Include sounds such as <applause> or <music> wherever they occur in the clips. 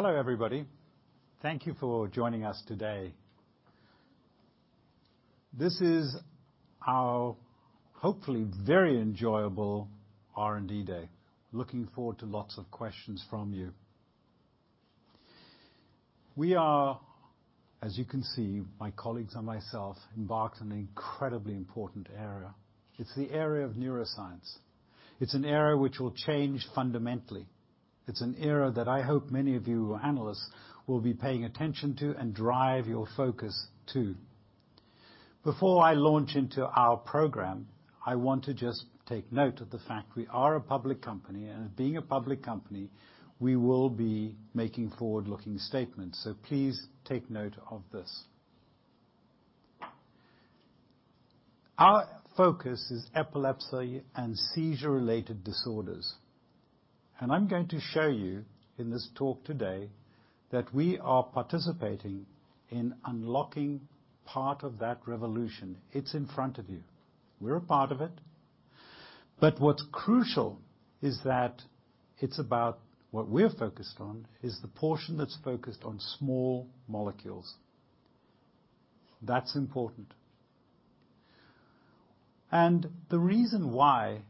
Hello, everybody. Thank you for joining us today. This is our, hopefully, very enjoyable R&D day. Looking forward to lots of questions from you. We are, as you can see, my colleagues and myself, embarked on an incredibly important area. It's the area of neuroscience. It's an area which will change fundamentally. It's an area that I hope many of you analysts will be paying attention to and drive your focus, too. Before I launch into our program, I want to just take note of the fact we are a public company, and being a public company, we will be making forward-looking statements, so please take note of this. Our focus is epilepsy and seizure-related disorders, and I'm going to show you in this talk today that we are participating in unlocking part of that revolution. It's in front of you. We're a part of it. What's crucial is that it's about what we're focused on, is the portion that's focused on small molecules. That's important. The reason why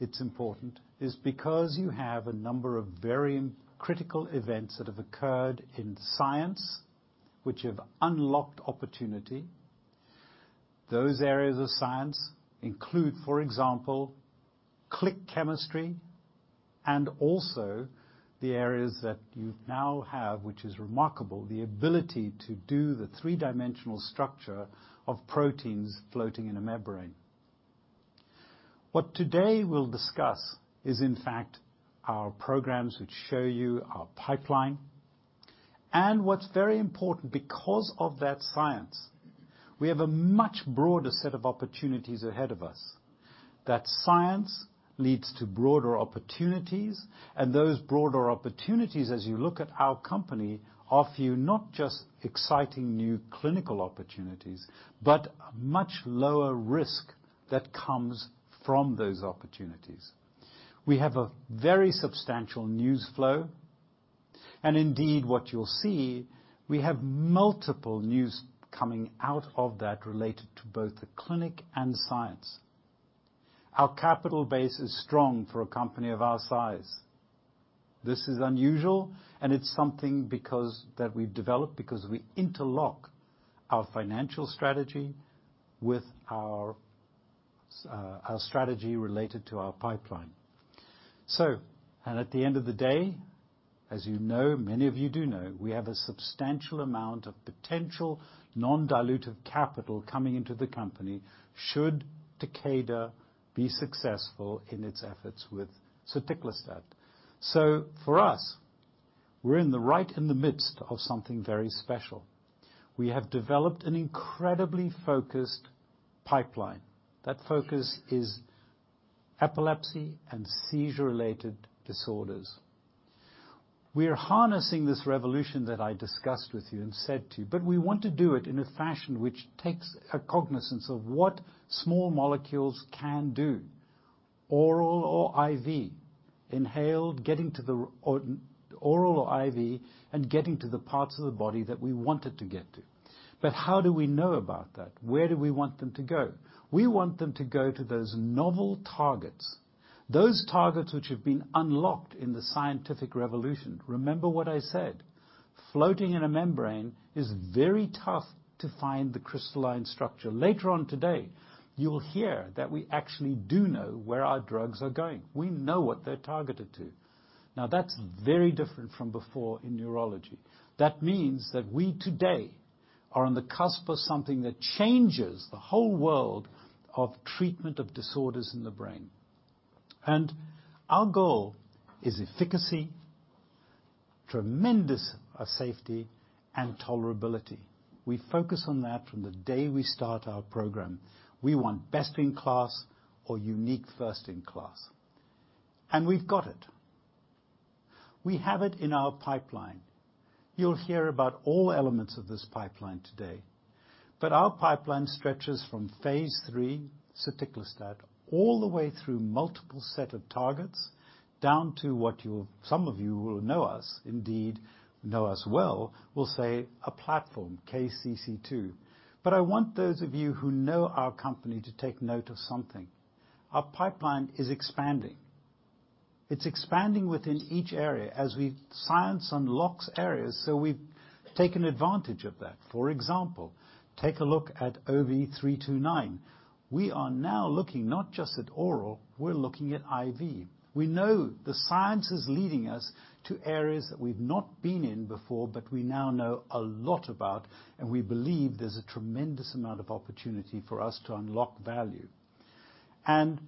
it's important is because you have a number of very critical events that have occurred in science, which have unlocked opportunity. Those areas of science include, for example, click chemistry, and also the areas that you now have, which is remarkable, the ability to do the three-dimensional structure of proteins floating in a membrane. What today we'll discuss is, in fact, our programs, which show you our pipeline. What's very important, because of that science, we have a much broader set of opportunities ahead of us. That science leads to broader opportunities, and those broader opportunities, as you look at our company, offer you not just exciting new clinical opportunities, but much lower risk that comes from those opportunities. We have a very substantial news flow, and indeed, what you'll see, we have multiple news coming out of that related to both the clinic and science. Our capital base is strong for a company of our size. This is unusual, and it's something because that we've developed because we interlock our financial strategy with our our strategy related to our pipeline. So and at the end of the day, as you know, many of you do know, we have a substantial amount of potential non-dilutive capital coming into the company, should Takeda be successful in its efforts with soticlestat. So for us, we're in the right, in the midst of something very special. We have developed an incredibly focused pipeline. That focus is epilepsy and seizure-related disorders. We are harnessing this revolution that I discussed with you and said to you, but we want to do it in a fashion which takes cognizance of what small molecules can do, oral or IV, inhaled, getting to the brain or oral or IV, and getting to the parts of the body that we want it to get to. But how do we know about that? Where do we want them to go? We want them to go to those novel targets, those targets which have been unlocked in the scientific revolution. Remember what I said, floating in a membrane is very tough to find the crystalline structure. Later on today, you'll hear that we actually do know where our drugs are going. We know what they're targeted to. Now, that's very different from before in neurology. That means that we, today, are on the cusp of something that changes the whole world of treatment of disorders in the brain. And our goal is efficacy, tremendous safety, and tolerability. We focus on that from the day we start our program. We want best-in-class or unique first-in-class. And we've got it. We have it in our pipeline. You'll hear about all elements of this pipeline today, but our pipeline stretches from Phase 3 soticlestat, all the way through multiple set of targets, down to what you'll, some of you will know us, indeed, know us well, will say a platform, KCC2. But I want those of you who know our company to take note of something. Our pipeline is expanding. It's expanding within each area as we science unlocks areas, so we've taken advantage of that. For example, take a look at OV329. We are now looking not just at oral, we're looking at IV. We know the science is leading us to areas that we've not been in before, but we now know a lot about, and we believe there's a tremendous amount of opportunity for us to unlock value. And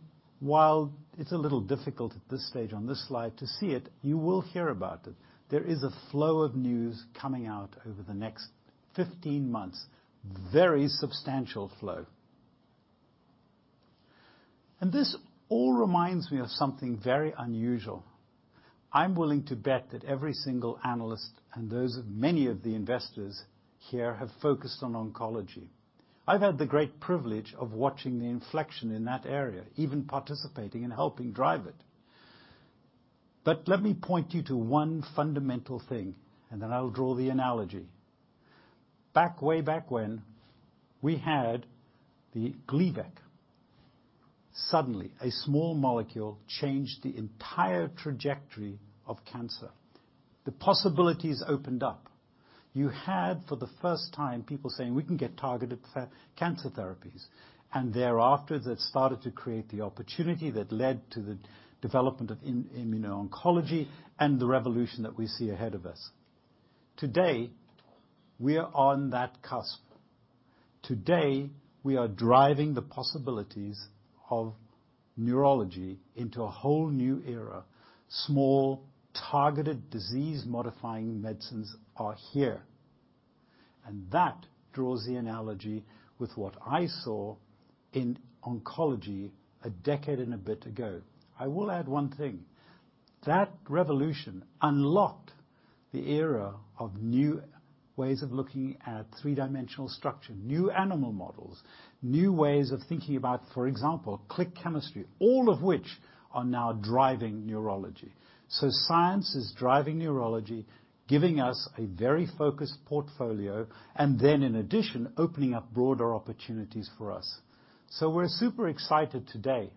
while it's a little difficult at this stage on this slide to see it, you will hear about it. There is a flow of news coming out over the next 15 months, very substantial flow. And this all reminds me of something very unusual. I'm willing to bet that every single analyst and those, many of the investors here have focused on oncology. I've had the great privilege of watching the inflection in that area, even participating and helping drive it. But let me point you to one fundamental thing, and then I'll draw the analogy. Back, way back when, we had the Gleevec. Suddenly, a small molecule changed the entire trajectory of cancer. The possibilities opened up. You had, for the first time, people saying, "We can get targeted cancer therapies." Thereafter, that started to create the opportunity that led to the development of immuno-oncology and the revolution that we see ahead of us. Today, we are on that cusp. Today, we are driving the possibilities of neurology into a whole new era. Small, targeted disease-modifying medicines are here, and that draws the analogy with what I saw in oncology a decade and a bit ago. I will add one thing, that revolution unlocked the era of new ways of looking at three-dimensional structure, new animal models, new ways of thinking about, for example, click chemistry, all of which are now driving neurology. So science is driving neurology, giving us a very focused portfolio, and then, in addition, opening up broader opportunities for us. So we're super excited today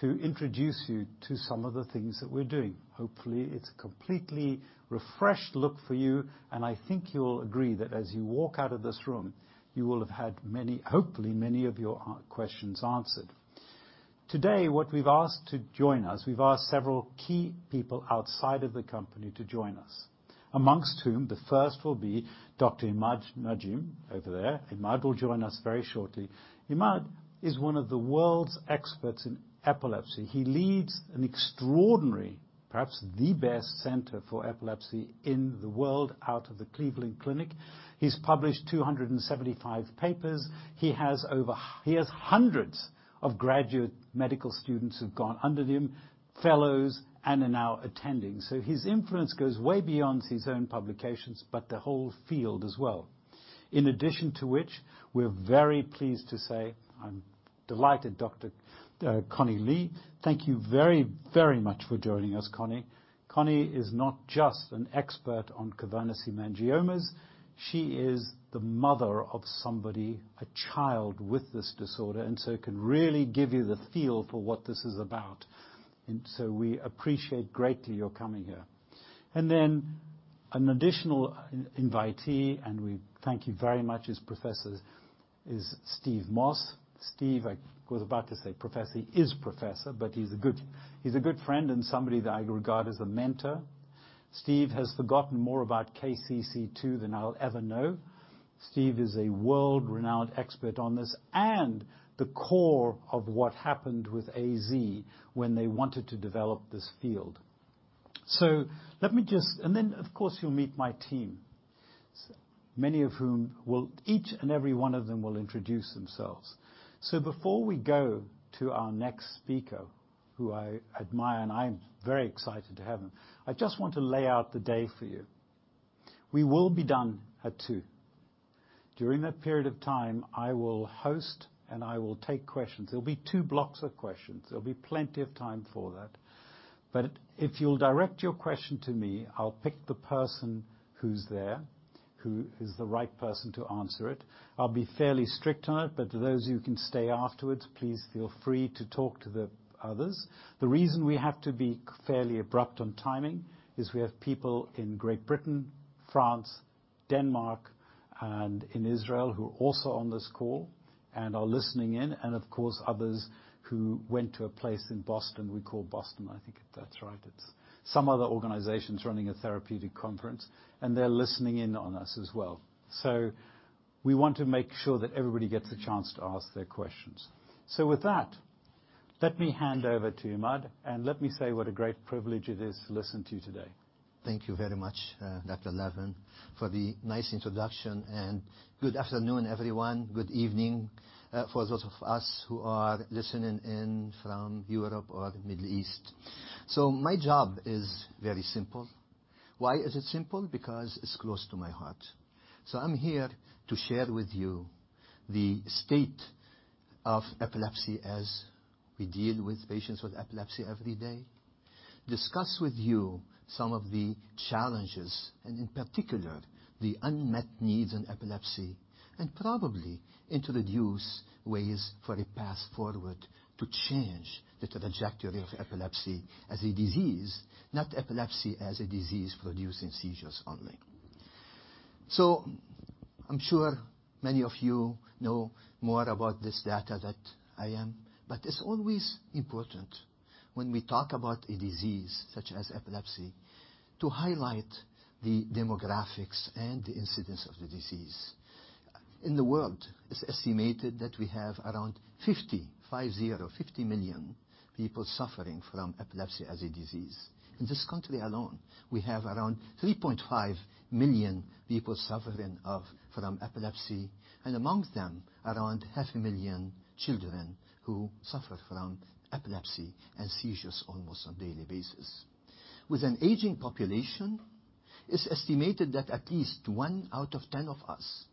to introduce you to some of the things that we're doing. Hopefully, it's a completely refreshed look for you, and I think you'll agree that as you walk out of this room, you will have had many, hopefully, many of your questions answered. Today, what we've asked to join us, we've asked several key people outside of the company to join us, amongst whom the first will be Dr. Imad Najm over there. Imad will join us very shortly. Imad is one of the world's experts in epilepsy. He leads an extraordinary, perhaps the best, center for epilepsy in the world out of the Cleveland Clinic. He's published 275 papers. He has hundreds of graduate medical students who've gone under him, fellows, and are now attending. So his influence goes way beyond his own publications, but the whole field as well. In addition to which, we're very pleased to say. I'm delighted, Dr. Connie Lee, thank you very, very much for joining us, Connie. Connie is not just an expert on cavernous angiomas, she is the mother of somebody, a child, with this disorder, and so can really give you the feel for what this is about. And so we appreciate greatly your coming here. And then an additional invitee, and we thank you very much, is Professor Steve Moss. Steve, I was about to say professor. He is professor, but he's a good friend and somebody that I regard as a mentor. Steve has forgotten more about KCC2 than I'll ever know. Steve is a world-renowned expert on this and the core of what happened with AZ when they wanted to develop this field. So let me just and then, of course, you'll meet my team, many of whom will. Each and every one of them will introduce themselves. So before we go to our next speaker, who I admire, and I'm very excited to have him, I just want to lay out the day for you. We will be done at 2:00 P.M. During that period of time, I will host, and I will take questions. There'll be two blocks of questions. There'll be plenty of time for that. But if you'll direct your question to me, I'll pick the person who's there, who is the right person to answer it. I'll be fairly strict on it, but those who can stay afterwards, please feel free to talk to the others. The reason we have to be fairly abrupt on timing is we have people in Great Britain, France, Denmark, and in Israel who are also on this call and are listening in, and of course, others who went to a place in Boston. We call Boston, I think that's right. It's some other organization's running a therapeutic conference, and they're listening in on us as well. So we want to make sure that everybody gets a chance to ask their questions. So with that, let me hand over to Imad, and let me say what a great privilege it is to listen to you today. Thank you very much, Dr. Levin, for the nice introduction, and good afternoon, everyone. Good evening, for those of us who are listening in from Europe or the Middle East. So my job is very simple. Why is it simple? Because it's close to my heart. So I'm here to share with you the state of epilepsy as we deal with patients with epilepsy every day, discuss with you some of the challenges, and in particular, the unmet needs in epilepsy, and probably introduce ways for a path forward to change the trajectory of epilepsy as a disease, not epilepsy as a disease producing seizures only. So I'm sure many of you know more about this data than I am, but it's always important when we talk about a disease such as epilepsy, to highlight the demographics and the incidence of the disease. In the world, it's estimated that we have around 50 million people suffering from epilepsy as a disease. In this country alone, we have around 3.5 million people suffering from epilepsy, and amongst them, around half a million children who suffer from epilepsy and seizures almost on daily basis. With an aging population, it's estimated that at least one out of ten of us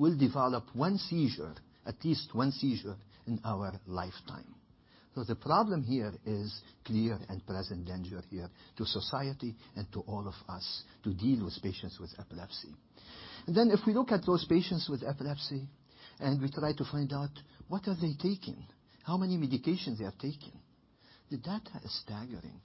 will develop one seizure, at least one seizure in our lifetime. So the problem here is clear and present danger here to society and to all of us to deal with patients with epilepsy. And then, if we look at those patients with epilepsy, and we try to find out what are they taking, how many medications they are taking? The data is staggering.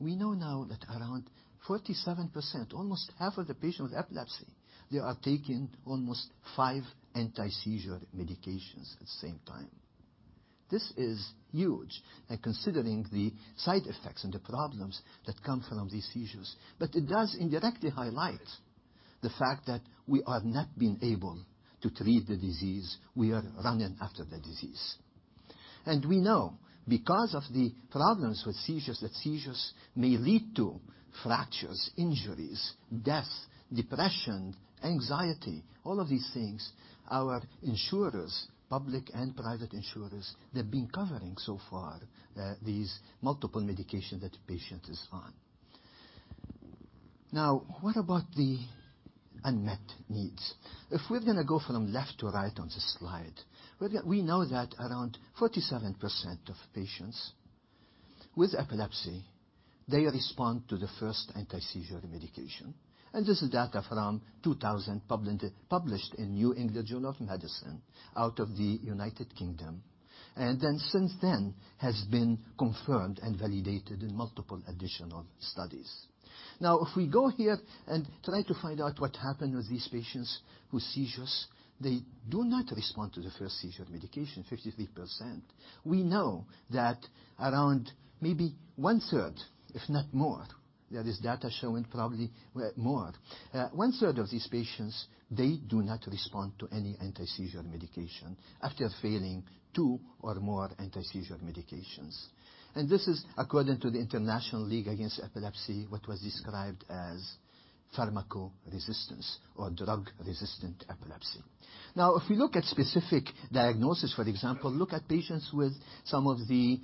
We know now that around 47%, almost half of the patients with epilepsy, they are taking almost five anti-seizure medications at the same time. This is huge and considering the side effects and the problems that come from these seizures, but it does indirectly highlight the fact that we are not being able to treat the disease. We are running after the disease. And we know because of the problems with seizures, that seizures may lead to fractures, injuries, death, depression, anxiety, all of these things. Our insurers, public and private insurers, they've been covering so far these multiple medications that the patient is on. Now, what about the unmet needs? If we're gonna go from left to right on this slide, we know that around 47% of patients with epilepsy, they respond to the first anti-seizure medication, and this is data from 2000 published in New England Journal of Medicine out of the United Kingdom, and then since then has been confirmed and validated in multiple additional studies. Now, if we go here and try to find out what happened with these patients with seizures, they do not respond to the first seizure medication, 53%. We know that around maybe one-third, if not more, there is data showing probably more. One-third of these patients, they do not respond to any anti-seizure medication after failing two or more anti-seizure medications. And this is according to the International League Against Epilepsy, what was described as pharmacoresistance or drug-resistant epilepsy. Now, if we look at specific diagnosis, for example, look at patients with some of the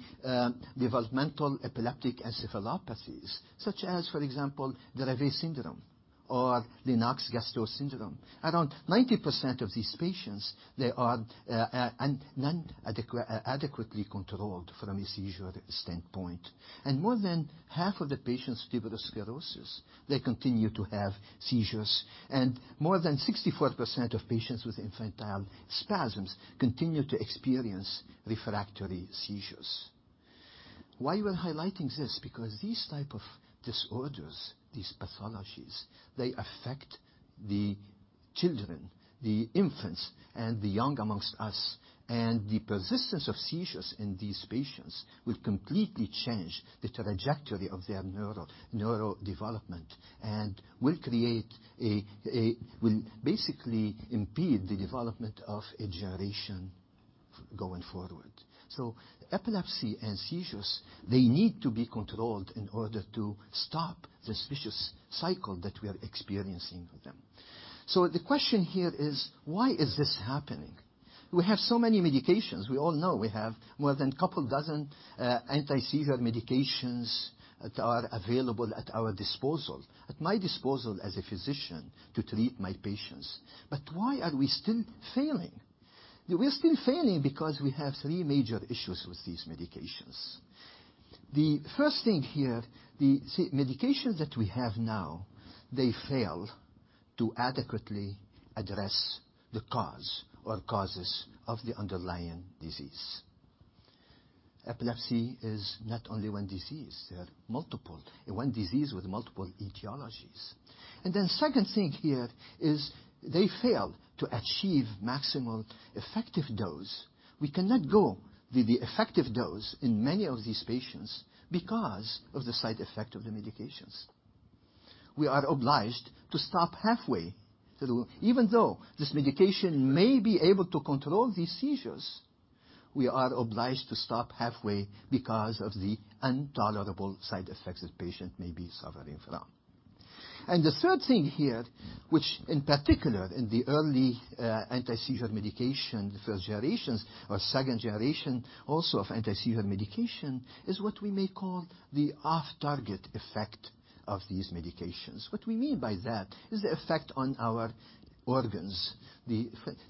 developmental epileptic encephalopathies, such as, for example, Dravet syndrome or Lennox-Gastaut syndrome. Around 90% of these patients, they are not adequately controlled from a seizure standpoint. More than half of the patients with tuberous sclerosis, they continue to have seizures, and more than 64% of patients with infantile spasms continue to experience refractory seizures. Why we are highlighting this? Because these type of disorders, these pathologies, they affect the children, the infants, and the young amongst us, and the persistence of seizures in these patients will completely change the trajectory of their neural development, and will basically impede the development of a generation going forward. So epilepsy and seizures, they need to be controlled in order to stop this vicious cycle that we are experiencing with them. So the question here is, why is this happening? We have so many medications. We all know we have more than a couple dozen anti-seizure medications that are available at our disposal, at my disposal as a physician to treat my patients. But why are we still failing? We're still failing because we have three major issues with these medications. The first thing here, the medications that we have now, they fail to adequately address the cause or causes of the underlying disease. Epilepsy is not only one disease, there are multiple, one disease with multiple etiologies. And then second thing here is they fail to achieve maximal effective dose. We cannot go with the effective dose in many of these patients because of the side effect of the medications. We are obliged to stop halfway through. Even though this medication may be able to control these seizures, we are obliged to stop halfway because of the intolerable side effects the patient may be suffering from. And the third thing here, which in particular in the early anti-seizure medication, first generations or second generation, also of anti-seizure medication, is what we may call the off-target effect of these medications. What we mean by that is the effect on our organs,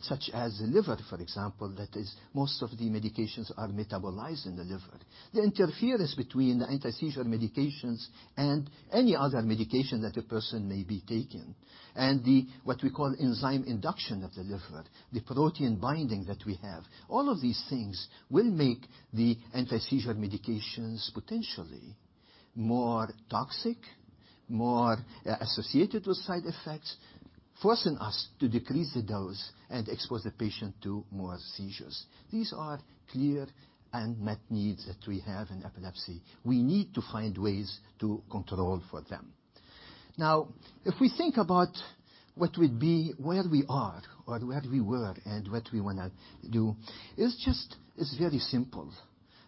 such as the liver, for example, that is most of the medications are metabolized in the liver. The interference between the anti-seizure medications and any other medication that a person may be taking, and the, what we call enzyme induction of the liver, the protein binding that we have. All of these things will make the anti-seizure medications potentially more toxic, more associated with side effects, forcing us to decrease the dose and expose the patient to more seizures. These are clear unmet needs that we have in epilepsy. We need to find ways to control for them. Now, if we think about what would be where we are or where we were and what we wanna do, it's just, it's very simple.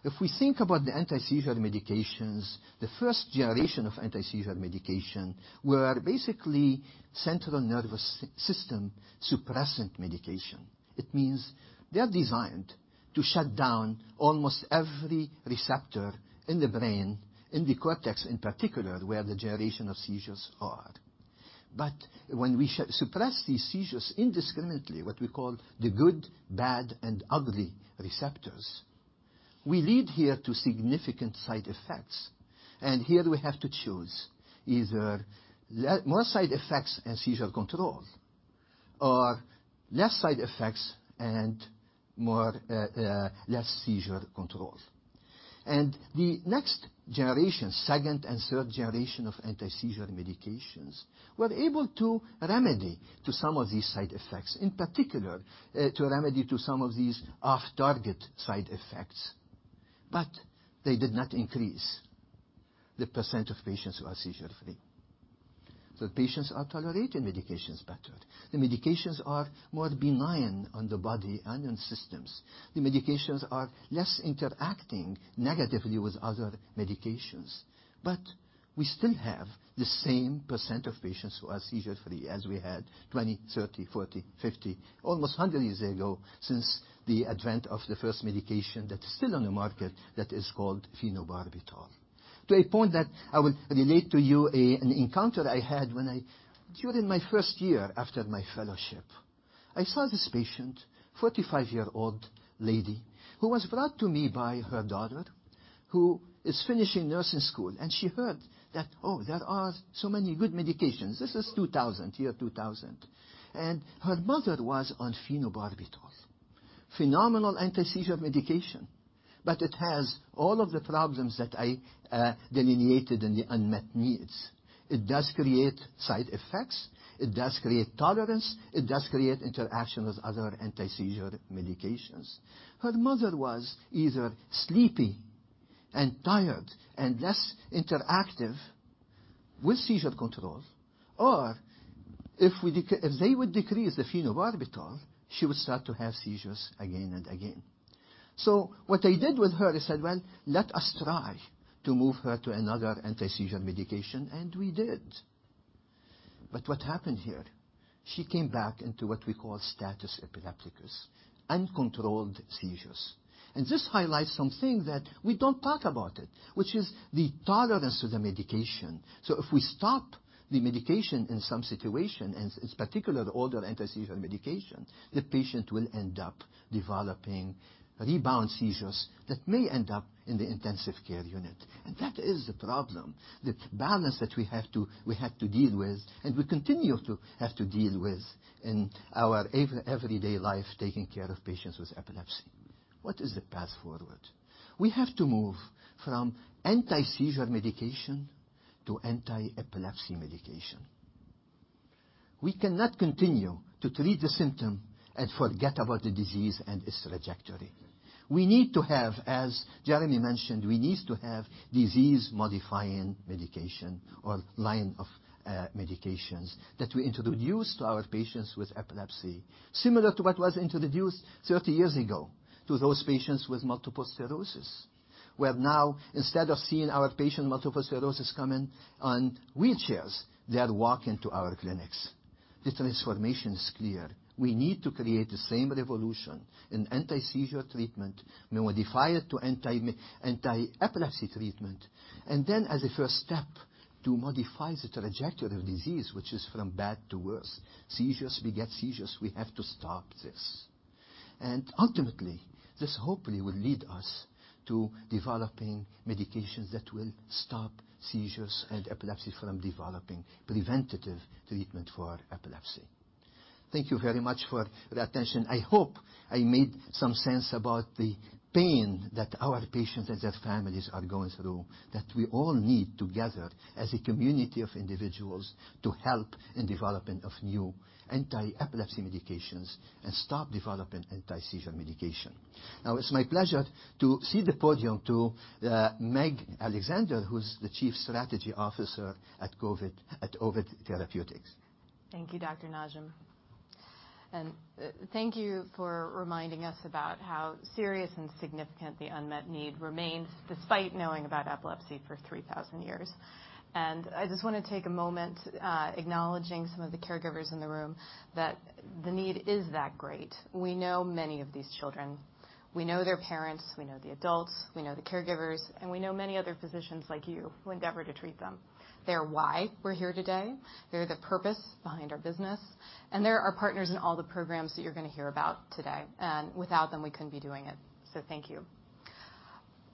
If we think about the anti-seizure medications, the first generation of anti-seizure medication were basically central nervous system suppressant medication. It means they are designed to shut down almost every receptor in the brain, in the cortex, in particular, where the generation of seizures are. But when we suppress these seizures indiscriminately, what we call the good, bad, and ugly receptors, we lead here to significant side effects. And here we have to choose either more side effects and seizure control or less side effects and more, less seizure control. And the next generation, second and third generation of anti-seizure medications, were able to remedy to some of these side effects, in particular, to remedy to some of these off-target side effects. But they did not increase the percent of patients who are seizure-free. So patients are tolerating medications better. The medications are more benign on the body and on systems. The medications are less interacting negatively with other medications. But we still have the same % of patients who are seizure-free as we had 20, 30, 40, 50, almost 100 years ago since the advent of the first medication that is still on the market, that is called phenobarbital. To a point that I will relate to you an encounter I had when during my first year after my fellowship, I saw this patient, 45-year-old lady, who was brought to me by her daughter, who is finishing nursing school, and she heard that, "Oh, there are so many good medications." This is 2000, year 2000. And her mother was on phenobarbital. Phenomenal anti-seizure medication, but it has all of the problems that I delineated in the unmet needs. It does create side effects, it does create tolerance, it does create interaction with other anti-seizure medications. Her mother was either sleepy and tired and less interactive with seizure control, or if they would decrease the phenobarbital, she would start to have seizures again and again. So what I did with her, I said, "Well, let us try to move her to another anti-seizure medication." And we did. But what happened here? She came back into what we call status epilepticus, uncontrolled seizures. And this highlights something that we don't talk about it, which is the tolerance to the medication. So if we stop the medication in some situation, and in particular, the older anti-seizure medication, the patient will end up developing rebound seizures that may end up in the intensive care unit. That is the problem, the balance that we have to, we had to deal with, and we continue to have to deal with in our everyday life, taking care of patients with epilepsy. What is the path forward? We have to move from anti-seizure medication to anti-epilepsy medication. We cannot continue to treat the symptom and forget about the disease and its trajectory. We need to have, as Jeremy mentioned, we need to have disease-modifying medication or line of medications that we introduce to our patients with epilepsy, similar to what was introduced 30 years ago to those patients with multiple sclerosis, where now, instead of seeing our patient, multiple sclerosis, come in on wheelchairs, they are walking to our clinics. The transformation is clear. We need to create the same revolution in anti-seizure treatment, modify it to anti-epilepsy treatment, and then, as a first step, to modify the trajectory of disease, which is from bad to worse. Seizures beget seizures. We have to stop this. And ultimately, this hopefully will lead us to developing medications that will stop seizures and epilepsy from developing preventative treatment for epilepsy. Thank you very much for your attention. I hope I made some sense about the pain that our patients and their families are going through, that we all need together as a community of individuals to help in development of new anti-epilepsy medications and stop developing anti-seizure medication. Now, it's my pleasure to cede the podium to Meg Alexander, who's the Chief Strategy Officer at Ovid, at Ovid Therapeutics. Thank you, Dr. Najm. And, thank you for reminding us about how serious and significant the unmet need remains despite knowing about epilepsy for 3,000 years. And I just want to take a moment, acknowledging some of the caregivers in the room that the need is that great. We know many of these children. We know their parents, we know the adults, we know the caregivers, and we know many other physicians like you who endeavor to treat them. They are why we're here today. They're the purpose behind our business, and they're our partners in all the programs that you're going to hear about today. And without them, we couldn't be doing it. So thank you.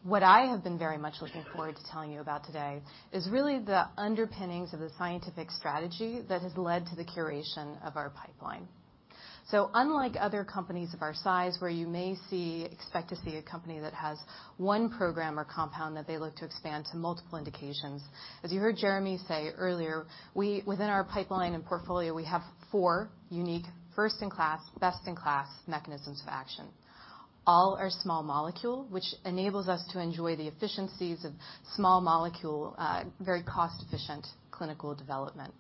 What I have been very much looking forward to telling you about today is really the underpinnings of the scientific strategy that has led to the curation of our pipeline. So unlike other companies of our size, where you may see, expect to see a company that has one program or compound that they look to expand to multiple indications, as you heard Jeremy say earlier, we, within our pipeline and portfolio, we have four unique first-in-class, best-in-class mechanisms of action. All are small molecule, which enables us to enjoy the efficiencies of small molecule, very cost-efficient clinical development.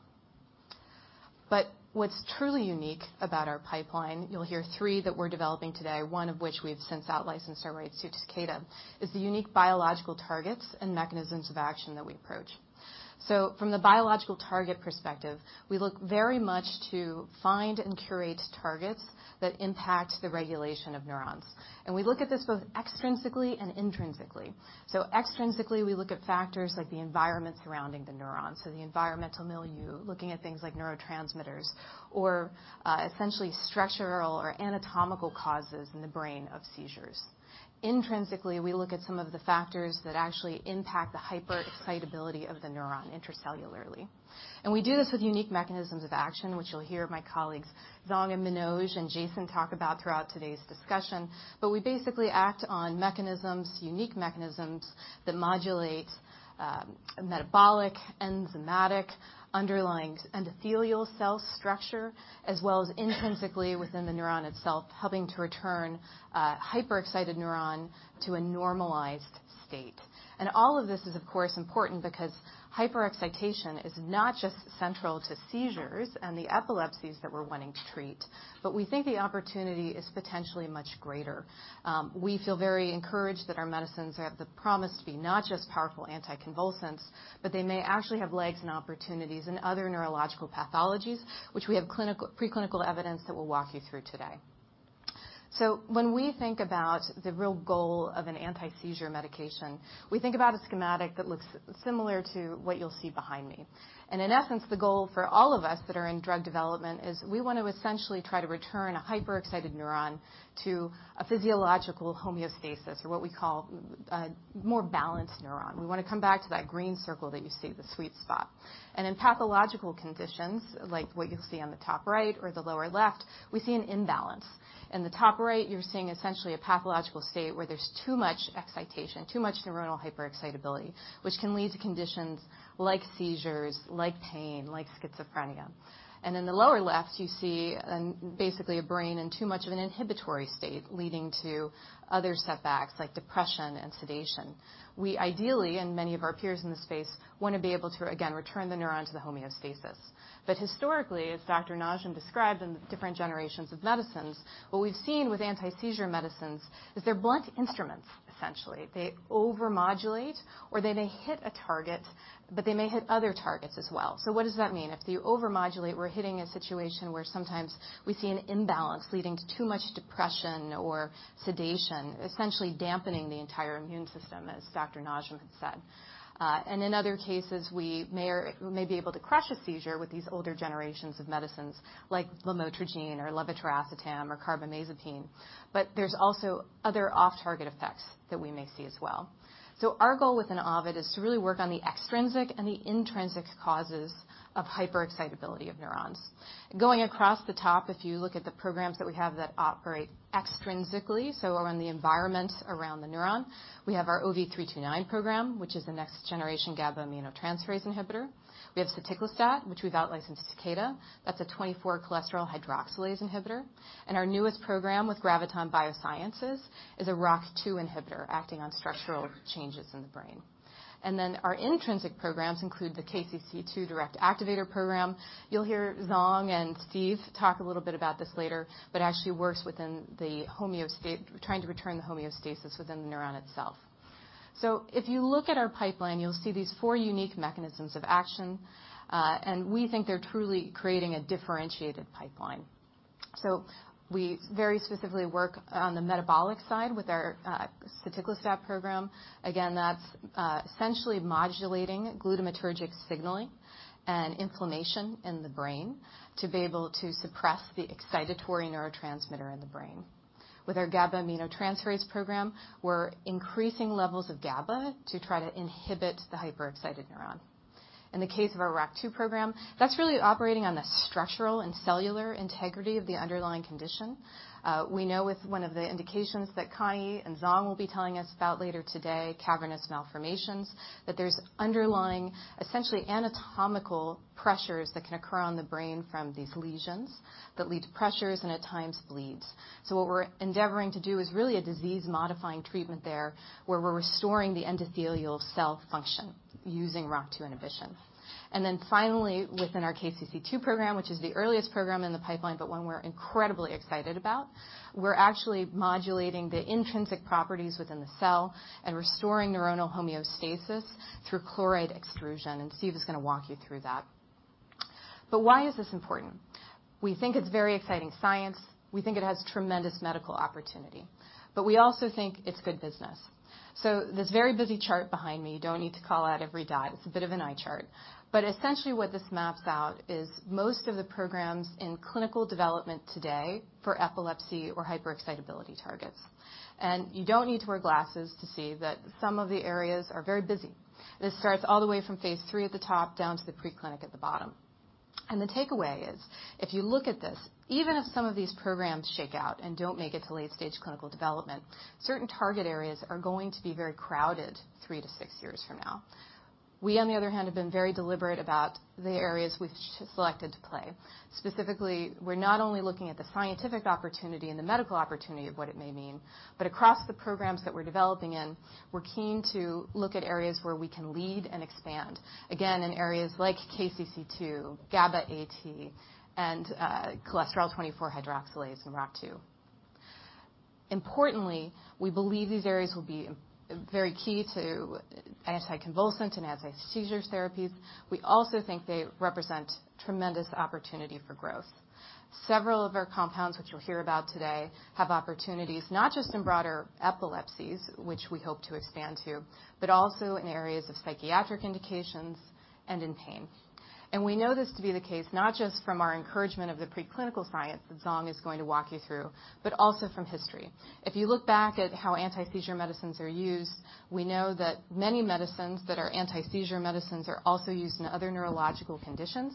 But what's truly unique about our pipeline, you'll hear three that we're developing today, one of which we've since out licensed our right to Takeda, is the unique biological targets and mechanisms of action that we approach. So from the biological target perspective, we look very much to find and curate targets that impact the regulation of neurons. And we look at this both extrinsically and intrinsically. So extrinsically, we look at factors like the environment surrounding the neuron, so the environmental milieu, looking at things like neurotransmitters or, essentially structural or anatomical causes in the brain of seizures. Intrinsically, we look at some of the factors that actually impact the hyperexcitability of the neuron intracellularly. We do this with unique mechanisms of action, which you'll hear my colleagues, Zhong and Manoj, and Jason talk about throughout today's discussion. We basically act on mechanisms, unique mechanisms, that modulate, metabolic, enzymatic, underlying endothelial cell structure, as well as intrinsically within the neuron itself, helping to return a hyperexcited neuron to a normalized state. All of this is, of course, important because hyperexcitation is not just central to seizures and the epilepsies that we're wanting to treat, but we think the opportunity is potentially much greater. We feel very encouraged that our medicines have the promise to be not just powerful anticonvulsants, but they may actually have legs and opportunities in other neurological pathologies, which we have clinical-preclinical evidence that we'll walk you through today. So when we think about the real goal of an anti-seizure medication, we think about a schematic that looks similar to what you'll see behind me. And in essence, the goal for all of us that are in drug development is we want to essentially try to return a hyperexcited neuron to a physiological homeostasis, or what we call a more balanced neuron. We want to come back to that green circle that you see, the sweet spot. And in pathological conditions, like what you'll see on the top right or the lower left, we see an imbalance. In the top right, you're seeing essentially a pathological state where there's too much excitation, too much neuronal hyperexcitability, which can lead to conditions like seizures, like pain, like schizophrenia. And in the lower left, you see basically a brain in too much of an inhibitory state, leading to other setbacks like depression and sedation. We ideally, and many of our peers in this space, want to be able to, again, return the neuron to the homeostasis. But historically, as Dr. Najm described in the different generations of medicines, what we've seen with anti-seizure medicines is they're blunt instruments, essentially. They over-modulate, or they may hit a target, but they may hit other targets as well. So what does that mean? If you over-modulate, we're hitting a situation where sometimes we see an imbalance leading to too much depression or sedation, essentially dampening the entire immune system, as Dr. Najm said. And in other cases, we may be able to crush a seizure with these older generations of medicines like lamotrigine or levetiracetam or carbamazepine, but there's also other off-target effects that we may see as well. So our goal within Ovid is to really work on the extrinsic and the intrinsic causes of hyperexcitability of neurons. Going across the top, if you look at the programs that we have that operate extrinsically, so around the environment, around the neuron, we have our OV329 program, which is the next generation GABA aminotransferase inhibitor. We have soticlestat, which we've outlicensed to Takeda. That's a 24 cholesterol hydroxylase inhibitor. And our newest program with Graviton Bioscience is a ROCK2 inhibitor, acting on structural changes in the brain. And then our intrinsic programs include the KCC2 direct activator program. You'll hear Zhong and Steve talk a little bit about this later, but actually works within the homeostasis, trying to return the homeostasis within the neuron itself. So if you look at our pipeline, you'll see these four unique mechanisms of action, and we think they're truly creating a differentiated pipeline. So we very specifically work on the metabolic side with our soticlestat program. Again, that's essentially modulating glutamatergic signaling and inflammation in the brain to be able to suppress the excitatory neurotransmitter in the brain. With our GABA aminotransferase program, we're increasing levels of GABA to try to inhibit the hyperexcited neuron. In the case of our ROCK2 program, that's really operating on the structural and cellular integrity of the underlying condition. We know with one of the indications that Connie and Zhong will be telling us about later today, cavernous malformations, that there's underlying, essentially anatomical pressures that can occur on the brain from these lesions that lead to pressures and at times bleeds. So what we're endeavoring to do is really a disease-modifying treatment there, where we're restoring the endothelial cell function using ROCK2 inhibition. And then finally, within our KCC2 program, which is the earliest program in the pipeline, but one we're incredibly excited about, we're actually modulating the intrinsic properties within the cell and restoring neuronal homeostasis through chloride extrusion, and Steve is going to walk you through that. But why is this important? We think it's very exciting science. We think it has tremendous medical opportunity, but we also think it's good business. So this very busy chart behind me, you don't need to call out every dot. It's a bit of an eye chart. But essentially, what this maps out is most of the programs in clinical development today for epilepsy or hyperexcitability targets. And you don't need to wear glasses to see that some of the areas are very busy. This starts all the way from Phase 3 at the top down to the preclinical at the bottom. And the takeaway is, if you look at this, even if some of these programs shake out and don't make it to late-stage clinical development, certain target areas are going to be very crowded three to six years from now. We, on the other hand, have been very deliberate about the areas we've selected to play. Specifically, we're not only looking at the scientific opportunity and the medical opportunity of what it may mean, but across the programs that we're developing in, we're keen to look at areas where we can lead and expand, again, in areas like KCC2, GABA-AT, and cholesterol 24-hydroxylase and ROCK2. Importantly, we believe these areas will be very key to anticonvulsant and anti-seizure therapies. We also think they represent tremendous opportunity for growth. Several of our compounds, which you'll hear about today, have opportunities, not just in broader epilepsies, which we hope to expand to, but also in areas of psychiatric indications and in pain. And we know this to be the case, not just from our encouragement of the preclinical science that Zhong is going to walk you through, but also from history. If you look back at how anti-seizure medicines are used, we know that many medicines that are anti-seizure medicines are also used in other neurological conditions,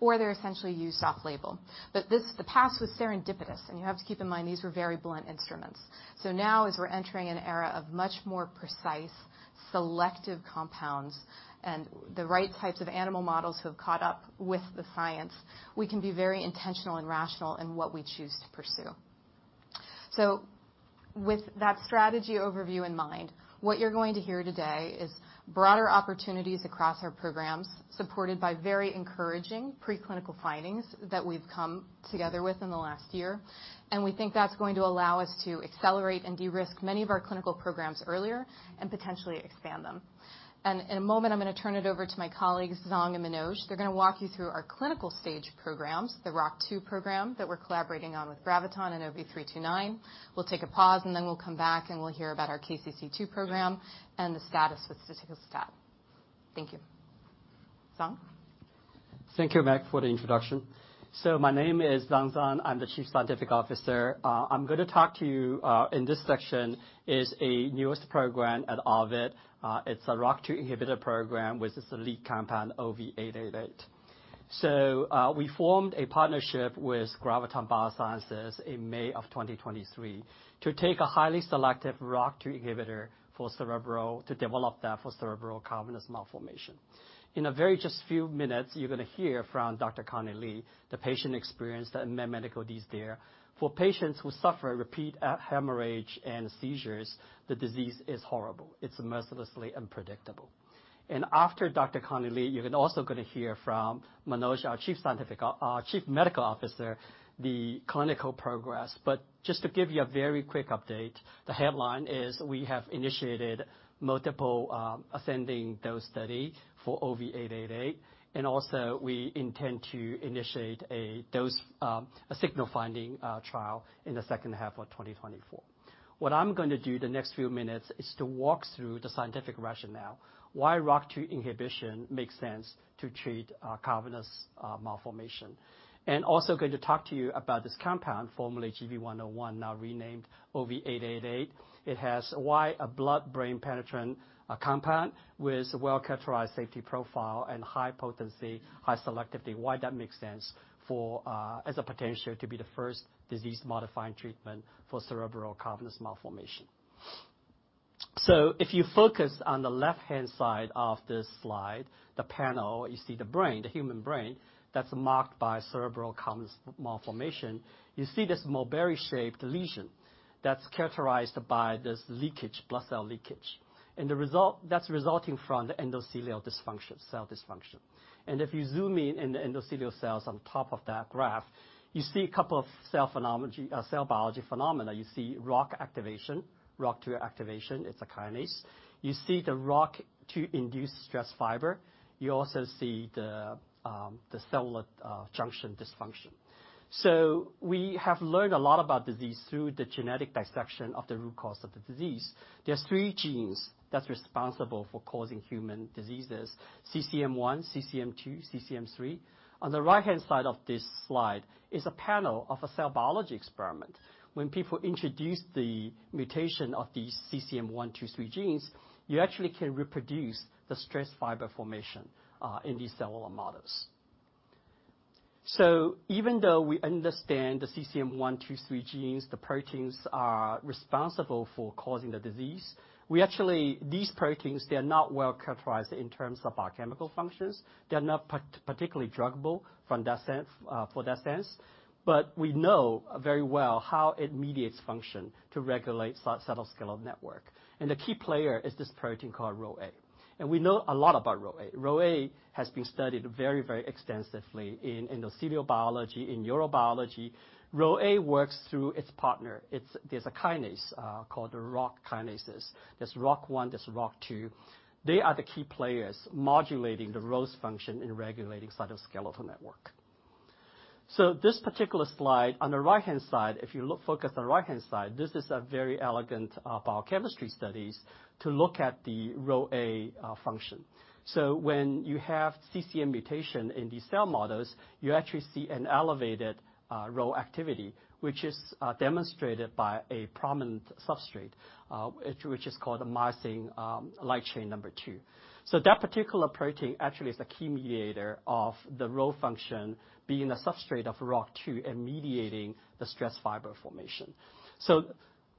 or they're essentially used off-label. But the past was serendipitous, and you have to keep in mind, these were very blunt instruments. So now, as we're entering an era of much more precise, selective compounds, and the right types of animal models who have caught up with the science, we can be very intentional and rational in what we choose to pursue. So with that strategy overview in mind, what you're going to hear today is broader opportunities across our programs, supported by very encouraging preclinical findings that we've come together with in the last year. And we think that's going to allow us to accelerate and de-risk many of our clinical programs earlier and potentially expand them. In a moment, I'm going to turn it over to my colleagues, Zhong and Manoj. They're going to walk you through our clinical stage programs, the ROCK2 program that we're collaborating on with Graviton and OV329. We'll take a pause, and then we'll come back, and we'll hear about our KCC2 program and the status with soticlestat. Thank you. Zhong? Thank you, Meg, for the introduction. So my name is Zhong Zhong. I'm the Chief Scientific Officer. I'm going to talk to you in this section is a newest program at Ovid. It's a ROCK2 inhibitor program with its lead compound, OV888. So we formed a partnership with Graviton Bioscience in May of 2023 to take a highly selective ROCK2 inhibitor for cerebral, to develop that for cerebral cavernous malformation. In a very just few minutes, you're going to hear from Dr. Connie Lee, the patient experience, the medical disease there. For patients who suffer a repeat hemorrhage and seizures, the disease is horrible. It's mercilessly unpredictable. And after Dr. Connie Lee, you're then also going to hear from Manoj, our chief scientific, our Chief Medical Officer, the clinical progress. But just to give you a very quick update, the headline is we have initiated multiple ascending dose study for OV888, and also we intend to initiate a dose a signal finding trial in the second half of 2024. What I'm going to do the next few minutes is to walk through the scientific rationale, why ROCK2 inhibition makes sense to treat cavernous malformation. And also going to talk to you about this compound, formerly GV101, now renamed OV888. It has why a blood-brain penetrant compound with a well-characterized safety profile and high potency, high selectivity, why that makes sense for as a potential to be the first disease-modifying treatment for cerebral cavernous malformation. So if you focus on the left-hand side of this slide, the panel, you see the brain, the human brain, that's marked by cerebral cavernous malformation. You see this mulberry-shaped lesion that's characterized by this leakage, blood cell leakage, and the result, that's resulting from the endothelial dysfunction, cell dysfunction. And if you zoom in, in the endothelial cells on top of that graph, you see a couple of cell biology phenomena. You see ROCK activation, ROCK2 activation. It's a kinase. You see the ROCK2-induced stress fiber. You also see the cell junction dysfunction. So we have learned a lot about disease through the genetic dissection of the root cause of the disease. There are three genes that's responsible for causing human diseases, CCM1, CCM2, CCM3. On the right-hand side of this slide is a panel of a cell biology experiment. When people introduce the mutation of these CCM1, CCM2, CCM3 genes, you actually can reproduce the stress fiber formation in these cellular models. So even though we understand the genes, the proteins are responsible for causing the disease, we actually, these proteins, they are not well characterized in terms of our chemical functions. They are not part, particularly druggable from that sense, for that sense, but we know very well how it mediates function to regulate cytoskeletal network. And the key player is this protein called RhoA, and we know a lot about RhoA. RhoA has been studied very, very extensively in endothelial biology, in neurobiology. RhoA works through its partner. It's, there's a kinase called the ROCK kinases. There's ROCK1, there's ROCK2. They are the key players modulating the Rho's function in regulating cytoskeletal network. So this particular slide, on the right-hand side, if you look focus on the right-hand side, this is a very elegant biochemistry studies to look at the RhoA function. So when you have CCM mutation in these cell models, you actually see an elevated Rho activity, which is demonstrated by a prominent substrate, which is called the myosin light chain 2. So that particular protein actually is the key mediator of the Rho function, being a substrate of ROCK2 and mediating the stress fiber formation. So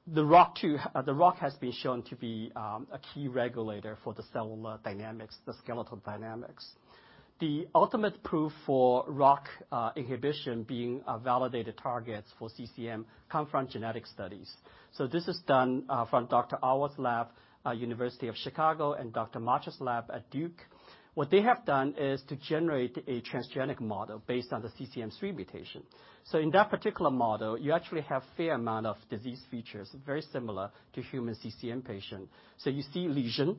the ROCK2, the ROCK has been shown to be a key regulator for the cellular dynamics, the skeletal dynamics. The ultimate proof for ROCK inhibition being a validated target for CCM come from genetic studies. So this is done from Dr. Awad's lab at University of Chicago and Dr. Marchuk's lab at Duke. What they have done is to generate a transgenic model based on the CCM3 mutation. So in that particular model, you actually have fair amount of disease features, very similar to human CCM patient. You see lesion,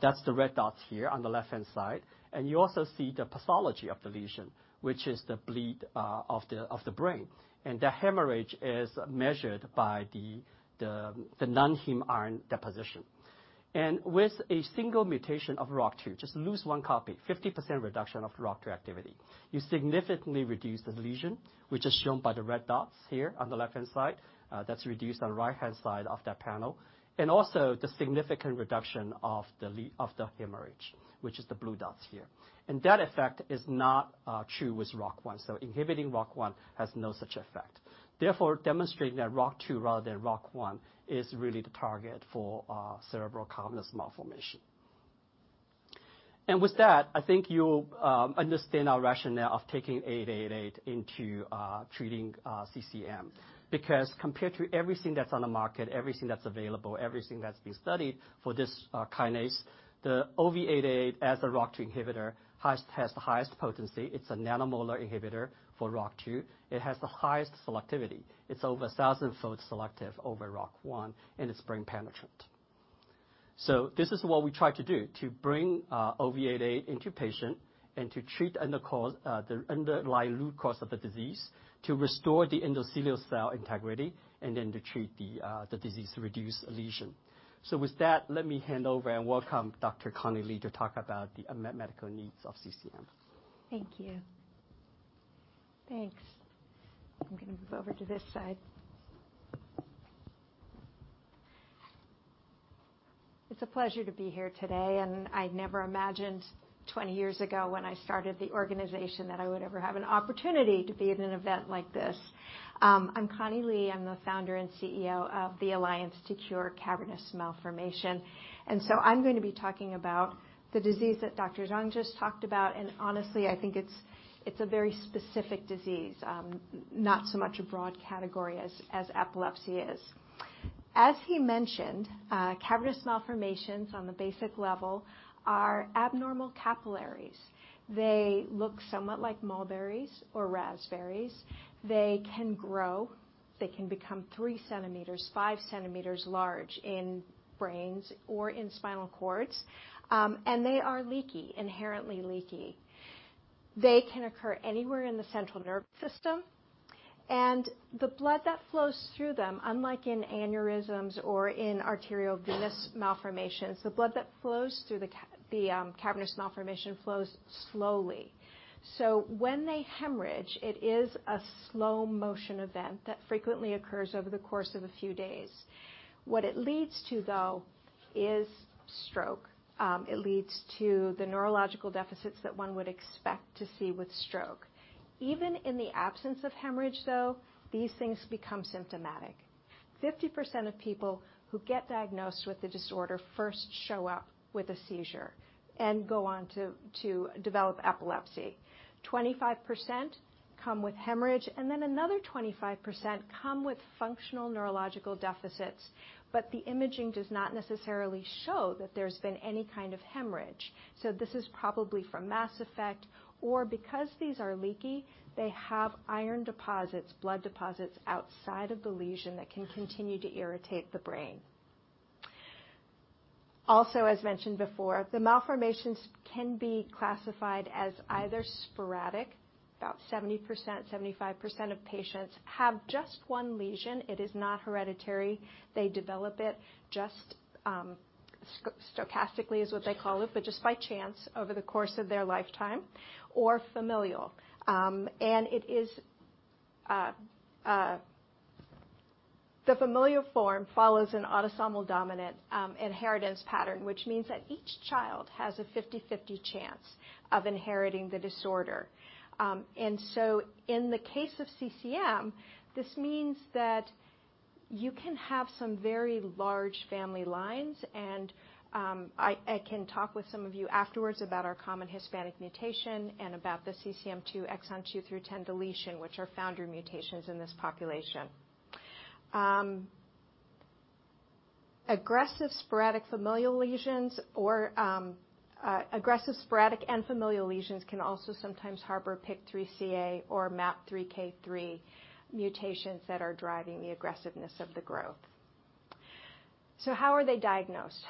that's the red dots here on the left-hand side, and you also see the pathology of the lesion, which is the bleed of the brain. The hemorrhage is measured by the non-heme iron deposition. With a single mutation of ROCK2, just lose one copy, 50% reduction of ROCK2 activity. You significantly reduce the lesion, which is shown by the red dots here on the left-hand side, that's reduced on the right-hand side of that panel, and also the significant reduction of the hemorrhage, which is the blue dots here. That effect is not true with ROCK1, so inhibiting ROCK1 has no such effect. Therefore, demonstrating that ROCK2 rather than ROCK1 is really the target for cerebral cavernous malformation. And with that, I think you understand our rationale of taking OV888 into treating CCM. Because compared to everything that's on the market, everything that's available, everything that's been studied for this kinase, the OV888 as a ROCK2 inhibitor has the highest potency. It's a nanomolar inhibitor for ROCK2. It has the highest selectivity. It's over a thousandfold selective over ROCK1, and it's brain penetrant. So this is what we try to do, to bring OV888 into patient and to treat the underlying root cause of the disease, to restore the endothelial cell integrity, and then to treat the disease, to reduce a lesion. So with that, let me hand over and welcome Dr. Connie Lee to talk about the unmet medical needs of CCM. Thank you. Thanks. I'm gonna move over to this side. It's a pleasure to be here today, and I never imagined 20 years ago when I started the organization, that I would ever have an opportunity to be in an event like this. I'm Connie Lee. I'm the founder and CEO of The Alliance to Cure Cavernous Malformation. And so I'm going to be talking about the disease that Dr. Zhong just talked about, and honestly, I think it's, it's a very specific disease, not so much a broad category as, as epilepsy is. As he mentioned, cavernous malformations on the basic level are abnormal capillaries. They look somewhat like mulberries or raspberries. They can grow. They can become 3 cm, 5 cm large in brains or in spinal cords, and they are leaky, inherently leaky. They can occur anywhere in the central nervous system, and the blood that flows through them, unlike in aneurysms or in arteriovenous malformations, the blood that flows through the cavernous malformation flows slowly. So when they hemorrhage, it is a slow-motion event that frequently occurs over the course of a few days. What it leads to, though, is stroke. It leads to the neurological deficits that one would expect to see with stroke. Even in the absence of hemorrhage, though, these things become symptomatic. 50% of people who get diagnosed with the disorder first show up with a seizure and go on to develop epilepsy. 25% come with hemorrhage, and then another 25% come with functional neurological deficits, but the imaging does not necessarily show that there's been any kind of hemorrhage. So this is probably from mass effect, or because these are leaky, they have iron deposits, blood deposits outside of the lesion that can continue to irritate the brain. Also, as mentioned before, the malformations can be classified as either sporadic, about 70%, 75% of patients have just one lesion. It is not hereditary. They develop it just, stochastically, is what they call it, but just by chance over the course of their lifetime or familial. The familial form follows an autosomal dominant, inheritance pattern, which means that each child has a 50/50 chance of inheriting the disorder. In the case of CCM, this means that you can have some very large family lines, and I can talk with some of you afterwards about our common Hispanic mutation and about the CCM2 exon 2-10 deletion, which are founder mutations in this population. Aggressive sporadic and familial lesions can also sometimes harbor PIK3CA or MAP3K3 mutations that are driving the aggressiveness of the growth. So how are they diagnosed?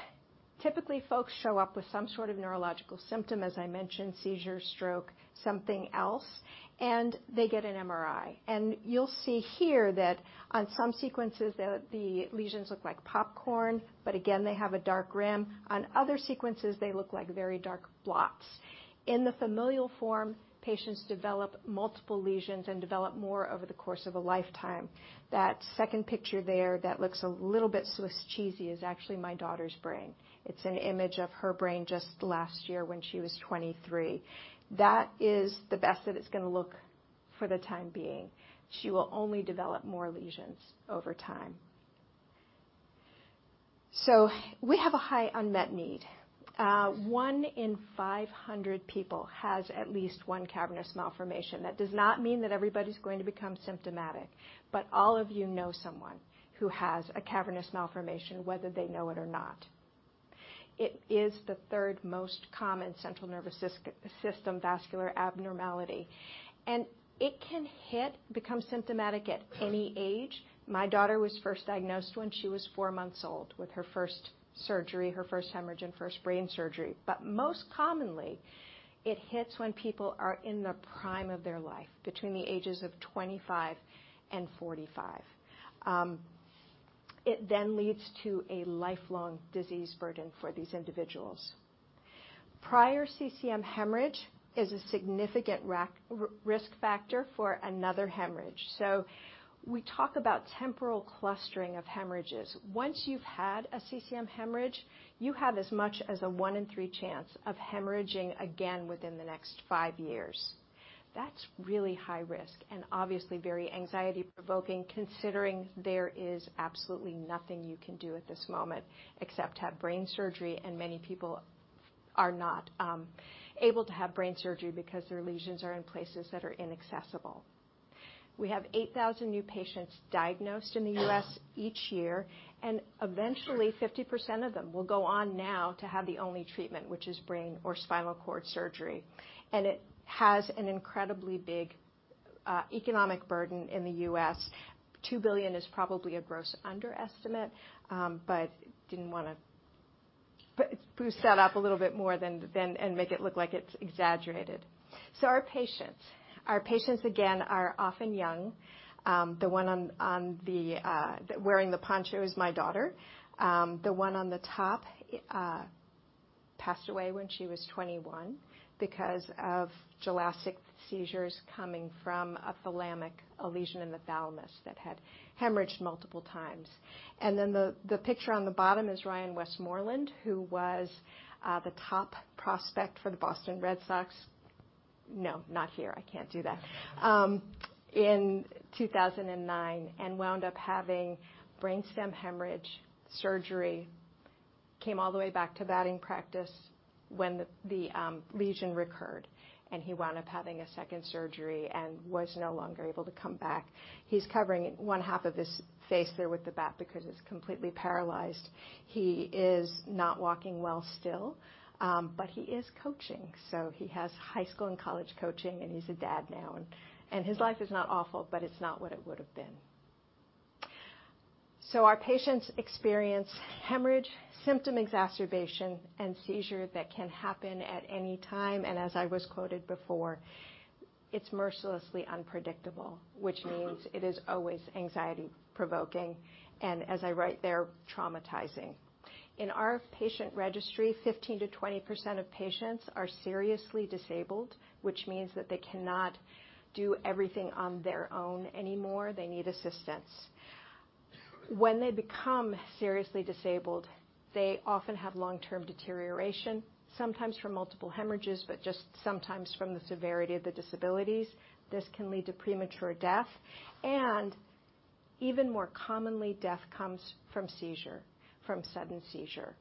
Typically, folks show up with some sort of neurological symptom, as I mentioned, seizure, stroke, something else, and they get an MRI. You'll see here that on some sequences, the lesions look like popcorn, but again, they have a dark rim. On other sequences, they look like very dark blots. In the familial form, patients develop multiple lesions and develop more over the course of a lifetime. That second picture there, that looks a little bit Swiss cheesy, is actually my daughter's brain. It's an image of her brain just last year when she was 23. That is the best that it's gonna look for the time being. She will only develop more lesions over time. So we have a high unmet need. One in 500 people has at least one cavernous malformation. That does not mean that everybody's going to become symptomatic, but all of you know someone who has a cavernous malformation, whether they know it or not. It is the third most common central nervous system vascular abnormality, and it can hit, become symptomatic at any age. My daughter was first diagnosed when she was four months old, with her first surgery, her first hemorrhage, and first brain surgery. But most commonly, it hits when people are in the prime of their life, between the ages of 25 and 45. It then leads to a lifelong disease burden for these individuals. Prior CCM hemorrhage is a significant risk factor for another hemorrhage. So we talk about temporal clustering of hemorrhages. Once you've had a CCM hemorrhage, you have as much as a one in three chance of hemorrhaging again within the next five years. That's really high risk and obviously very anxiety-provoking, considering there is absolutely nothing you can do at this moment except have brain surgery, and many people are not able to have brain surgery because their lesions are in places that are inaccessible. We have 8,000 new patients diagnosed in the U.S. each year, and eventually, 50% of them will go on now to have the only treatment, which is brain or spinal cord surgery. And it has an incredibly big economic burden in the U.S. $2 billion is probably a gross underestimate, but didn't wanna boost that up a little bit more than that. And make it look like it's exaggerated. So our patients. Our patients, again, are often young. The one wearing the poncho is my daughter. The one on the top passed away when she was 21 because of gelastic seizures coming from a thalamic lesion in the thalamus that had hemorrhaged multiple times. And then, the picture on the bottom is Ryan Westmoreland, who was the top prospect for the Boston Red Sox. No, not here. I can't do that. In 2009, and wound up having brainstem hemorrhage surgery, came all the way back to batting practice when the lesion recurred, and he wound up having a second surgery and was no longer able to come back. He's covering one half of his face there with the bat because it's completely paralyzed. He is not walking well still, but he is coaching, so he has high school and college coaching, and he's a dad now, and his life is not awful, but it's not what it would have been. So our patients experience hemorrhage, symptom exacerbation, and seizure that can happen at any time, and as I was quoted before, it's mercilessly unpredictable, which means it is always anxiety-provoking, and as I write there, traumatizing. In our patient registry, 15%-20% of patients are seriously disabled, which means that they cannot do everything on their own anymore. They need assistance. When they become seriously disabled, they often have long-term deterioration, sometimes from multiple hemorrhages, but just sometimes from the severity of the disabilities. This can lead to premature death, and even more commonly, death comes from seizure, from sudden seizure.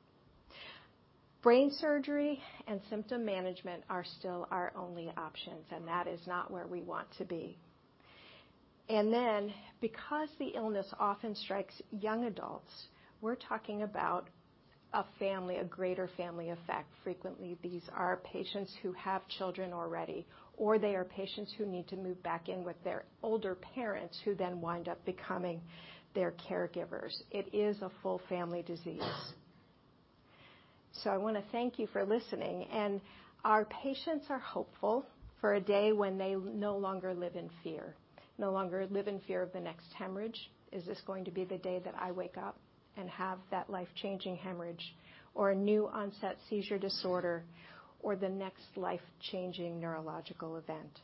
Brain surgery and symptom management are still our only options, and that is not where we want to be. And then, because the illness often strikes young adults, we're talking about a family, a greater family effect. Frequently, these are patients who have children already, or they are patients who need to move back in with their older parents, who then wind up becoming their caregivers. It is a full family disease. So, I wanna thank you for listening, and our patients are hopeful for a day when they no longer live in fear, no longer live in fear of the next hemorrhage. Is this going to be the day that I wake up and have that life-changing hemorrhage, or a new onset seizure disorder, or the next life-changing neurological event?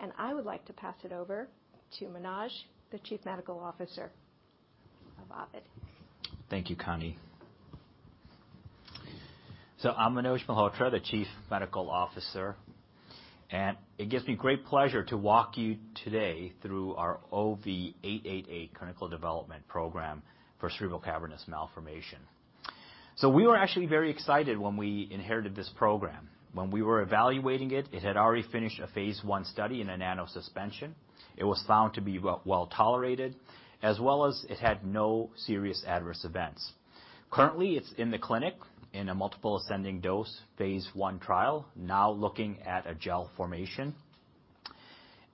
And I would like to pass it over to Manoj, the Chief Medical Officer of Ovid. Thank you, Connie. So I'm Manoj Malhotra, the Chief Medical Officer, and it gives me great pleasure to walk you today through our OV888 clinical development program for cerebral cavernous malformation. So we were actually very excited when we inherited this program. When we were evaluating it, it had already finished a Phase 1 study in a nanosuspension. It was found to be well tolerated, as well as it had no serious adverse events. Currently, it's in the clinic in a multiple ascending dose Phase 1 trial, now looking at a gel formation,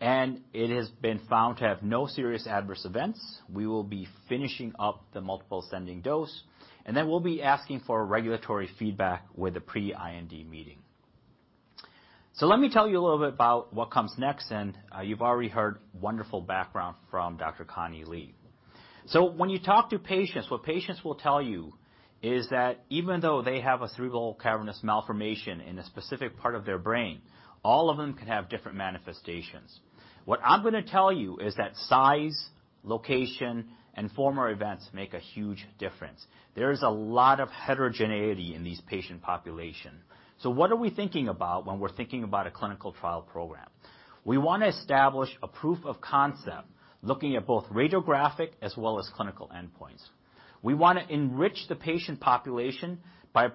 and it has been found to have no serious adverse events. We will be finishing up the multiple ascending dose, and then we'll be asking for regulatory feedback with a pre-IND meeting. So let me tell you a little bit about what comes next, and you've already heard wonderful background from Dr. Connie Lee. So when you talk to patients, what patients will tell you is that even though they have a cerebral cavernous malformation in a specific part of their brain, all of them can have different manifestations. What I'm gonna tell you is that size, location, and former events make a huge difference. There is a lot of heterogeneity in these patient population. So what are we thinking about when we're thinking about a clinical trial program? We wanna establish a proof of concept, looking at both radiographic as well as clinical endpoints. We want to enrich the patient population by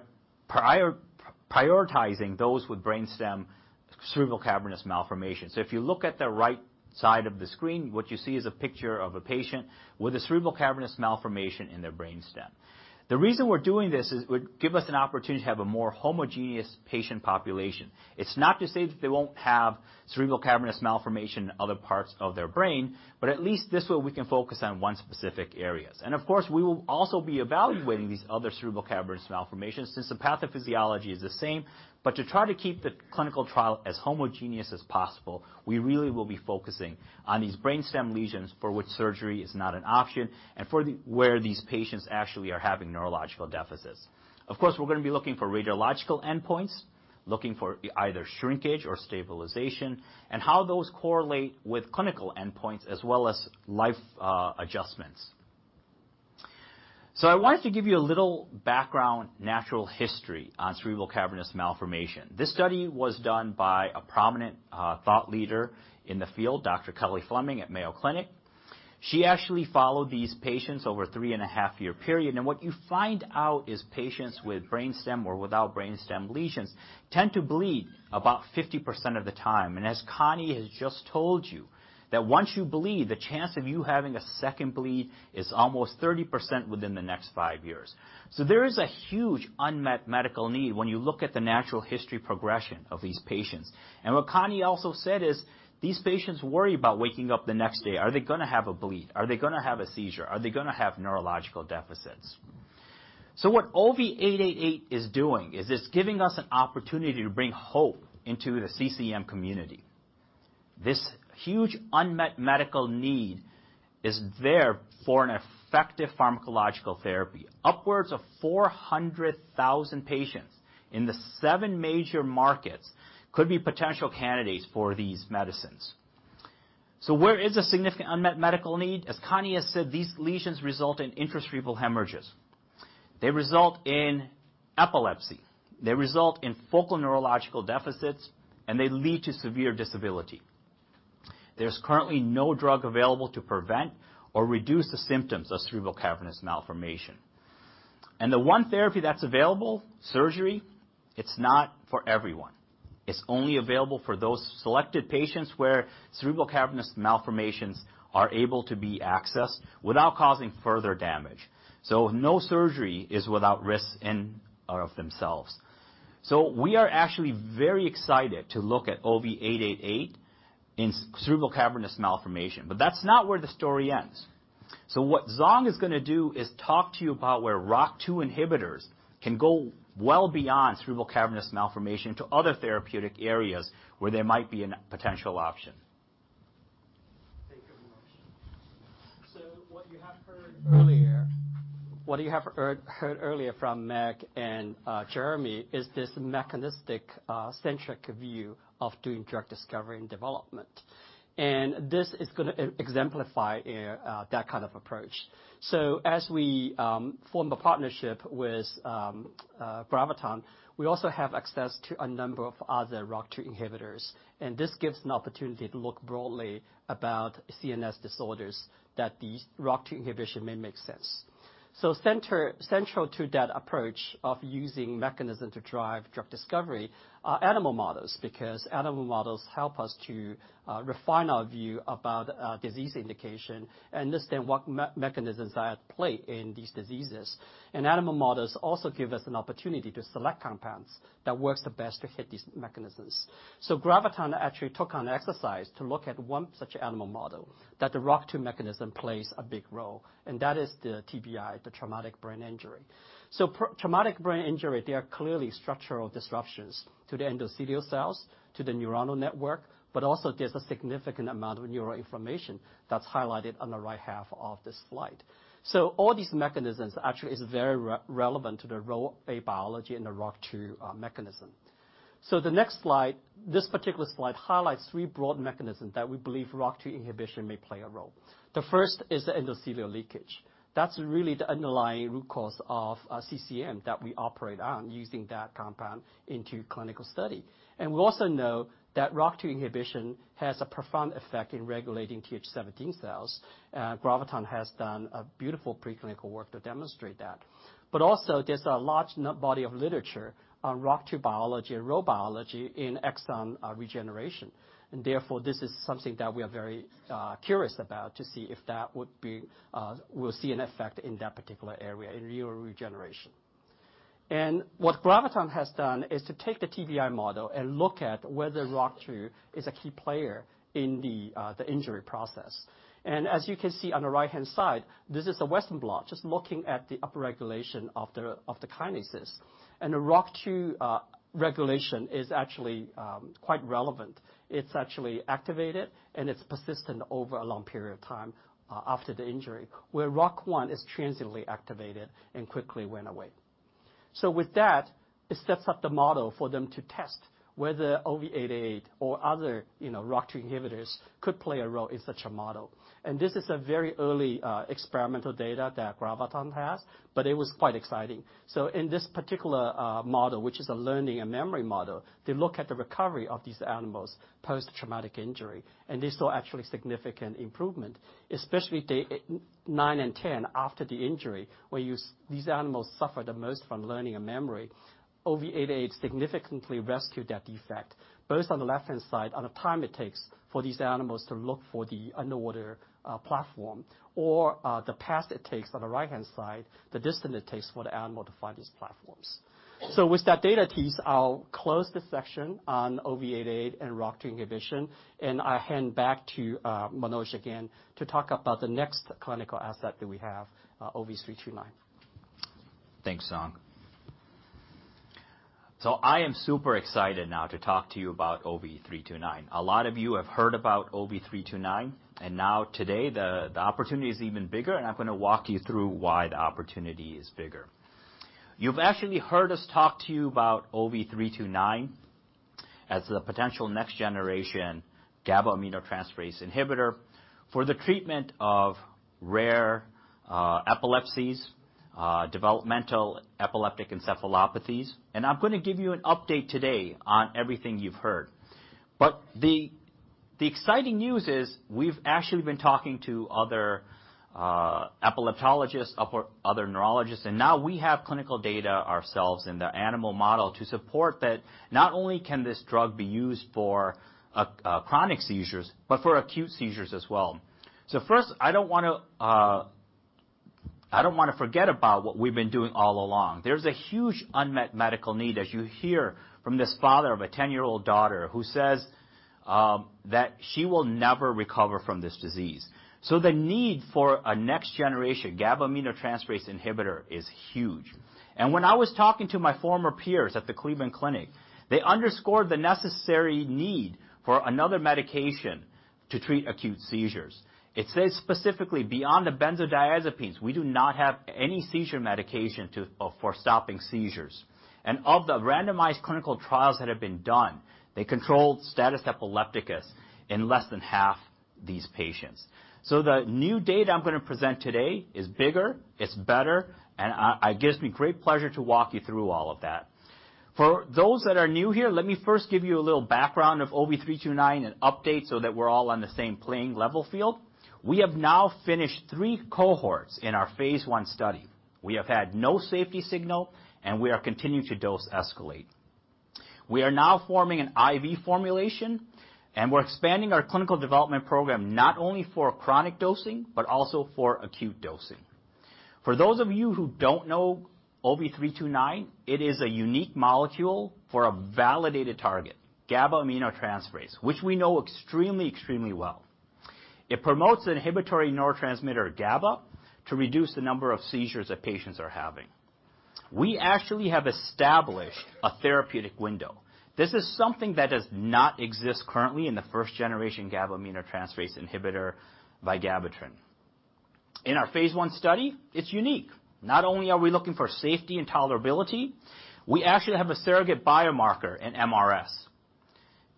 prioritizing those with brainstem cerebral cavernous malformation. So if you look at the right side of the screen, what you see is a picture of a patient with a cerebral cavernous malformation in their brainstem. The reason we're doing this is, would give us an opportunity to have a more homogeneous patient population. It's not to say that they won't have cerebral cavernous malformation in other parts of their brain, but at least this way, we can focus on one specific areas. And of course, we will also be evaluating these other cerebral cavernous malformations since the pathophysiology is the same. But to try to keep the clinical trial as homogeneous as possible, we really will be focusing on these brainstem lesions for which surgery is not an option and for where these patients actually are having neurological deficits. Of course, we're gonna be looking for radiological endpoints, looking for either shrinkage or stabilization, and how those correlate with clinical endpoints as well as life adjustments. So I wanted to give you a little background, natural history on cerebral cavernous malformation. This study was done by a prominent thought leader in the field, Dr. Kelly Fleming, at Mayo Clinic. She actually followed these patients over a 3.5-year period, and what you find out is patients with brainstem or without brainstem lesions tend to bleed about 50% of the time. As Connie has just told you, once you bleed, the chance of you having a second bleed is almost 30% within the next five years. There is a huge unmet medical need when you look at the natural history progression of these patients. What Connie also said is, these patients worry about waking up the next day. Are they gonna have a bleed? Are they gonna have a seizure? Are they gonna have neurological deficits? What OV888 is doing is it's giving us an opportunity to bring hope into the CCM community. This huge unmet medical need is there for an effective pharmacological therapy. Upwards of 400,000 patients in the seven major markets could be potential candidates for these medicines. So where is a significant unmet medical need? As Connie has said, these lesions result in intracerebral hemorrhages. They result in epilepsy, they result in focal neurological deficits, and they lead to severe disability. There's currently no drug available to prevent or reduce the symptoms of cerebral cavernous malformation. And the one therapy that's available, surgery, it's not for everyone. It's only available for those selected patients, where cerebral cavernous malformations are able to be accessed without causing further damage. So no surgery is without risks in and of themselves. So we are actually very excited to look at OV888 in cerebral cavernous malformation, but that's not where the story ends. What Zhong is gonna do is talk to you about where ROCK2 inhibitors can go well beyond cerebral cavernous malformation to other therapeutic areas, where there might be a potential option. Thank you very much. So what you have heard earlier from Meg and Jeremy is this mechanistic centric view of doing drug discovery and development. And this is gonna exemplify that kind of approach. So as we form a partnership with Graviton, we also have access to a number of other ROCK2 inhibitors, and this gives an opportunity to look broadly about CNS disorders that these ROCK2 inhibition may make sense. So central to that approach of using mechanism to drive drug discovery are animal models, because animal models help us to refine our view about disease indication and understand what mechanisms are at play in these diseases. And animal models also give us an opportunity to select compounds that works the best to hit these mechanisms. So Graviton actually took on an exercise to look at one such animal model, that the ROCK2 mechanism plays a big role, and that is the TBI, the traumatic brain injury. So pre-traumatic brain injury, there are clearly structural disruptions to the endothelial cells, to the neuronal network, but also there's a significant amount of neuroinflammation that's highlighted on the right half of this slide. So all these mechanisms actually is very relevant to the role of biology in the ROCK2 mechanism. So the next slide, this particular slide highlights three broad mechanisms that we believe ROCK2 inhibition may play a role. The first is the endothelial leakage. That's really the underlying root cause of CCM that we operate on, using that compound into clinical study. And we also know that ROCK2 inhibition has a profound effect in regulating Th17 cells. Graviton has done a beautiful preclinical work to demonstrate that. But also, there's a large body of literature on ROCK2 biology and Rho biology in axon regeneration. And therefore, this is something that we are very curious about to see if that would be, we'll see an effect in that particular area, in neural regeneration. And what Graviton has done is to take the TBI model and look at whether ROCK2 is a key player in the injury process. And as you can see on the right-hand side, this is a Western blot, just looking at the upregulation of the kinases. And the ROCK2 regulation is actually quite relevant. It's actually activated, and it's persistent over a long period of time after the injury, where ROCK1 is transiently activated and quickly went away. So with that, it sets up the model for them to test whether OV888 or other, you know, ROCK2 inhibitors could play a role in such a model. And this is a very early experimental data that Graviton has, but it was quite exciting. So in this particular model, which is a learning and memory model, they look at the recovery of these animals post-traumatic injury, and they saw actually significant improvement, especially day nine and 10 after the injury, where these animals suffer the most from learning and memory. OV888 significantly rescued that defect, both on the left-hand side, on the time it takes for these animals to look for the underwater platform, or the path it takes on the right-hand side, the distance it takes for the animal to find these platforms. So with that data tease, I'll close this section on OV888 and ROCK2 inhibition, and I hand back to Manoj again, to talk about the next clinical asset that we have, OV329. Thanks, Zhong. So I am super excited now to talk to you about OV329. A lot of you have heard about OV329, and now today, the opportunity is even bigger, and I'm gonna walk you through why the opportunity is bigger. You've actually heard us talk to you about OV329 as the potential next-generation GABA aminotransferase inhibitor for the treatment of rare epilepsies, developmental epileptic encephalopathies. And I'm gonna give you an update today on everything you've heard. But the exciting news is, we've actually been talking to other epileptologists, other neurologists, and now we have clinical data ourselves in the animal model to support that not only can this drug be used for a chronic seizures, but for acute seizures as well. So first, I don't wanna I don't wanna forget about what we've been doing all along. There's a huge unmet medical need, as you hear from this father of a 10-year-old daughter, who says, that she will never recover from this disease. So the need for a next-generation GABA aminotransferase inhibitor is huge. And when I was talking to my former peers at the Cleveland Clinic, they underscored the necessary need for another medication to treat acute seizures. It says specifically, beyond the benzodiazepines, we do not have any seizure medication to for stopping seizures. And of the randomized clinical trials that have been done, they controlled status epilepticus in less than half these patients. So the new data I'm gonna present today is bigger, it's better, and it gives me great pleasure to walk you through all of that. For those that are new here, let me first give you a little background of OV329 and update so that we're all on the same level playing field. We have now finished three cohorts in our Phase 1 study. We have had no safety signal, and we are continuing to dose escalate. We are now forming an IV formulation, and we're expanding our clinical development program not only for chronic dosing, but also for acute dosing. For those of you who don't know OV329, it is a unique molecule for a validated target, GABA aminotransferase, which we know extremely, extremely well. It promotes the inhibitory neurotransmitter, GABA, to reduce the number of seizures that patients are having. We actually have established a therapeutic window. This is something that does not exist currently in the first-generation GABA aminotransferase inhibitor by vigabatrin. In our Phase 1 study, it's unique. Not only are we looking for safety and tolerability, we actually have a surrogate biomarker in MRS.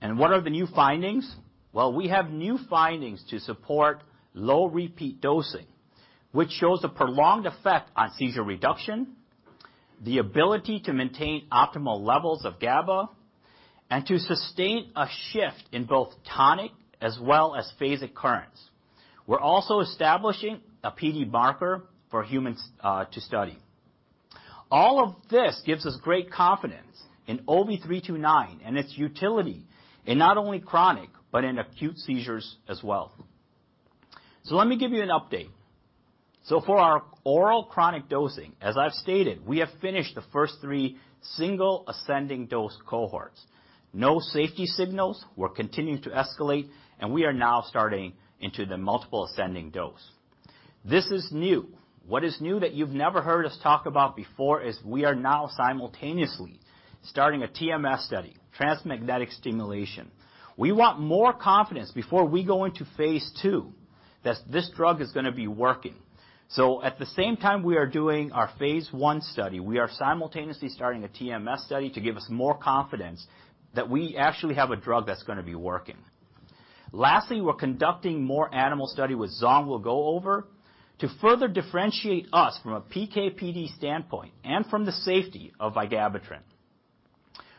What are the new findings? Well, we have new findings to support low repeat dosing, which shows a prolonged effect on seizure reduction, the ability to maintain optimal levels of GABA, and to sustain a shift in both tonic as well as phasic currents. We're also establishing a PD marker for humans to study. All of this gives us great confidence in OV329 and its utility in not only chronic, but in acute seizures as well. Let me give you an update. For our oral chronic dosing, as I've stated, we have finished the first three single ascending dose cohorts. No safety signals. We're continuing to escalate, and we are now starting into the multiple ascending dose. This is new. What is new that you've never heard us talk about before is we are now simultaneously starting a TMS study, transcranial magnetic stimulation. We want more confidence before we go into Phase 2, that this drug is gonna be working. So at the same time we are doing our Phase 1 study, we are simultaneously starting a TMS study to give us more confidence that we actually have a drug that's gonna be working. Lastly, we're conducting more animal study, which Zhong will go over, to further differentiate us from a PK/PD standpoint and from the safety of vigabatrin.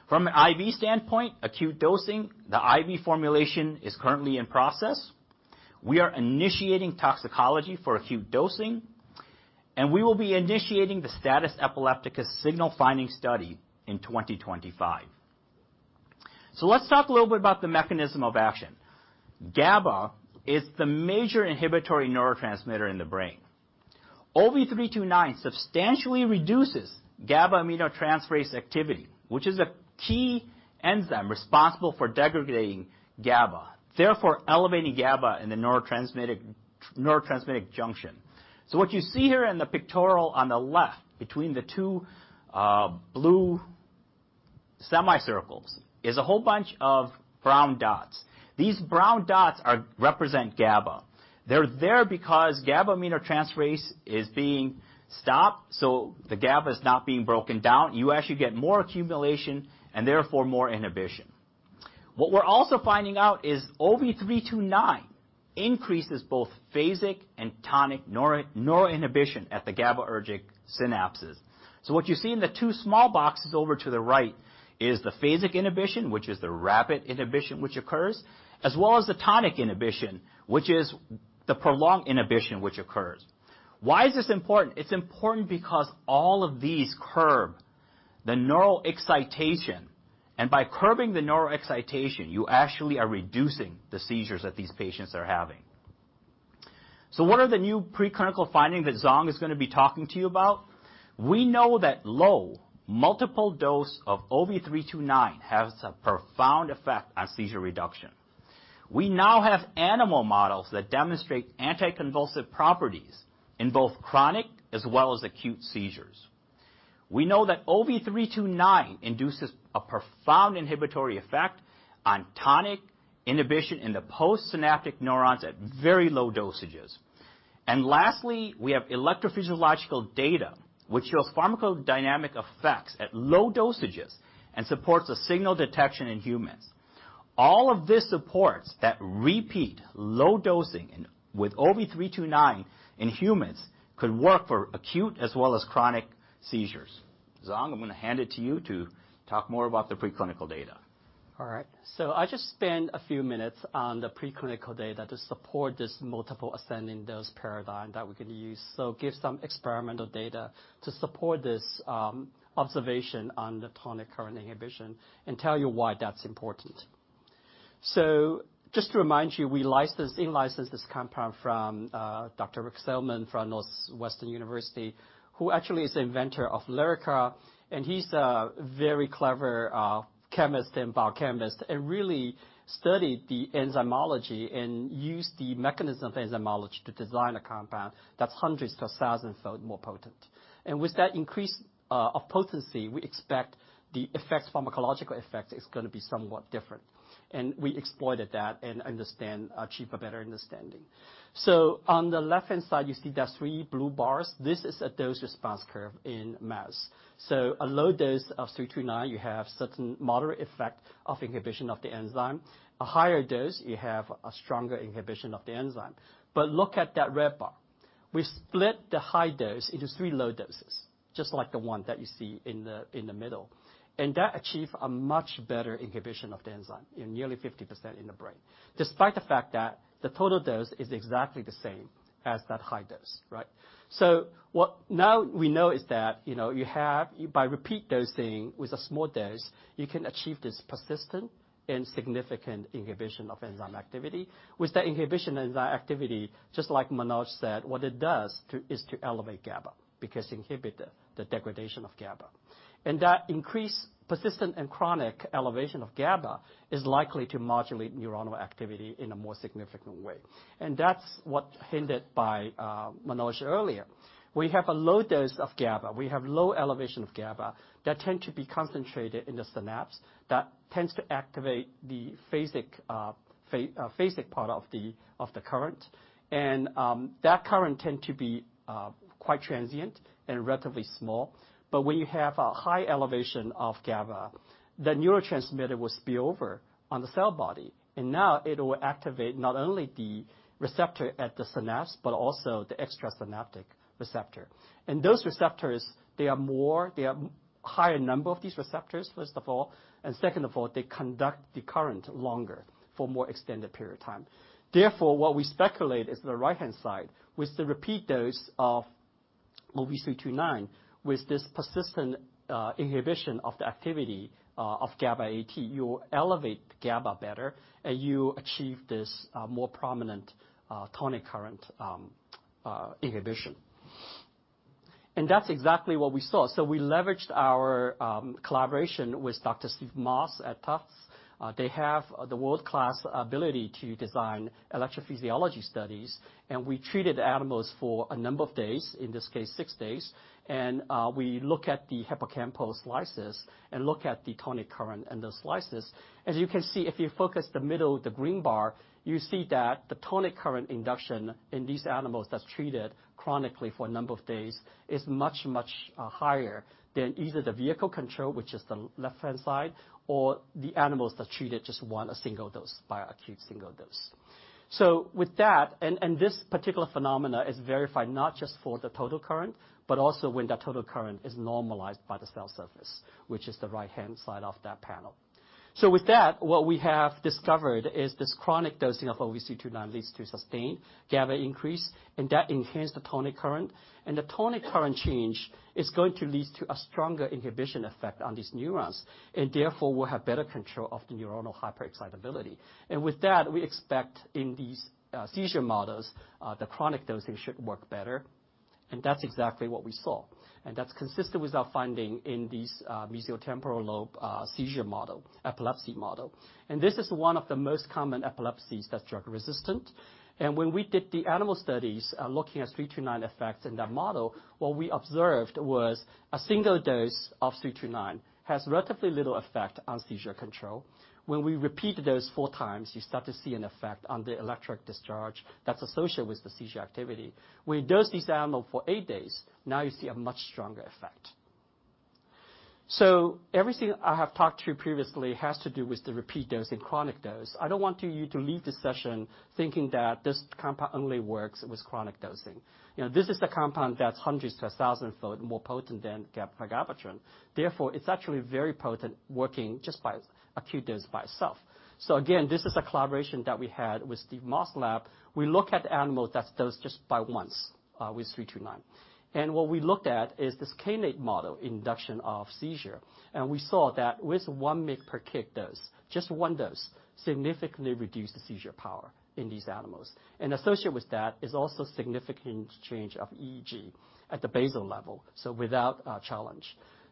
From an IV standpoint, acute dosing, the IV formulation is currently in process. We are initiating toxicology for acute dosing, and we will be initiating the status epilepticus signal finding study in 2025. So let's talk a little bit about the mechanism of action. GABA is the major inhibitory neurotransmitter in the brain. OV329 substantially reduces GABA aminotransferase activity, which is a key enzyme responsible for degrading GABA, therefore elevating GABA in the neurotransmitter junction. So what you see here in the pictorial on the left, between the two blue semicircles is a whole bunch of brown dots. These brown dots represent GABA. They're there because GABA aminotransferase is being stopped, so the GABA is not being broken down. You actually get more accumulation, and therefore, more inhibition. What we're also finding out is OV329 increases both phasic and tonic neuroinhibition at the GABAergic synapses. So what you see in the two small boxes over to the right is the phasic inhibition, which is the rapid inhibition, which occurs, as well as the tonic inhibition, which is the prolonged inhibition, which occurs. Why is this important? It's important because all of these curb the neural excitation, and by curbing the neural excitation, you actually are reducing the seizures that these patients are having. So what are the new preclinical findings that Zhong is gonna be talking to you about? We know that low, multiple dose of OV329 has a profound effect on seizure reduction. We now have animal models that demonstrate anticonvulsive properties in both chronic as well as acute seizures. We know that OV329 induces a profound inhibitory effect on tonic inhibition in the postsynaptic neurons at very low dosages. And lastly, we have electrophysiological data, which shows pharmacodynamic effects at low dosages and supports a signal detection in humans. All of this supports that repeat low dosing in, with OV329 in humans could work for acute as well as chronic seizures. Zhong, I'm gonna hand it to you to talk more about the preclinical data. All right. So I just spend a few minutes on the preclinical data to support this multiple ascending dose paradigm that we can use. So give some experimental data to support this observation on the tonic current inhibition, and tell you why that's important. So just to remind you, we license, in-license this compound from Dr. Rick Silverman from Northwestern University, who actually is the inventor of Lyrica, and he's a very clever chemist and biochemist, and really studied the enzymology and used the mechanism of enzymology to design a compound that's 100- to 1,000-fold more potent. And with that increase of potency, we expect the effect, pharmacological effect is gonna be somewhat different. And we exploited that to achieve a better understanding. So on the left-hand side, you see the three blue bars. This is a dose-response curve in mouse. So a low dose of 329, you have a certain moderate effect of inhibition of the enzyme. A higher dose, you have a stronger inhibition of the enzyme. But look at that red bar. We split the high dose into three low doses, just like the one that you see in the middle. And that achieve a much better inhibition of the enzyme, in nearly 50% in the brain, despite the fact that the total dose is exactly the same as that high dose, right? So what now we know is that, you know, you have. By repeat dosing with a small dose, you can achieve this persistent and significant inhibition of enzyme activity. With that inhibition enzyme activity, just like Manoj said, what it does to, is to elevate GABA because inhibit the degradation of GABA. That increase, persistent and chronic elevation of GABA, is likely to modulate neuronal activity in a more significant way. And that's what hinted by Manoj earlier. We have a low dose of GABA. We have low elevation of GABA that tend to be concentrated in the synapse, that tends to activate the phasic part of the current. And that current tend to be quite transient and relatively small. But when you have a high elevation of GABA, the neurotransmitter will spill over on the cell body, and now it will activate not only the receptor at the synapse, but also the extrasynaptic receptor. And those receptors, they are more, they are higher number of these receptors, first of all, and second of all, they conduct the current longer for a more extended period of time. Therefore, what we speculate is the right-hand side, with the repeat dose of OV329, with this persistent inhibition of the activity of GABA-AT, you elevate GABA better, and you achieve this more prominent tonic current inhibition. And that's exactly what we saw. So we leveraged our collaboration with Dr. Stephen Moss at Tufts. They have the world-class ability to design electrophysiology studies, and we treated the animals for a number of days, in this case, six days, and we look at the hippocampal slices and look at the tonic current in those slices. As you can see, if you focus the middle, the green bar, you see that the tonic current induction in these animals that's treated chronically for a number of days is much, much, higher than either the vehicle control, which is the left-hand side, or the animals that treated just one, a single dose by acute single dose. So with that, and, and this particular phenomena is verified not just for the total current, but also when that total current is normalized by the cell surface, which is the right-hand side of that panel. So with that, what we have discovered is this chronic dosing of OV329 leads to sustained GABA increase, and that enhance the tonic current. And the tonic current change is going to lead to a stronger inhibition effect on these neurons, and therefore, will have better control of the neuronal hyperexcitability. And with that, we expect in these seizure models the chronic dosing should work better. And that's exactly what we saw, and that's consistent with our finding in this mesial temporal lobe seizure model, epilepsy model. And this is one of the most common epilepsies that's drug resistant. And when we did the animal studies looking at 329 effects in that model, what we observed was a single dose of 329 has relatively little effect on seizure control. When we repeat the dose four times, you start to see an effect on the electric discharge that's associated with the seizure activity. We dose these animal for eight days, now you see a much stronger effect. So everything I have talked to you previously has to do with the repeat dose and chronic dose. I don't want you to leave this session thinking that this compound only works with chronic dosing. You know, this is a compound that's hundreds to a thousand fold more potent than gabapentin. Therefore, it's actually very potent, working just by acute dose by itself. So again, this is a collaboration that we had with Steve Moss' lab. We look at the animal that's dosed just once with 329. And what we looked at is this kainate model induction of seizure. And we saw that with 1 mg per kg dose, just one dose, significantly reduced the seizure power in these animals. And associated with that is also significant change of EEG at the basal level, so without a challenge.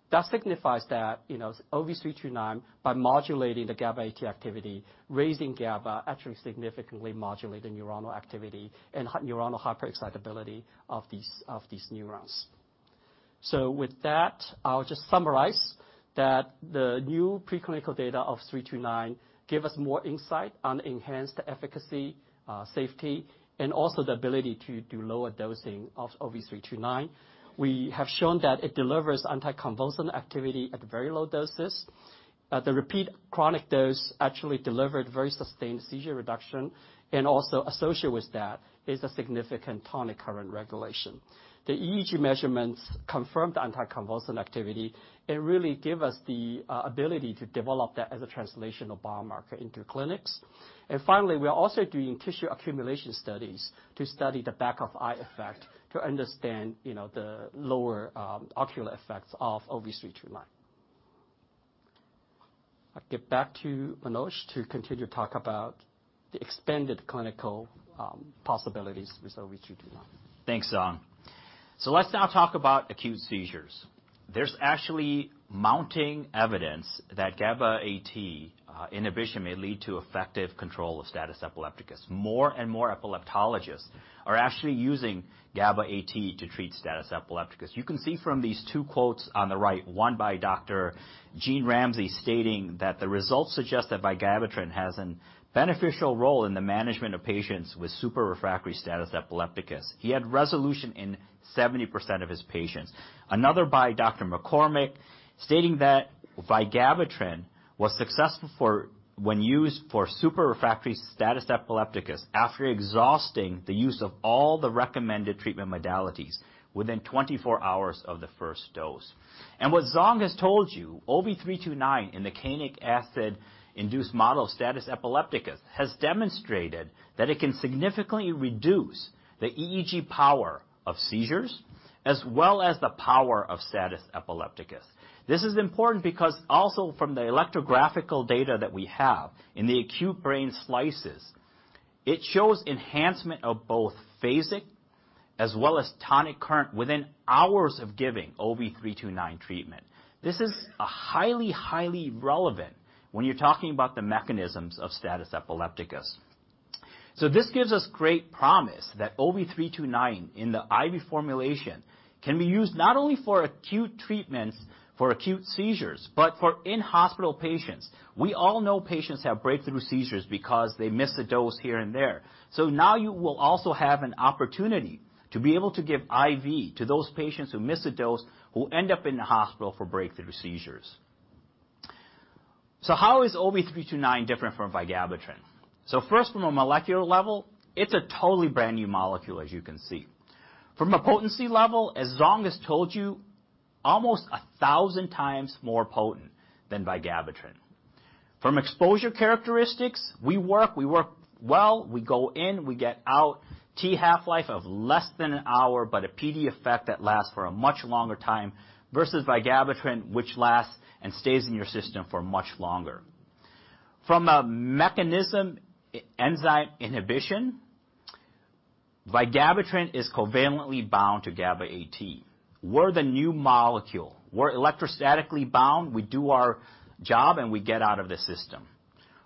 That signifies that, you know, OV329, by modulating the GABA-A activity, raising GABA, actually significantly modulate the neuronal activity and neuronal hyperexcitability of these, of these neurons. So with that, I'll just summarize that the new preclinical data of OV329 give us more insight on enhanced efficacy, safety, and also the ability to do lower dosing of OV329. We have shown that it delivers anticonvulsant activity at very low doses. The repeat chronic dose actually delivered very sustained seizure reduction, and also associated with that is a significant tonic current regulation. The EEG measurements confirmed the anticonvulsant activity and really give us the ability to develop that as a translational biomarker into clinics. And finally, we are also doing tissue accumulation studies to study the back of eye effect, to understand, you know, the lower ocular effects of OV329. I'll get back to Manoj to continue to talk about the expanded clinical possibilities with OV329. Thanks, Zhong. So let's now talk about acute seizures. There's actually mounting evidence that GABAA inhibition may lead to effective control of status epilepticus. More and more epileptologists are actually using GABAA to treat status epilepticus. You can see from these two quotes on the right, one by Dr. Gene Ramsay, stating that the results suggest that vigabatrin has a beneficial role in the management of patients with super refractory status epilepticus. He had resolution in 70% of his patients. Another by Dr. McCormick, stating that vigabatrin was successful for when used for super refractory status epilepticus after exhausting the use of all the recommended treatment modalities within 24 hours of the first dose. And what Zhong has told you, OV329 in the kainic acid-induced model status epilepticus, has demonstrated that it can significantly reduce the EEG power of seizures, as well as the power of status epilepticus. This is important because also from the electrographic data that we have in the acute brain slices, it shows enhancement of both phasic as well as tonic current within hours of giving OV329 treatment. This is a highly, highly relevant when you're talking about the mechanisms of status epilepticus. So this gives us great promise that OV329 in the IV formulation can be used not only for acute treatments for acute seizures, but for in-hospital patients. We all know patients have breakthrough seizures because they miss a dose here and there. So now you will also have an opportunity to be able to give IV to those patients who miss a dose, who end up in the hospital for breakthrough seizures. So how is OV329 different from vigabatrin? So first, from a molecular level, it's a totally brand-new molecule, as you can see. From a potency level, as Zhong has told you, almost 1,000 times more potent than vigabatrin. From exposure characteristics, we work, we work well, we go in, we get out. T-half-life of less than an hour, but a PD effect that lasts for a much longer time versus vigabatrin, which lasts and stays in your system for much longer. From a mechanism enzyme inhibition, vigabatrin is covalently bound to GABA-A. We're the new molecule. We're electrostatically bound. We do our job, and we get out of the system.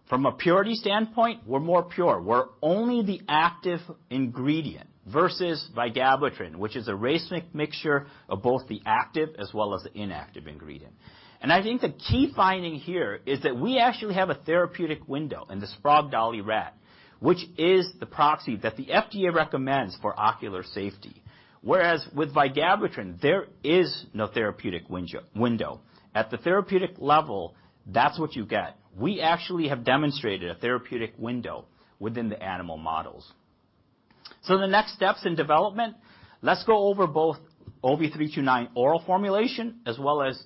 From a purity standpoint, we're more pure. We're only the active ingredient, versus vigabatrin, which is a racemic mixture of both the active as well as the inactive ingredient. And I think the key finding here is that we actually have a therapeutic window in the Sprague Dawley rat, which is the proxy that the FDA recommends for ocular safety. Whereas with vigabatrin, there is no therapeutic window. At the therapeutic level, that's what you get. We actually have demonstrated a therapeutic window within the animal models. So the next steps in development, let's go over both OV329 oral formulation as well as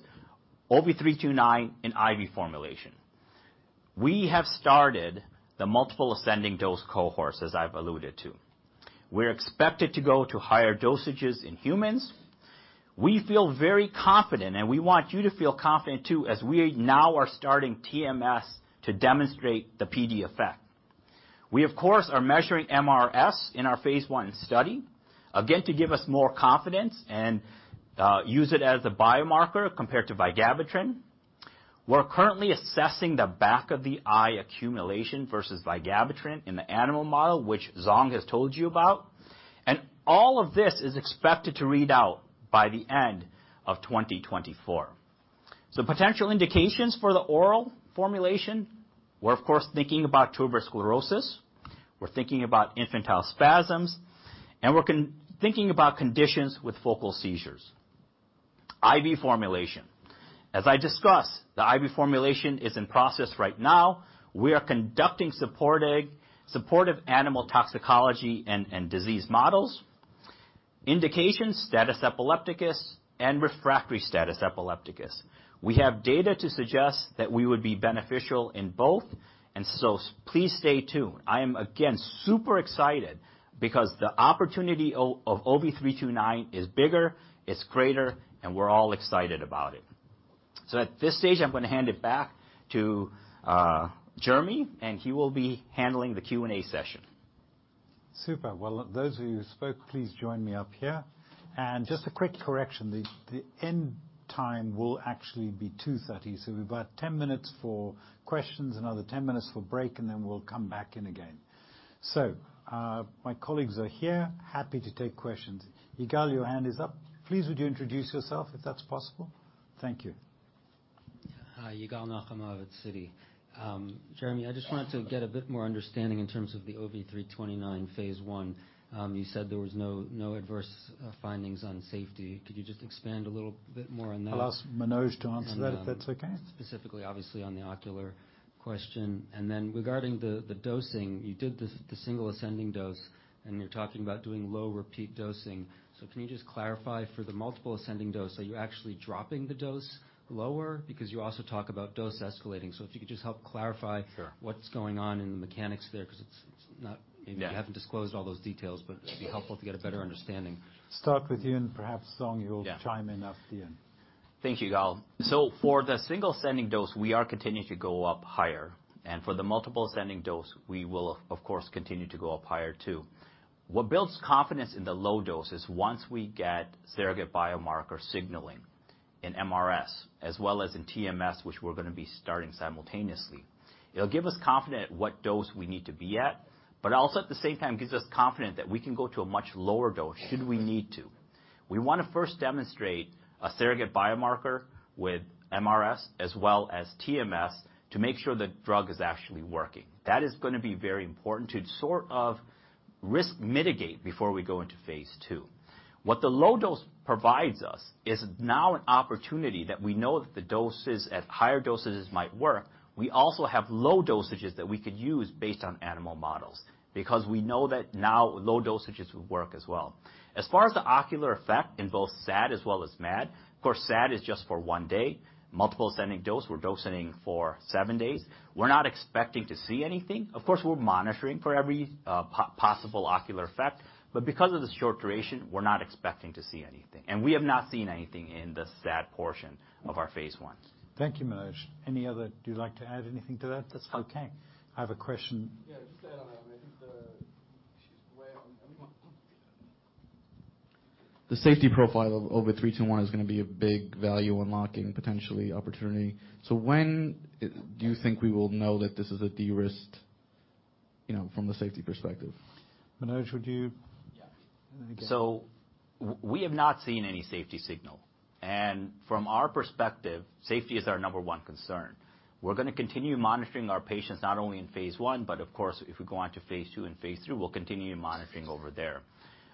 OV329 in IV formulation. We have started the multiple ascending dose cohorts, as I've alluded to. We're expected to go to higher dosages in humans. We feel very confident, and we want you to feel confident, too, as we now are starting TMS to demonstrate the PD effect. We, of course, are measuring MRS in our Phase 1 study, again, to give us more confidence and use it as a biomarker compared to vigabatrin. We're currently assessing the back of the eye accumulation versus vigabatrin in the animal model, which Zhong has told you about, and all of this is expected to read out by the end of 2024. So potential indications for the oral formulation, we're, of course, thinking about tuberous sclerosis, we're thinking about infantile spasms, and we're thinking about conditions with focal seizures. IV formulation. As I discussed, the IV formulation is in process right now. We are conducting supportive animal toxicology and disease models. Indications, status epilepticus and refractory status epilepticus. We have data to suggest that we would be beneficial in both, and so please stay tuned. I am, again, super excited because the opportunity of OV329 is bigger, it's greater, and we're all excited about it. At this stage, I'm gonna hand it back to Jeremy, and he will be handling the Q&A session. Super. Well, those of you who spoke, please join me up here. Just a quick correction, the end time will actually be 2:30 PM, so we've about 10 minutes for questions, another 10 minutes for break, and then we'll come back in again. So, my colleagues are here, happy to take questions. Yigal, your hand is up. Please, would you introduce yourself, if that's possible? Thank you. Hi, Yigal Nochomovitz at Citi. Jeremy, I just wanted to get a bit more understanding in terms of the OV329 Phase 1. You said there was no, no adverse findings on safety. Could you just expand a little bit more on that? I'll ask Manoj to answer that, if that's okay. Specifically, obviously, on the ocular question. Then regarding the dosing, you did the single ascending dose, and you're talking about doing low repeat dosing. Can you just clarify for the multiple ascending dose, are you actually dropping the dose lower? Because you also talk about dose escalating. If you could just help clarify- Sure. What's going on in the mechanics there, 'cause it's not, you haven't disclosed all those details, but it'd be helpful to get a better understanding. Start with you, and perhaps, Zhong, you'll chime in at the end. Yeah. Thank you, Yigal. So for the single ascending dose, we are continuing to go up higher, and for the multiple ascending dose, we will, of course, continue to go up higher, too. What builds confidence in the low dose is once we get surrogate biomarker signaling in MRS as well as in TMS, which we're gonna be starting simultaneously. It'll give us confidence what dose we need to be at, but also, at the same time, gives us confidence that we can go to a much lower dose, should we need to. We want to first demonstrate a surrogate biomarker with MRS as well as TMS to make sure the drug is actually working. That is gonna be very important to sort of risk mitigate before we go into Phase 2. What the low dose provides us is now an opportunity that we know that the doses at higher dosages might work. We also have low dosages that we could use based on animal models, because we know that now low dosages will work as well. As far as the ocular effect in both SAD as well as MAD, of course, SAD is just for one day. Multiple ascending dose, we're dosing for seven days. We're not expecting to see anything. Of course, we're monitoring for every possible ocular effect, but because of the short duration, we're not expecting to see anything, and we have not seen anything in the SAD portion of our Phase 1. Thank you, Manoj. Any other, do you like to add anything to that? That's okay. I have a question. Yeah, just to add on that, I think the safety profile of OV321 is gonna be a big value unlocking, potentially opportunity. So when do you think we will know that this is a de-risked, you know, from the safety pers?ective? Manoj, would you? Yeah. And then again. So we have not seen any safety signal. And from our perspective, safety is our number one concern. We're gonna continue monitoring our patients, not only in Phase 1, but of course, if we go on to Phase 2 and Phase 3, we'll continue monitoring over there.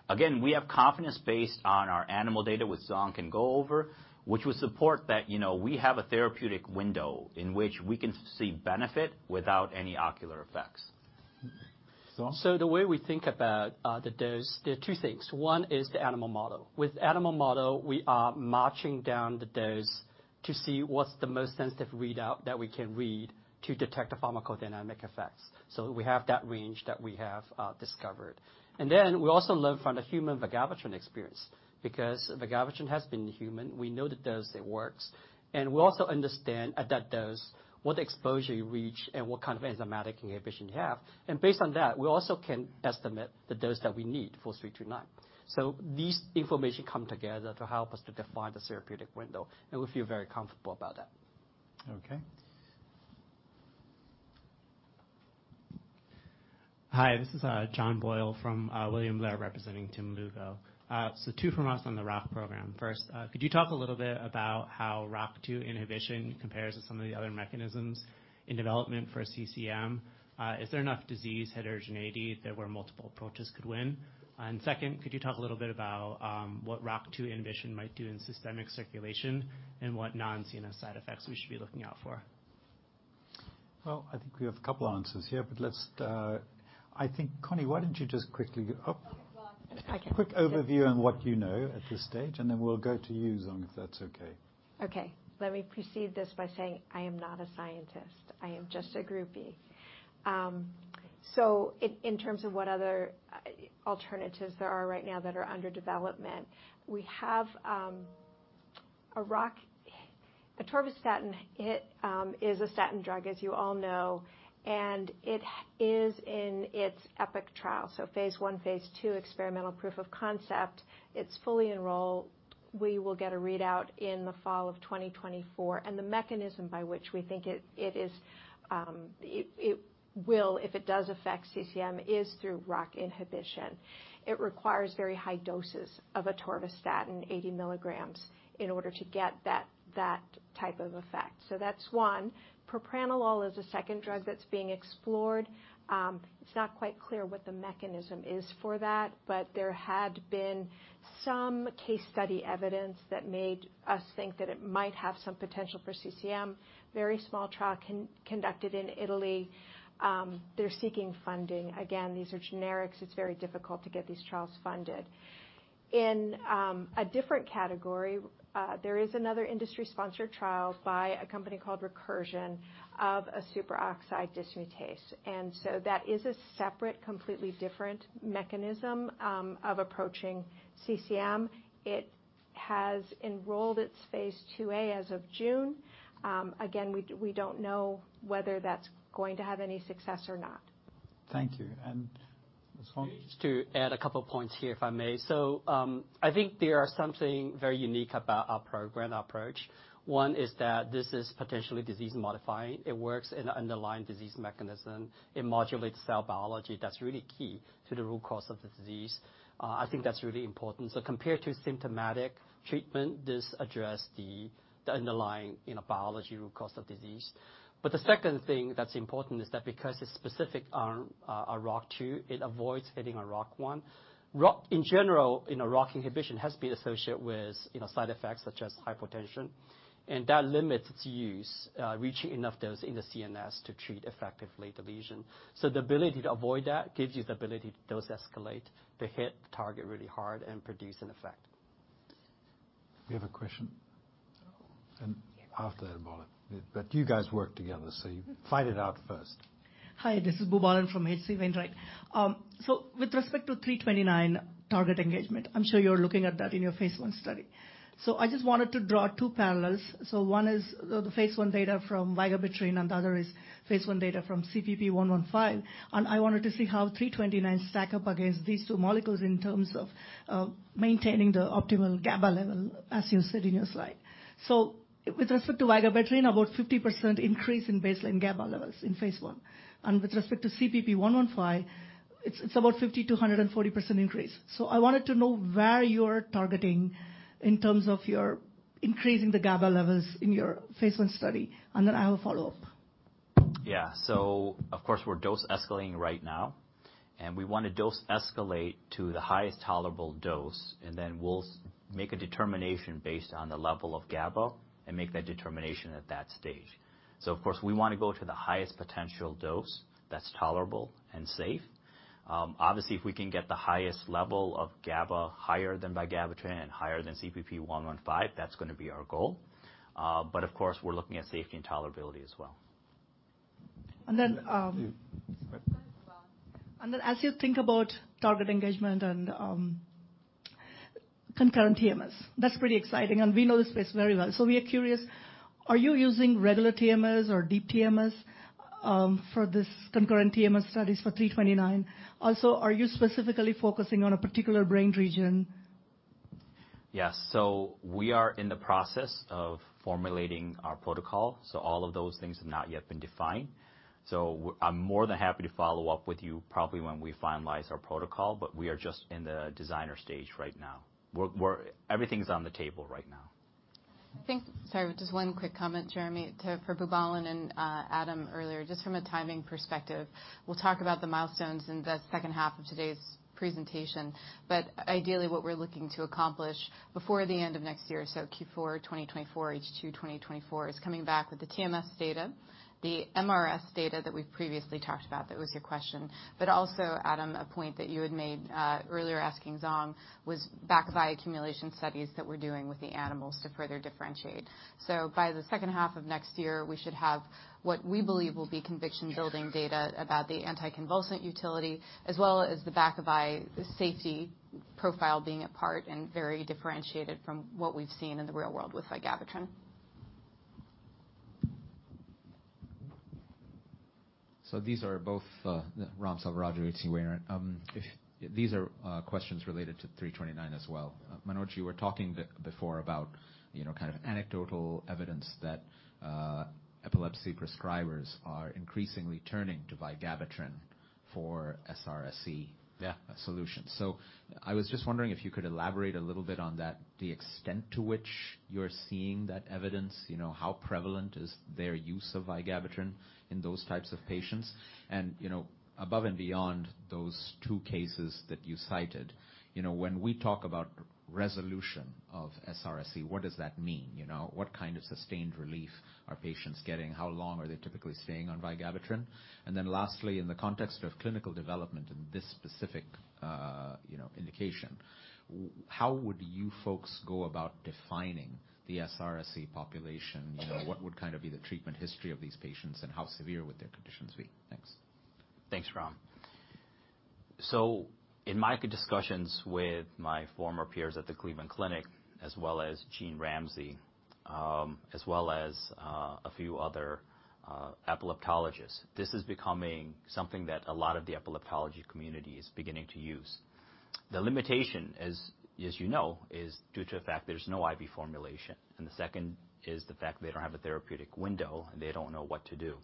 Again, we have confidence based on our animal data, which Zhong can go over, which would support that, you know, we have a therapeutic window in which we can see benefit without any ocular effects. Zhong? So the way we think about the dose, there are two things. One is the animal model. With animal model, we are marching down the dose to see what's the most sensitive readout that we can read to detect the pharmacodynamic effects. So we have that range that we have discovered. And then we also learn from the human vigabatrin experience, because vigabatrin has been human. We know the dose that works, and we also understand at that dose what exposure you reach and what kind of enzymatic inhibition you have. And based on that, we also can estimate the dose that we need for three two nine. So these information come together to help us to define the therapeutic window, and we feel very comfortable about that. Okay. Hi, this is John Boyle from William Blair, representing Tim Lugo. So two from us on the ROCK program. First, could you talk a little bit about how ROCK2 inhibition compares to some of the other mechanisms in development for CCM? Is there enough disease heterogeneity that where multiple approaches could win? And second, could you talk a little bit about what ROCK2 inhibition might do in systemic circulation and what non-CNS side effects we should be looking out for? Well, I think we have a couple answers here, but let's, I think, Connie, why don't you just quickly. I can. Quick overview on what you know at this stage, and then we'll go to you, Zhong, if that's okay. Okay. Let me precede this by saying I am not a scientist. I am just a groupie. So in terms of what other alternatives there are right now that are under development, we have a ROCK, atorvastatin. It is a statin drug, as you all know, and it is in its epic trial. So Phase 1, Phase 2, experimental proof of concept. It's fully enrolled. We will get a readout in the fall of 2024, and the mechanism by which we think it is, it will, if it does affect CCM, is through ROCK inhibition. It requires very high doses of atorvastatin, 80 mg, in order to get that type of effect. So that's one. Propranolol is a second drug that's being explored. It's not quite clear what the mechanism is for that, but there had been some case study evidence that made us think that it might have some potential for CCM. Very small trial conducted in Italy. They're seeking funding. Again, these are generics. It's very difficult to get these trials funded. In a different category, there is another industry-sponsored trial by a company called Recursion, of a superoxide dismutase, and so that is a separate, completely different mechanism of approaching CCM. It has enrolled its Phase 2a as of June. Again, we don't know whether that's going to have any success or not. Thank you. And Zhong? Just to add a couple of points here, if I may. So, I think there's something very unique about our program approach. One is that this is potentially disease-modifying. It works in an underlying disease mechanism. It modulates cell biology. That's really key to the root cause of the disease. I think that's really important. So compared to symptomatic treatment, this addresses the underlying, you know, biology root cause of disease. But the second thing that's important is that because it's specific on a ROCK2, it avoids hitting on ROCK1. ROCK, in general, you know, ROCK inhibition has been associated with, you know, side effects such as hypotension, and that limits its use, reaching enough dose in the CNS to treat effectively the lesion. The ability to avoid that gives you the ability to dose escalate, to hit the target really hard and produce an effect. We have a question. And after that, Boobalan, but you guys work together, so fight it out first. Hi, this is Boobalan from H.C. Wainwright. So with respect to OV329 target engagement, I'm sure you're looking at that in your Phase 1 study. So I just wanted to draw two parallels. So one is the Phase 1 data from vigabatrin, and the other is Phase 1 data from CPP-115. And I wanted to see how OV329 stack up against these two molecules in terms of maintaining the optimal GABA level, as you said in your slide. So with respect to vigabatrin, about 50% increase in baseline GABA levels in Phase 1. And with respect to CPP-115, it's about 50%-140% increase. So I wanted to know where you're targeting in terms of your increasing the GABA levels in your Phase 1 study, and then I have a follow-up. Yeah. So of course, we're dose escalating right now, and we want to dose escalate to the highest tolerable dose, and then we'll make a determination based on the level of GABA and make that determination at that stage. So of course, we want to go to the highest potential dose that's tolerable and safe. Obviously, if we can get the highest level of GABA higher than vigabatrin and higher than CPP-115, that's gonna be our goal. But of course, we're looking at safety and tolerability as well. And then, <crosstalk> You. Then as you think about target engagement and, concurrent TMS, that's pretty exciting, and we know the space very well. So we are curious, are you using regular TMS or deep TMS, for this concurrent TMS studies for 329? Also, are you specifically focusing on a particular brain region? Yes. So we are in the process of formulating our protocol, so all of those things have not yet been defined. So I'm more than happy to follow-up with you, probably when we finalize our protocol, but we are just in the designer stage right now. We're, everything's on the table right now. I think, sorry, just one quick comment, Jeremy, to Boobalan and Adam earlier, just from a timing perspective. We'll talk about the milestones in the second half of today's presentation, but ideally, what we're looking to accomplish before the end of next year, so Q4 2024, H2 2024, is coming back with the TMS data, the MRS data that we've previously talked about, that was your question. But also, Adam, a point that you had made earlier, asking Zhong, was back-of-the-eye accumulation studies that we're doing with the animals to further differentiate. So by the second half of next year, we should have what we believe will be conviction-building data about the anticonvulsant utility, as well as the back-of-the-eye safety profile being a part and very differentiated from what we've seen in the real world with vigabatrin. So these are both, Ram Selvaraju, H.C. Wainwright. If these are, questions related to 329 as well. Manoj, you were talking before about, you know, kind of anecdotal evidence that, epilepsy prescribers are increasingly turning to vigabatrin for SRSE- <crosstalk> solutions. So I was just wondering if you could elaborate a little bit on that, the extent to which you're seeing that evidence, you know, how prevalent is their use of vigabatrin in those types of patients? And, you know, above and beyond those two cases that you cited, you know, when we talk about resolution of SRSE, what does that mean? You know, what kind of sustained relief are patients getting? How long are they typically staying on vigabatrin? And then lastly, in the context of clinical development in this specific, you know, indication, how would you folks go about defining the SRSE population? You know, what would kind of be the treatment history of these patients, and how severe would their conditions be? Thanks. Thanks, Ram. So in my discussions with my former peers at the Cleveland Clinic, as well as Gene Ramsey, as well as, a few other, epileptologists, this is becoming something that a lot of the epileptology community is beginning to use. The limitation is, as you know, is due to the fact there's no IV formulation, and the second is the fact they don't have a therapeutic window, and they don't know what to do.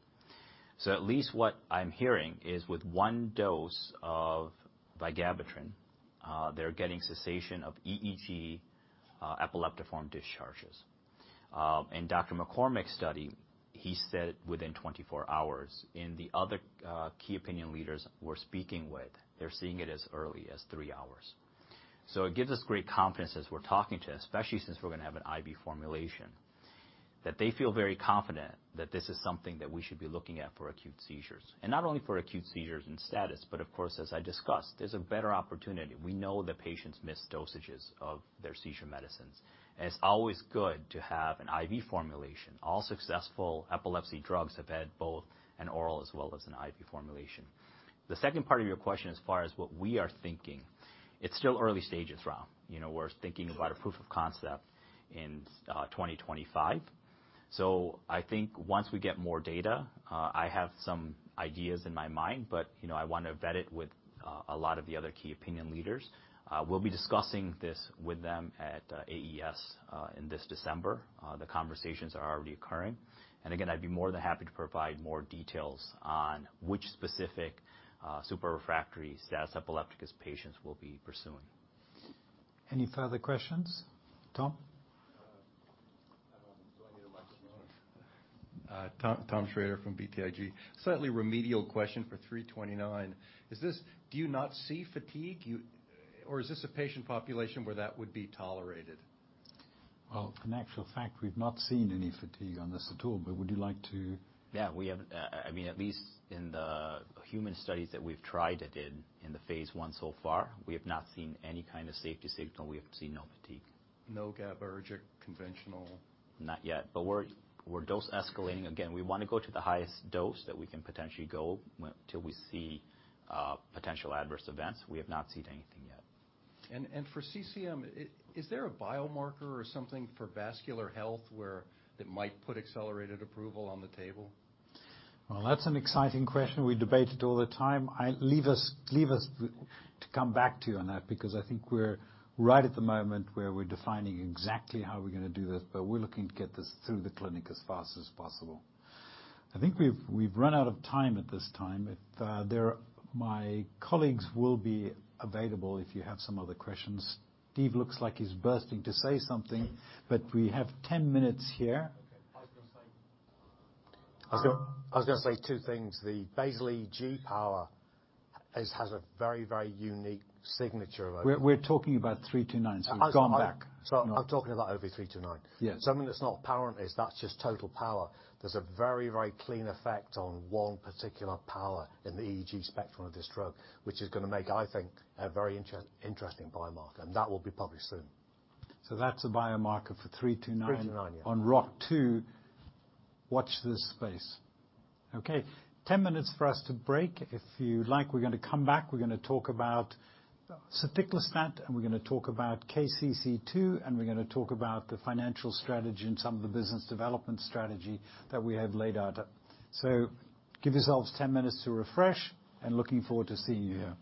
So at least what I'm hearing is, with one dose of vigabatrin, they're getting cessation of EEG, epileptiform discharges. In Dr. McCormick's study, he said within 24 hours, and the other, key opinion leaders we're speaking with, they're seeing it as early as three hours. So it gives us great confidence as we're talking to, especially since we're going to have an IV formulation, that they feel very confident that this is something that we should be looking at for acute seizures. And not only for acute seizures and status, but of course, as I discussed, there's a better opportunity. We know that patients miss dosages of their seizure medicines, and it's always good to have an IV formulation. All successful epilepsy drugs have had both an oral as well as an IV formulation. The second part of your question, as far as what we are thinking, it's still early stages, Ram. You know, we're thinking about a proof of concept in 2025. I think once we get more data, I have some ideas in my mind, but, you know, I want to vet it with a lot of the other key opinion leaders. We'll be discussing this with them at AES in this December. The conversations are already occurring. Again, I'd be more than happy to provide more details on which specific super refractory status epilepticus patients we'll be pursuing. Any further questions? Tom? Do I need a microphone? Tom, Tom Schrader from BTIG. Slightly remedial question for 329. Is this, do you not see fatigue? You or is this a patient population where that would be tolerated? Well, in actual fact, we've not seen any fatigue on this at all, but would you like to- Yeah, we have, I mean, at least in the human studies that we've tried it in, in the Phase 1 so far, we have not seen any kind of safety signal. We have seen no fatigue. No GABAergic, conventional? Not yet, but we're, we're dose escalating. Again, we want to go to the highest dose that we can potentially go till we see potential adverse events. We have not seen anything yet. And for CCM, is there a biomarker or something for vascular health where that might put accelerated approval on the table? Well, that's an exciting question. We debate it all the time. Let us come back to you on that, because I think we're right at the moment where we're defining exactly how we're going to do this, but we're looking to get this through the clinic as fast as possible. I think we've run out of time at this time. If there are other questions, my colleagues will be available. Steve looks like he's bursting to say something, but we have 10 minutes here. Okay, I was going to say, I was gonna say two things. The basal EEG power is, has a very, very unique signature of it. We're talking about 329, so we've gone back. So I'm talking about OV329. Yes. Something that's not power, that's just total power. There's a very, very clean effect on one particular power in the EEG spectrum of this drug, which is gonna make, I think, a very interesting biomarker, and that will be published soon. So that's a biomarker for 329- 329, yeah. On ROCK2. Watch this space. Okay, 10 minutes for us to break. If you like, we're gonna come back. We're gonna talk about soticlestat, and we're gonna talk about KCC2, and we're gonna talk about the financial strategy and some of the business development strategy that we have laid out. So give yourselves 10 minutes to refresh, and looking forward to seeing you here.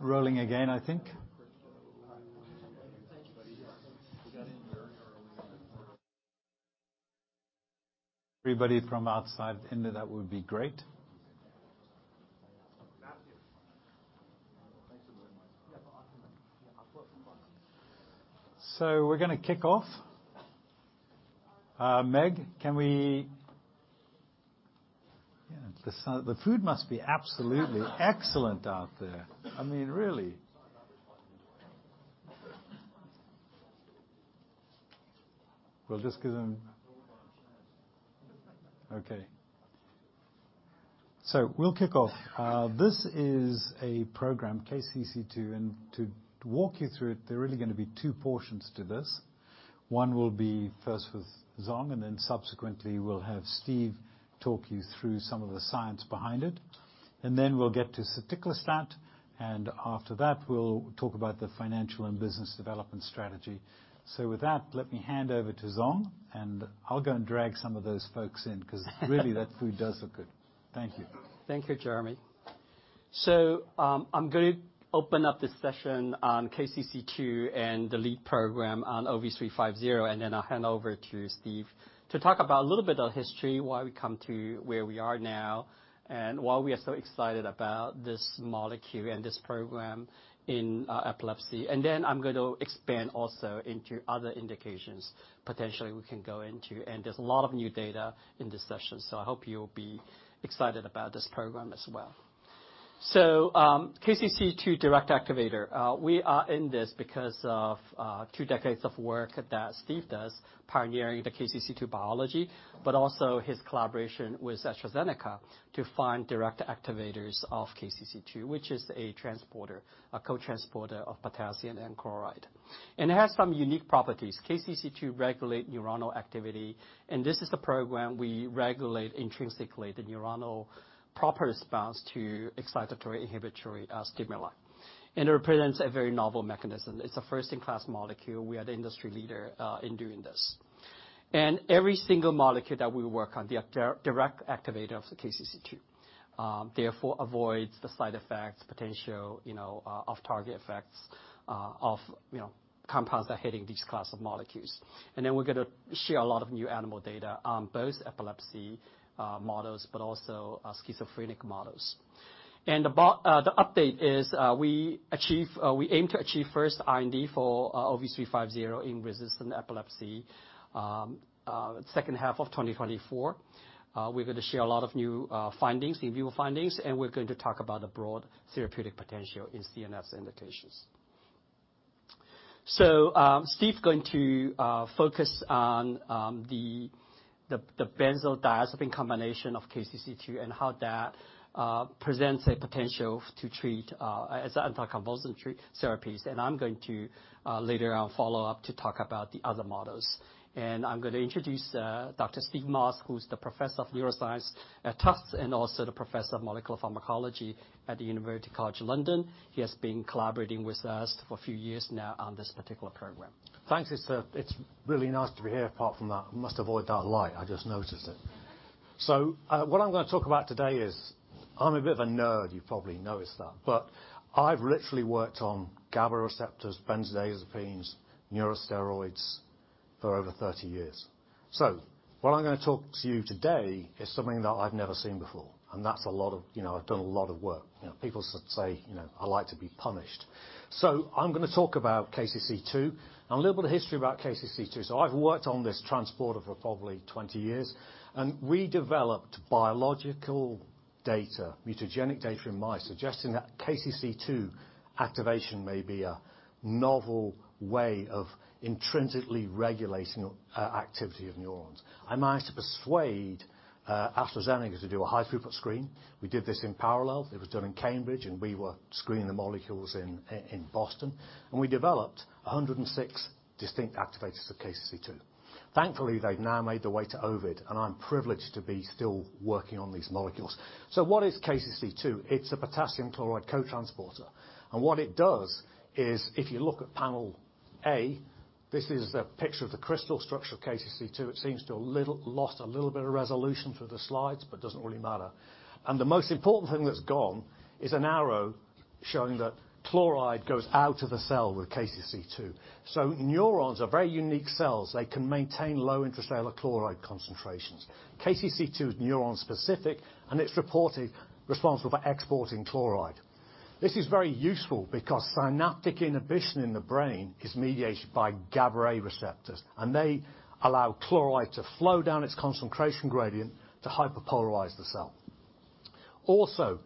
Rolling again, I think. Thank you. We got in very early. Everybody from outside in there, that would be great. Matthew. Thank you very much. Yeah, I'll come in. Yeah, I've got some more. So we're gonna kick off. Meg, can we, yeah, the food must be absolutely excellent out there. I mean, really. We'll just give them. Okay. So we'll kick off. This is a program, KCC2, and to walk you through it, there are really gonna be two portions to this. One will be first with Zhong, and then subsequently, we'll have Steve talk you through some of the science behind it. And then we'll get to soticlestat, and after that, we'll talk about the financial and business development strategy. So with that, let me hand over to Zhong, and I'll go and drag some of those folks in, 'cause really, that food does look good. Thank you. Thank you, Jeremy. So, I'm going to open up this session on KCC2 and the lead program on OV350, and then I'll hand over to Steve to talk about a little bit of history, why we come to where we are now, and why we are so excited about this molecule and this program in epilepsy. And then I'm going to expand also into other indications, potentially we can go into, and there's a lot of new data in this session, so I hope you'll be excited about this program as well. So, KCC2 direct activator. We are in this because of two decades of work that Steve does, pioneering the KCC2 biology, but also his collaboration with AstraZeneca to find direct activators of KCC2, which is a transporter, a co-transporter of potassium and chloride. And it has some unique properties. KCC2 regulate neuronal activity, and this is the program we regulate intrinsically, the neuronal proper response to excitatory, inhibitory stimuli. And it represents a very novel mechanism. It's a first-in-class molecule. We are the industry leader in doing this. And every single molecule that we work on, the direct activator of the KCC2, therefore avoids the side effects, potential, you know, off-target effects, of, you know, compounds that are hitting these class of molecules. And then we're gonna share a lot of new animal data on both epilepsy models, but also, schizophrenic models. And the update is, we achieve, we aim to achieve first IND for OV350 in resistant epilepsy, second half of 2024. We're going to share a lot of new findings, review findings, and we're going to talk about the broad therapeutic potential in CNS indications. Steve is going to focus on the benzodiazepine combination of KCC2 and how that presents a potential to treat as anticonvulsant therapies. I'm going to later on follow-up to talk about the other models. I'm gonna introduce Dr. Stephen Moss, who's the professor of neuroscience at Tufts, and also the professor of molecular pharmacology at the University College London. He has been collaborating with us for a few years now on this particular program. Thanks, it's, it's really nice to be here, apart from that. I must avoid that light, I just noticed it. So, what I'm gonna talk about today is, I'm a bit of a nerd, you've probably noticed that, but I've literally worked on GABA receptors, benzodiazepines, neurosteroids for over 30 years. So what I'm gonna talk to you today is something that I've never seen before, and that's a lot of, you know, I've done a lot of work. You know, people say, you know, I like to be punished. So I'm gonna talk about KCC2, and a little bit of history about KCC2. So I've worked on this transporter for probably 20 years, and we developed biological data, mutagenic data in mice, suggesting that KCC2 activation may be a novel way of intrinsically regulating, activity of neurons. I managed to persuade AstraZeneca to do a high-throughput screen. We did this in parallel. It was done in Cambridge, and we were screening the molecules in Boston, and we developed 106 distinct activators of KCC2. Thankfully, they've now made their way to Ovid, and I'm privileged to be still working on these molecules. So what is KCC2? It's a potassium chloride co-transporter. And what it does is, if you look at panel A, this is a picture of the crystal structure of KCC2. It seems to a little lost a little bit of resolution through the slides, but doesn't really matter. And the most important thing that's gone is an arrow showing that chloride goes out of the cell with KCC2. So neurons are very unique cells. They can maintain low intracellular chloride concentrations. KCC2 is neuron-specific, and it's reported responsible for exporting chloride. This is very useful because synaptic inhibition in the brain is mediated by GABA-A receptors, and they allow chloride to flow down its concentration gradient to hyperpolarize the cell. Also,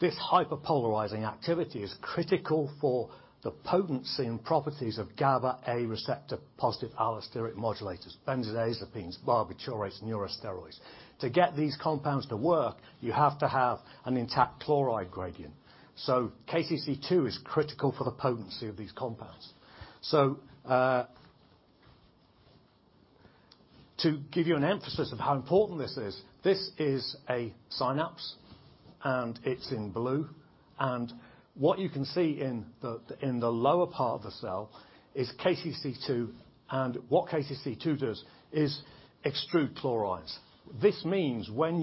this hyperpolarizing activity is critical for the potency and properties of GABA-A receptor positive allosteric modulators, benzodiazepines, barbiturates, neurosteroids. To get these compounds to work, you have to have an intact chloride gradient. So KCC2 is critical for the potency of these compounds. So, to give you an emphasis of how important this is, this is a synapse, and it's in blue. And what you can see in the lower part of the cell is KCC2, and what KCC2 does is extrude chlorides. This means when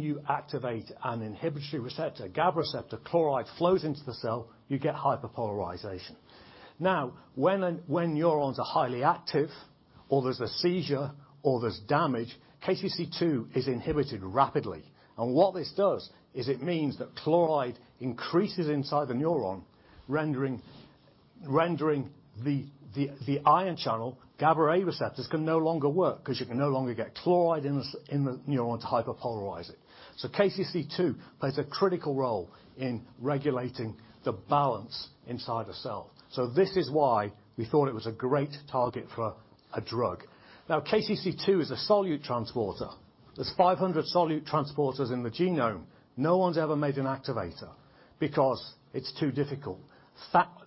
you activate an inhibitory receptor, GABA receptor, chloride flows into the cell, you get hyperpolarization. Now, when neurons are highly active, or there's a seizure, or there's damage, KCC2 is inhibited rapidly. And what this does is it means that chloride increases inside the neuron, rendering the ion channel, GABA-A receptors can no longer work because you can no longer get chloride in the neuron to hyperpolarize it. So KCC2 plays a critical role in regulating the balance inside a cell. So this is why we thought it was a great target for a drug. Now, KCC2 is a solute transporter. There's 500 solute transporters in the genome. No one's ever made an activator because it's too difficult.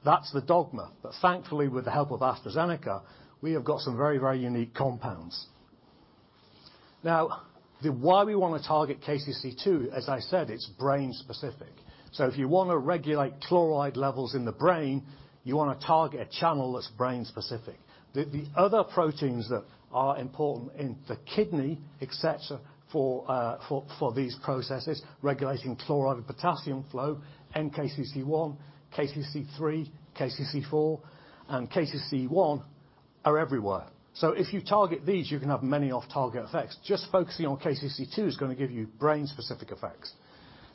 That's the dogma. But thankfully, with the help of AstraZeneca, we have got some very, very unique compounds. Now, the why we want to target KCC2, as I said, it's brain specific. So if you want to regulate chloride levels in the brain, you want to target a channel that's brain specific. The other proteins that are important in the kidney, et cetera, for these processes, regulating chloride and potassium flow, NKCC1, KCC3, KCC4, and KCC1, are everywhere. So if you target these, you can have many off-target effects. Just focusing on KCC2 is going to give you brain-specific effects.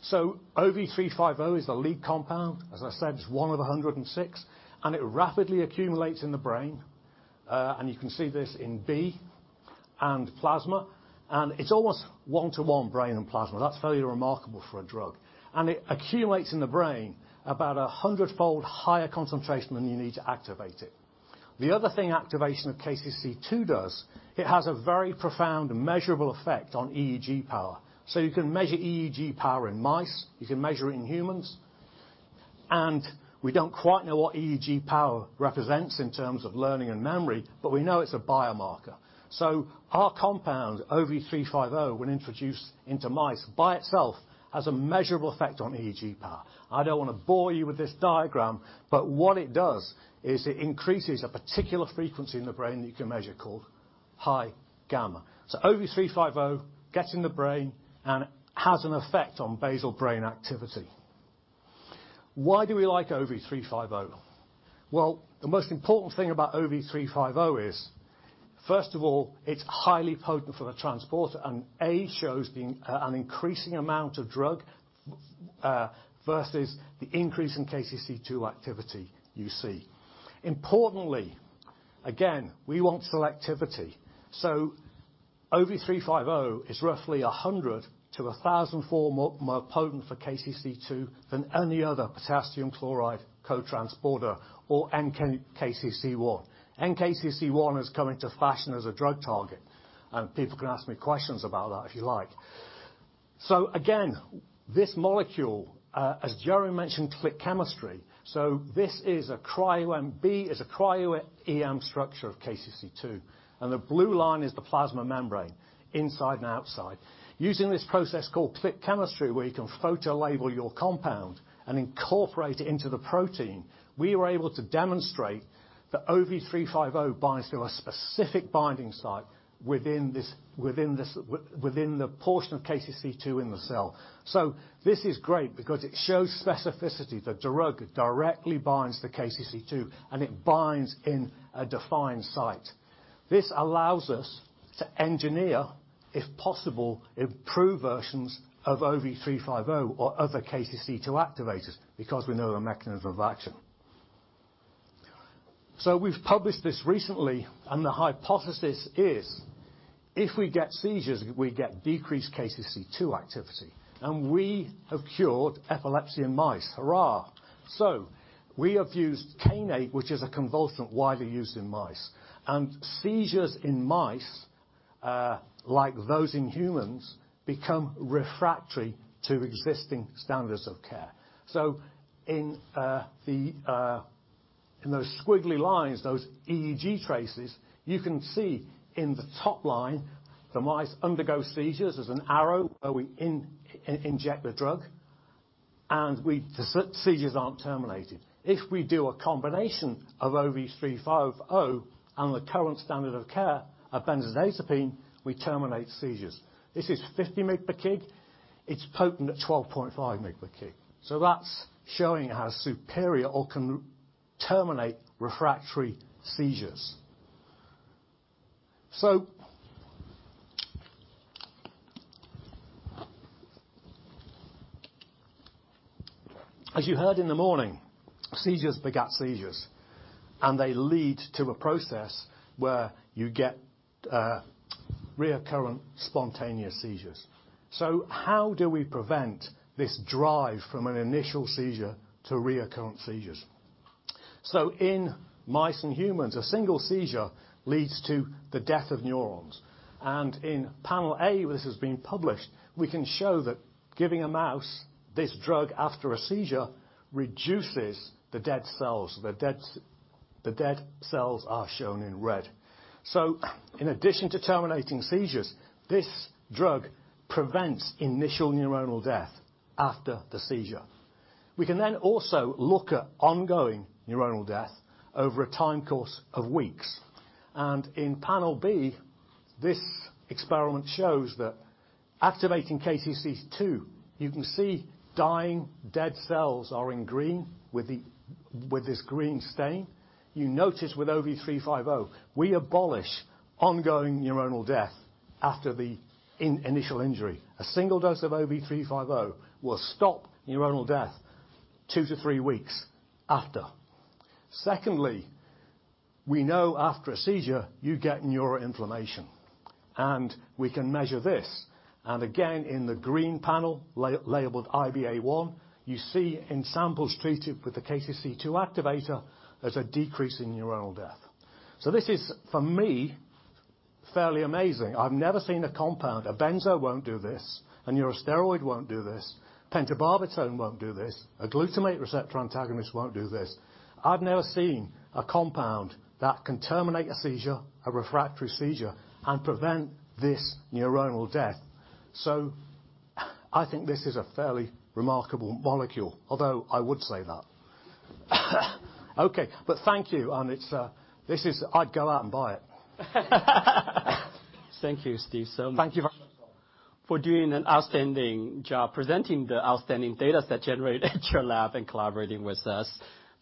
So OV350 is the lead compound. As I said, it's one of 106, and it rapidly accumulates in the brain. And you can see this in B and plasma, and it's almost one-to-one brain and plasma. That's fairly remarkable for a drug. And it accumulates in the brain about 100-fold higher concentration than you need to activate it. The other thing activation of KCC2 does. It has a very profound measurable effect on EEG power. So you can measure EEG power in mice, you can measure it in humans, and we don't quite know what EEG power represents in terms of learning and memory, but we know it's a biomarker. So our compound, OV350, when introduced into mice, by itself, has a measurable effect on EEG power. I don't want to bore you with this diagram, but what it does is it increases a particular frequency in the brain that you can measure called high gamma. So OV350 gets in the brain and has an effect on basal brain activity. Why do we like OV350? Well, the most important thing about OV350 is, first of all, it's highly potent for the transporter, and A shows the, an increasing amount of drug versus the increase in KCC2 activity you see. Importantly, again, we want selectivity. So OV350 is roughly 100-1,000-fold more, more potent for KCC2 than any other potassium chloride co-transporter or NKCC1. NKCC1 has come into fashion as a drug target, and people can ask me questions about that if you like. So again, this molecule, as Jeremy mentioned, click chemistry. So this is a cryo, and B is a cryo-EM structure of KCC2, and the blue line is the plasma membrane, inside and outside. Using this process called click chemistry, where you can photo label your compound and incorporate it into the protein, we were able to demonstrate that OV350 binds to a specific binding site within the portion of KCC2 in the cell. So this is great because it shows specificity, that the drug directly binds the KCC2, and it binds in a defined site. This allows us to engineer, if possible, improved versions of OV350 or other KCC2 activators, because we know the mechanism of action. So we've published this recently, and the hypothesis is: if we get seizures, we get decreased KCC2 activity, and we have cured epilepsy in mice. Hurrah! So we have used kainate, which is a convulsant widely used in mice, and seizures in mice, like those in humans, become refractory to existing standards of care. So in the squiggly lines, those EEG traces, you can see in the top line, the mice undergo seizures. There's an arrow where we inject the drug, and the seizures aren't terminated. If we do a combination of OV350 and the current standard of care of benzodiazepine, we terminate seizures. This is 50 mg per kg. It's potent at 12.5 mg per kg. So that's showing how superior or can terminate refractory seizures. So as you heard in the morning, seizures beget seizures, and they lead to a process where you get recurrent spontaneous seizures. So how do we prevent this drive from an initial seizure to recurrent seizures? So in mice and humans, a single seizure leads to the death of neurons. In panel A, this has been published, we can show that giving a mouse this drug after a seizure reduces the dead cells. The dead, the dead cells are shown in red. So in addition to terminating seizures, this drug prevents initial neuronal death after the seizure. We can then also look at ongoing neuronal death over a time course of weeks, and in panel B, this experiment shows that activating KCC2, you can see dying dead cells are in green with this green stain. You notice with OV350, we abolish ongoing neuronal death after the initial injury. A single dose of OV350 will stop neuronal death two to three weeks after. Secondly, we know after a seizure, you get neuroinflammation, and we can measure this. And again, in the green panel, labeled IBA-1, you see in samples treated with the KCC2 activator, there's a decrease in neuronal death. So this is, for me, fairly amazing. I've never seen a compound. A benzo won't do this, a neurosteroid won't do this, pentobarbital won't do this, a glutamate receptor antagonist won't do this. I've never seen a compound that can terminate a seizure, a refractory seizure, and prevent this neuronal death. So I think this is a fairly remarkable molecule, although I would say that. Okay, but thank you. It's, this is, I'd go out and buy it. Thank you, Steve. Thank you For doing an outstanding job presenting the outstanding data that generated at your lab and collaborating with us.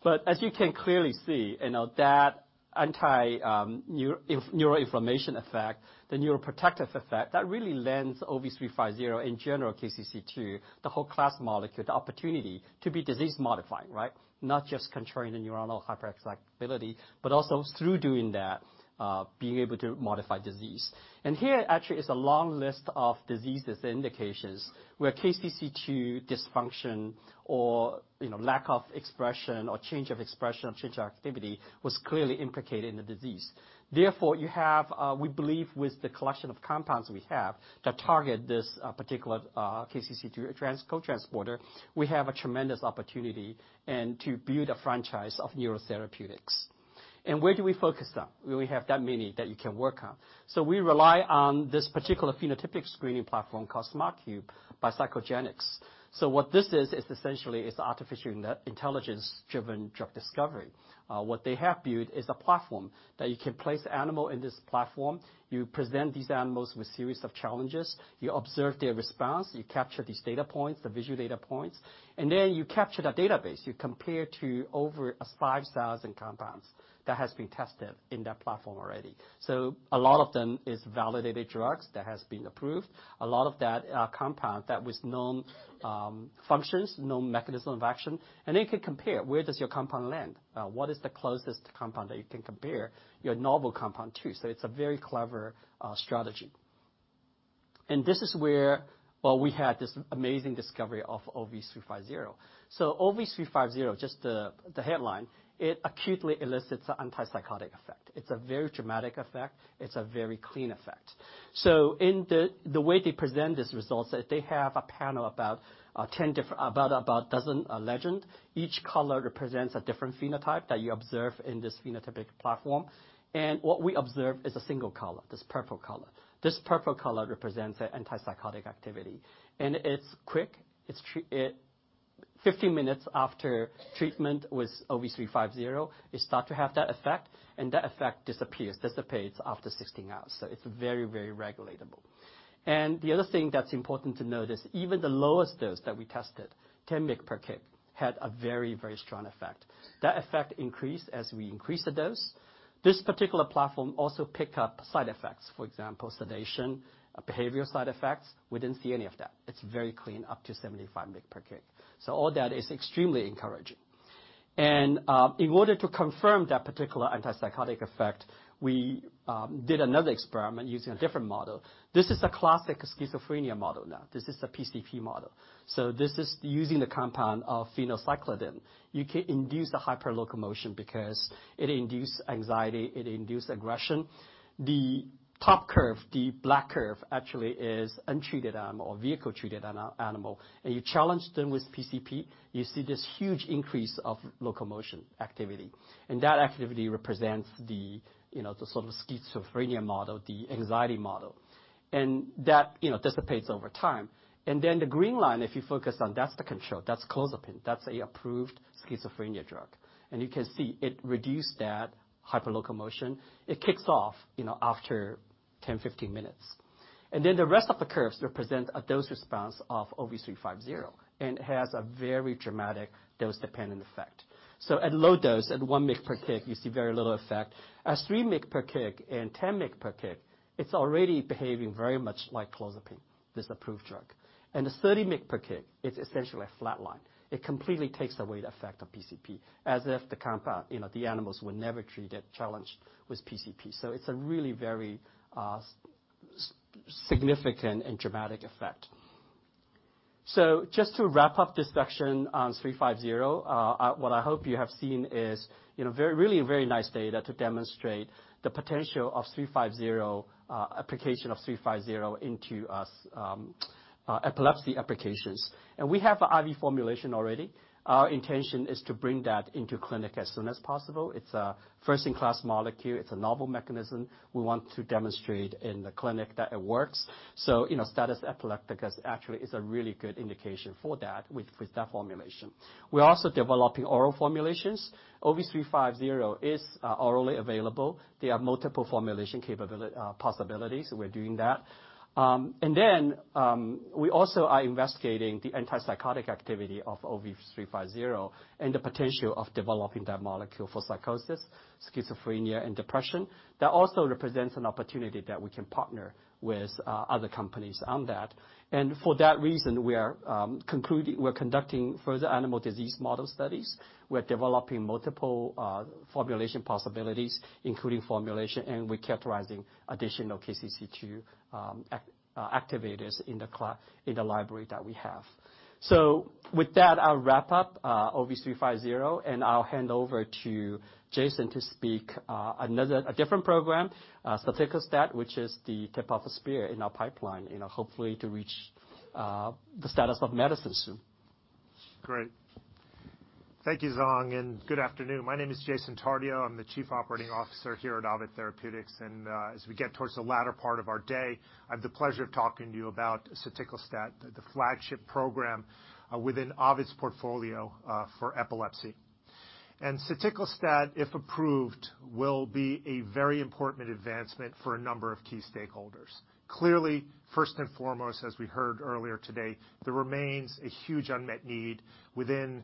But as you can clearly see, you know, that anti-neuroinflammation effect, the neuroprotective effect, that really lends OV350, in general KCC2, the whole class molecule, the opportunity to be disease-modifying, right? Not just controlling the neuronal hyperexcitability, but also through doing that, being able to modify disease. And here actually is a long list of diseases and indications where KCC2 dysfunction or, you know, lack of expression or change of expression or change of activity was clearly implicated in the disease. Therefore, you have, we believe, with the collection of compounds we have that target this, particular, KCC2 cotransporter, we have a tremendous opportunity and to build a franchise of neurotherapeutics. Where do we focus on when we have that many that you can work on? We rely on this particular phenotypic screening platform called SmartCube by PsychoGenics. What this is, is essentially it's artificial intelligence-driven drug discovery. What they have built is a platform that you can place animal in this platform, you present these animals with series of challenges, you observe their response, you capture these data points, the visual data points, and then you capture that database. You compare to over 5,000 compounds that has been tested in that platform already. A lot of them is validated drugs that has been approved. A lot of that, compound that with known, functions, known mechanism of action, and then you can compare where does your compound land? What is the closest compound that you can compare your novel compound to? It's a very clever strategy. And this is where, well, we had this amazing discovery of OV350. So OV350, just the headline, it acutely elicits an antipsychotic effect. It's a very dramatic effect. It's a very clean effect. So in the way they present these results, they have a panel about 10 different, about a dozen legend. Each color represents a different phenotype that you observe in this phenotypic platform. And what we observe is a single color, this purple color. This purple color represents the antipsychotic activity, and it's quick. 15 minutes after treatment with OV350, it starts to have that effect, and that effect disappears, dissipates after 16 hours. So it's very, very regulatable. And the other thing that's important to notice, even the lowest dose that we tested, 10 mg per kg, had a very, very strong effect. That effect increased as we increased the dose. This particular platform also pick up side effects. For example, sedation, behavioral side effects. We didn't see any of that. It's very clean, up to 75 mg per kg. So all that is extremely encouraging. And, in order to confirm that particular antipsychotic effect, we, did another experiment using a different model. This is a classic schizophrenia model now. This is a PCP model. So this is using the compound of phencyclidine. You can induce the hyperlocomotion because it induce anxiety, it induce aggression. The top curve, the black curve, actually is untreated animal or vehicle-treated animal, and you challenge them with PCP, you see this huge increase of locomotion activity, and that activity represents the, you know, the sort of schizophrenia model, the anxiety model. That, you know, dissipates over time. Then the green line, if you focus on, that's the control, that's clozapine. That's an approved schizophrenia drug. And you can see it reduced that hyperlocomotion. It kicks off, you know, after 10, 15 minutes. Then the rest of the curves represent a dose response of OV350, and it has a very dramatic dose-dependent effect. So at low dose, at 1 mg per kg, you see very little effect. At 3 mg per kg and 10 mg per kg, it's already behaving very much like clozapine, this approved drug. At 30 mg per kg, it's essentially a flat line. It completely takes away the effect of PCP, as if the compound, you know, the animals were never treated, challenged with PCP. So it's a really very significant and dramatic effect. So just to wrap up this section on OV350, what I hope you have seen is, you know, very, really a very nice data to demonstrate the potential of OV350, application of OV350 into epilepsy applications. And we have an IV formulation already. Our intention is to bring that into clinic as soon as possible. It's a first-in-class molecule. It's a novel mechanism. We want to demonstrate in the clinic that it works. So, you know, status epilepticus actually is a really good indication for that with that formulation. We're also developing oral formulations. OV350 is orally available. There are multiple formulation capability possibilities, so we're doing that. And then, we also are investigating the antipsychotic activity of OV350 and the potential of developing that molecule for psychosis, schizophrenia, and depression. That also represents an opportunity that we can partner with other companies on that. And for that reason, we're conducting further animal disease model studies. We're developing multiple formulation possibilities, including formulation, and we're characterizing additional KCC2 activators in the library that we have. So with that, I'll wrap up OV350, and I'll hand over to Jason to speak another, a different program, soticlestat, which is the tip of the spear in our pipeline, you know, hopefully to reach the status of medicine soon. Great. Thank you, Zhong, and good afternoon. My name is Jason Tardio. I'm the Chief Operating Officer here at Ovid Therapeutics, and as we get towards the latter part of our day, I have the pleasure of talking to you about soticlestat, the flagship program within Ovid's portfolio for epilepsy. And soticlestat, if approved, will be a very important advancement for a number of key stakeholders. Clearly, first and foremost, as we heard earlier today, there remains a huge unmet need within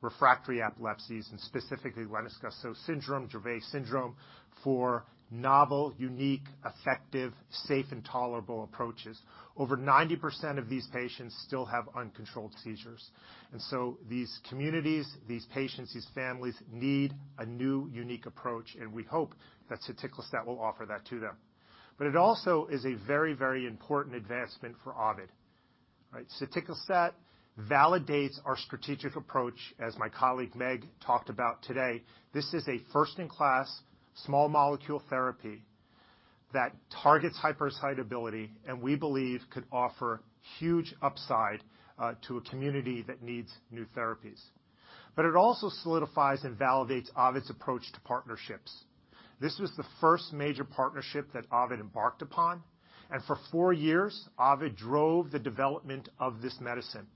refractory epilepsies, and specifically Lennox-Gastaut syndrome, Dravet syndrome, for novel, unique, effective, safe and tolerable approaches. Over 90% of these patients still have uncontrolled seizures, and so these communities, these patients, these families, need a new, unique approach, and we hope that soticlestat will offer that to them. But it also is a very, very important advancement for Ovid, right? soticlestat validates our strategic approach, as my colleague, Meg, talked about today. This is a first-in-class, small molecule therapy that targets hyperexcitability, and we believe could offer huge upside to a community that needs new therapies. But it also solidifies and validates Ovid's approach to partnerships. This was the first major partnership that Ovid embarked upon, and for four years, Ovid drove the development of this medicine.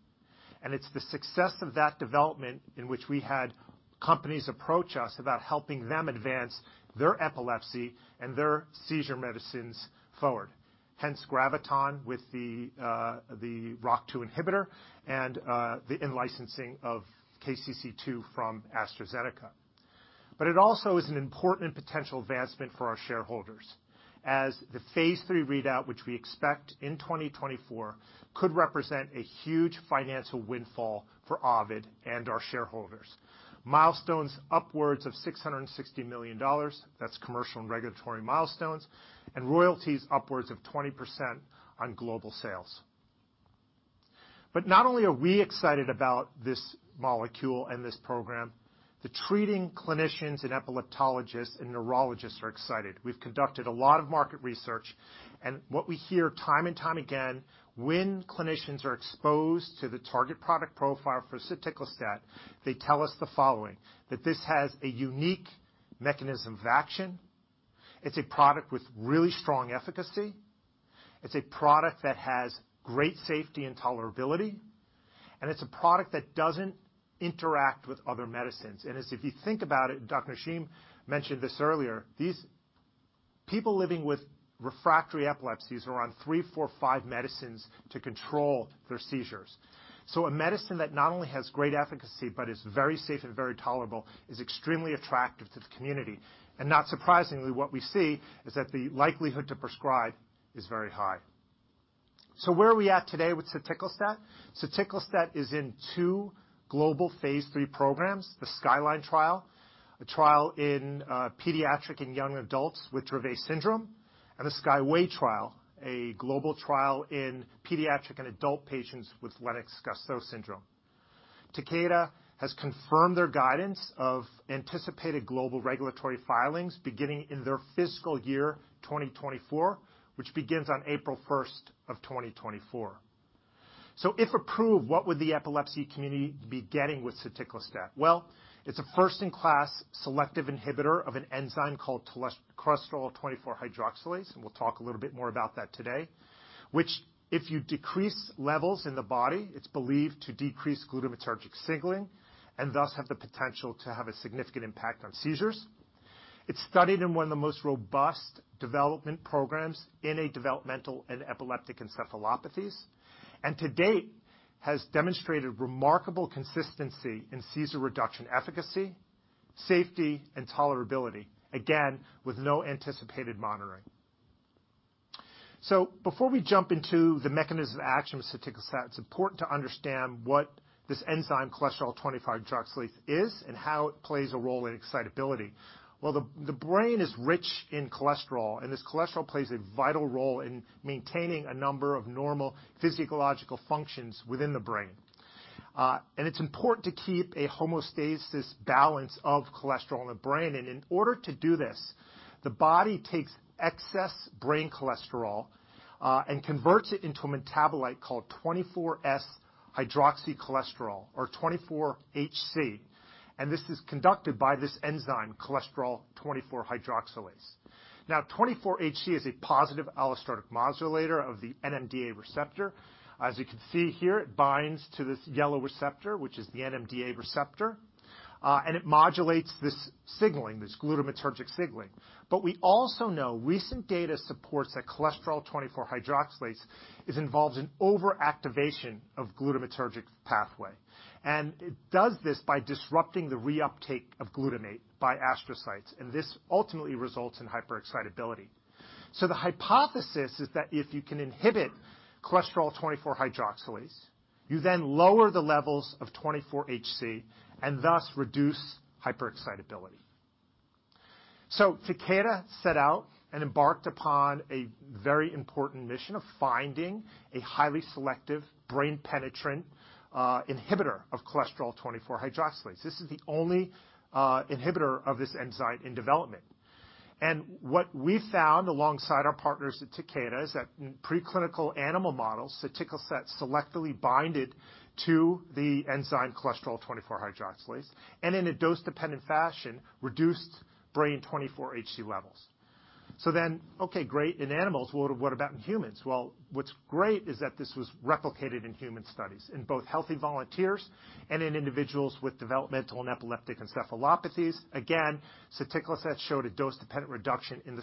And it's the success of that development in which we had companies approach us about helping them advance their epilepsy and their seizure medicines forward. Hence, Graviton with the ROCK2 inhibitor and the in-licensing of KCC2 from AstraZeneca. But it also is an important potential advancement for our shareholders, as the Phase 3 readout, which we expect in 2024, could represent a huge financial windfall for Ovid and our shareholders. Milestones upwards of $660 million, that's commercial and regulatory milestones, and royalties upwards of 20% on global sales. But not only are we excited about this molecule and this program, the treating clinicians and epileptologists and neurologists are excited. We've conducted a lot of market research, and what we hear time and time again, when clinicians are exposed to the target product profile for soticlestat, they tell us the following, that this has a unique mechanism of action. It's a product with really strong efficacy. It's a product that has great safety and tolerability, and it's a product that doesn't interact with other medicines. And as if you think about it, Dr. Zhong mentioned this earlier, these people living with refractory epilepsies are on three, four, five medicines to control their seizures. So a medicine that not only has great efficacy but is very safe and very tolerable is extremely attractive to the community. And not surprisingly, what we see is that the likelihood to prescribe is very high. So where are we at today with soticlestat? soticlestat is in two global Phase 3 programs, the SKYLINE trial, a trial in pediatric and young adults with Dravet syndrome, and the SKYWAY trial, a global trial in pediatric and adult patients with Lennox-Gastaut syndrome. Takeda has confirmed their guidance of anticipated global regulatory filings beginning in their fiscal year 2024, which begins on 1 April 2024. So if approved, what would the epilepsy community be getting with soticlestat? Well, it's a first-in-class selective inhibitor of an enzyme called cholesterol 24-hydroxylase, and we'll talk a little bit more about that today, which, if you decrease levels in the body, it's believed to decrease glutamatergic signaling and thus have the potential to have a significant impact on seizures. It's studied in one of the most robust development programs in a developmental and epileptic encephalopathies, and to date, has demonstrated remarkable consistency in seizure reduction efficacy, safety, and tolerability, again, with no anticipated monitoring. So before we jump into the mechanism of action with soticlestat, it's important to understand what this enzyme, cholesterol 24-hydroxylase, is and how it plays a role in excitability. Well, the brain is rich in cholesterol, and this cholesterol plays a vital role in maintaining a number of normal physiological functions within the brain. It's important to keep a homeostasis balance of cholesterol in the brain, and in order to do this, the body takes excess brain cholesterol and converts it into a metabolite called 24S-hydroxycholesterol or 24HC. This is conducted by this enzyme, cholesterol 24-hydroxylase. Now, 24HC is a positive allosteric modulator of the NMDA receptor. As you can see here, it binds to this yellow receptor, which is the NMDA receptor, and it modulates this signaling, this glutamatergic signaling. But we also know recent data supports that cholesterol 24-hydroxylase is involved in overactivation of glutamatergic pathway. And it does this by disrupting the reuptake of glutamate by astrocytes, and this ultimately results in hyperexcitability. So the hypothesis is that if you can inhibit cholesterol 24-hydroxylase, you then lower the levels of 24HC, and thus reduce hyperexcitability. So Takeda set out and embarked upon a very important mission of finding a highly selective brain-penetrant inhibitor of cholesterol 24-hydroxylase. This is the only inhibitor of this enzyme in development. And what we found alongside our partners at Takeda is that in preclinical animal models, soticlestat selectively binded to the enzyme cholesterol 24-hydroxylase, and in a dose-dependent fashion, reduced brain 24HC levels. So then, okay, great in animals. Well, what about in humans? Well, what's great is that this was replicated in human studies, in both healthy volunteers and in individuals with developmental and epileptic encephalopathies. Again, soticlestat showed a dose-dependent reduction in the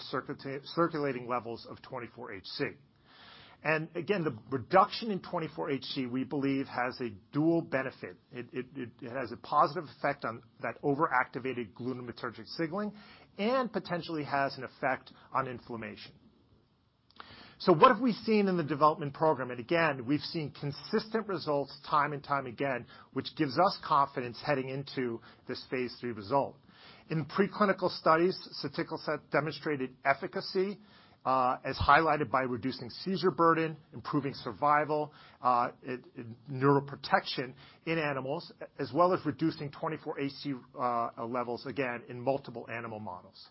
circulating levels of 24HC. And again, the reduction in 24HC, we believe, has a dual benefit. It has a positive effect on that overactivated glutamatergic signaling and potentially has an effect on inflammation. So what have we seen in the development program? And again, we've seen consistent results time and time again, which gives us confidence heading into this Phase 3 result. In preclinical studies, soticlestat demonstrated efficacy, as highlighted by reducing seizure burden, improving survival, neuroprotection in animals, as well as reducing 24HC levels, again, in multiple animal models.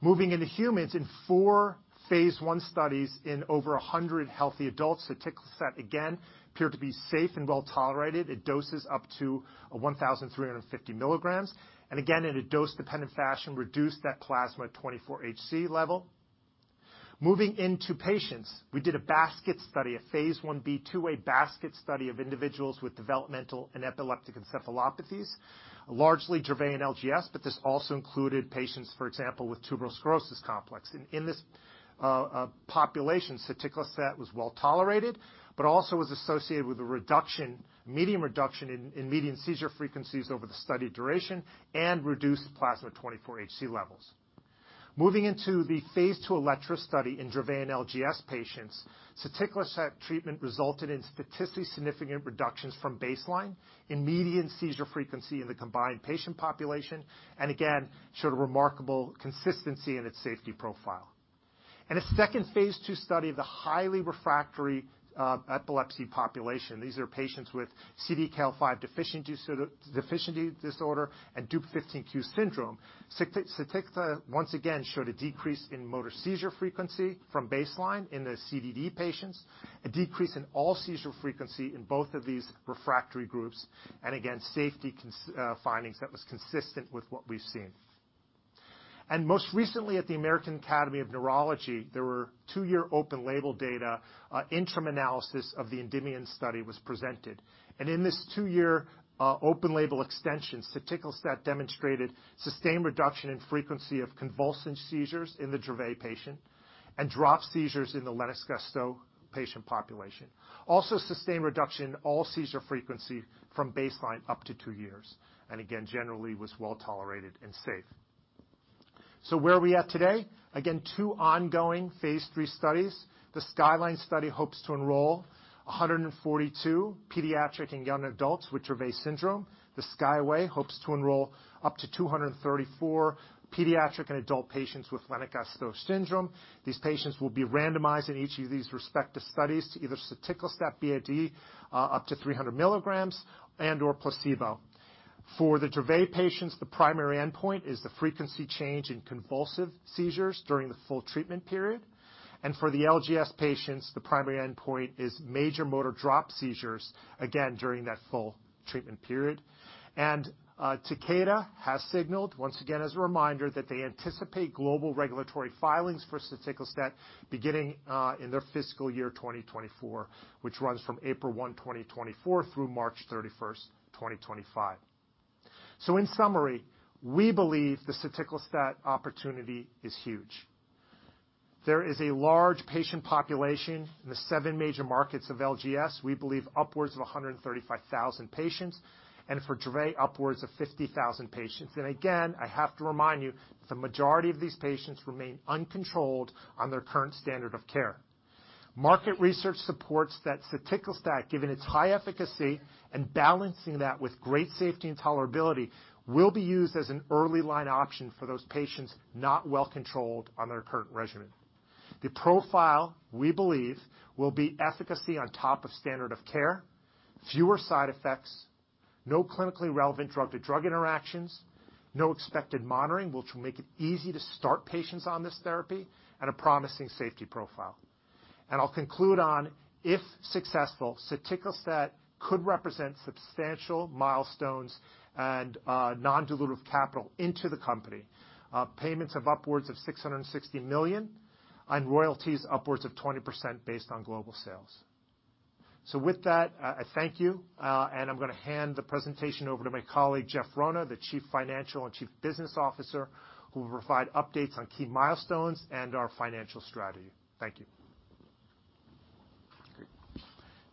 Moving into humans, in four Phase 1 studies in over 100 healthy adults, soticlestat again appeared to be safe and well tolerated. It doses up to 1,350 mg, and again, in a dose-dependent fashion, reduced that plasma 24HC level. Moving into patients, we did a basket study, a Phase 1b, two-way basket study of individuals with developmental and epileptic encephalopathies, largely Dravet and LGS, but this also included patients, for example, with tuberous sclerosis complex. In this population, soticlestat was well tolerated, but also was associated with a median reduction in median seizure frequencies over the study duration and reduced plasma 24HC levels. Moving into the Phase 2 ELECTRA study in Dravet and LGS patients, soticlestat treatment resulted in statistically significant reductions from baseline in median seizure frequency in the combined patient population, and again, showed a remarkable consistency in its safety profile. In a second Phase 2 study of the highly refractory epilepsy population, these are patients with CDKL5 deficiency disorder and Dup15q syndrome. soticlestat once again showed a decrease in motor seizure frequency from baseline in the CDD patients, a decrease in all seizure frequency in both of these refractory groups, and again, safety findings that was consistent with what we've seen. Most recently, at the American Academy of Neurology, there were two-year open-label data, interim analysis of the ENDEAVOR study was presented. And in this two-year, open-label extension, soticlestat demonstrated sustained reduction in frequency of convulsive seizures in the Dravet patient and drop seizures in the Lennox-Gastaut patient population. Also, sustained reduction in all seizure frequency from baseline up to 2 years, and again, generally was well tolerated and safe. So where are we at today? Again, two ongoing Phase 3 studies. The SKYLINE study hopes to enroll 142 pediatric and young adults with Dravet syndrome. The SKYWAY hopes to enroll up to 234 pediatric and adult patients with Lennox-Gastaut syndrome. These patients will be randomized in each of these respective studies to either soticlestat BID, up to 300 mg and/or placebo. For the Dravet patients, the primary endpoint is the frequency change in convulsive seizures during the full treatment period. And for the LGS patients, the primary endpoint is major motor drop seizures, again, during that full treatment period. And, Takeda has signaled, once again, as a reminder, that they anticipate global regulatory filings for soticlestat beginning in their fiscal year 2024, which runs from 1 April 2024, through 31 March 2025. So in summary, we believe the soticlestat opportunity is huge. There is a large patient population in the seven major markets of LGS, we believe upwards of 135,000 patients, and for Dravet, upwards of 50,000 patients. And again, I have to remind you, the majority of these patients remain uncontrolled on their current standard of care. Market research supports that soticlestat, given its high efficacy and balancing that with great safety and tolerability, will be used as an early line option for those patients not well controlled on their current regimen. The profile, we believe, will be efficacy on top of standard of care, fewer side effects, no clinically relevant drug-to-drug interactions, no expected monitoring, which will make it easy to start patients on this therapy, and a promising safety profile. I'll conclude on, if successful, soticlestat could represent substantial milestones and non-dilutive capital into the company. Payments of upwards of $660 million, and royalties upwards of 20% based on global sales. With that, I thank you, and I'm going to hand the presentation over to my colleague, Jeff Rona, the Chief Financial and Chief Business Officer, who will provide updates on key milestones and our financial strategy. Thank you.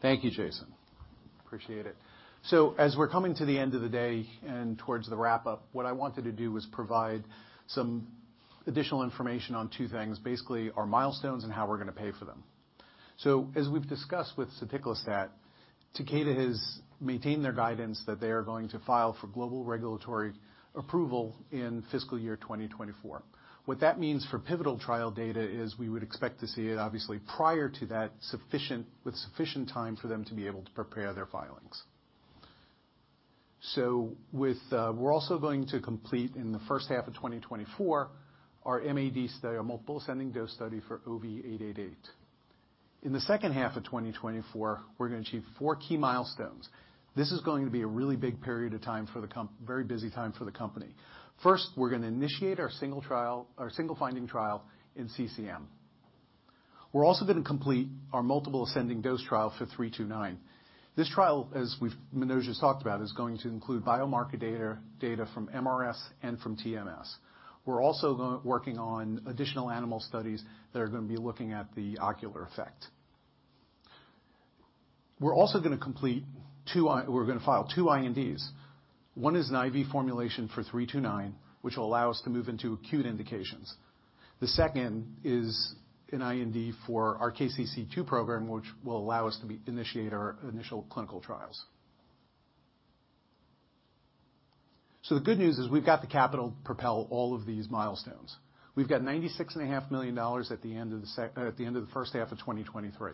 Great. Thank you, Jason. Appreciate it. So as we're coming to the end of the day and towards the wrap-up, what I wanted to do was provide some additional information on two things, basically, our milestones and how we're going to pay for them. So as we've discussed with soticlestat, Takeda has maintained their guidance that they are going to file for global regulatory approval in fiscal year 2024. What that means for pivotal trial data is we would expect to see it, obviously, prior to that, with sufficient time for them to be able to prepare their filings. We're also going to complete, in the first half of 2024, our MAD study, our multiple ascending dose study for OV888. In the second half of 2024, we're going to achieve four key milestones. This is going to be a really big period of time for the company. Very busy time for the company. First, we're going to initiate our single trial, our single finding trial in CCM. We're also going to complete our multiple ascending dose trial for 329. This trial, as we've, Manoj has talked about, is going to include biomarker data, data from MRS and from TMS. We're also working on additional animal studies that are going to be looking at the ocular effect. We're also going to complete two. We're going to file two INDs. One is an IV formulation for 329, which will allow us to move into acute indications. The second is an IND for our KCC2 program, which will allow us to initiate our initial clinical trials. The good news is we've got the capital to propel all of these milestones. We've got $96.5 million at the end of the first half of 2023.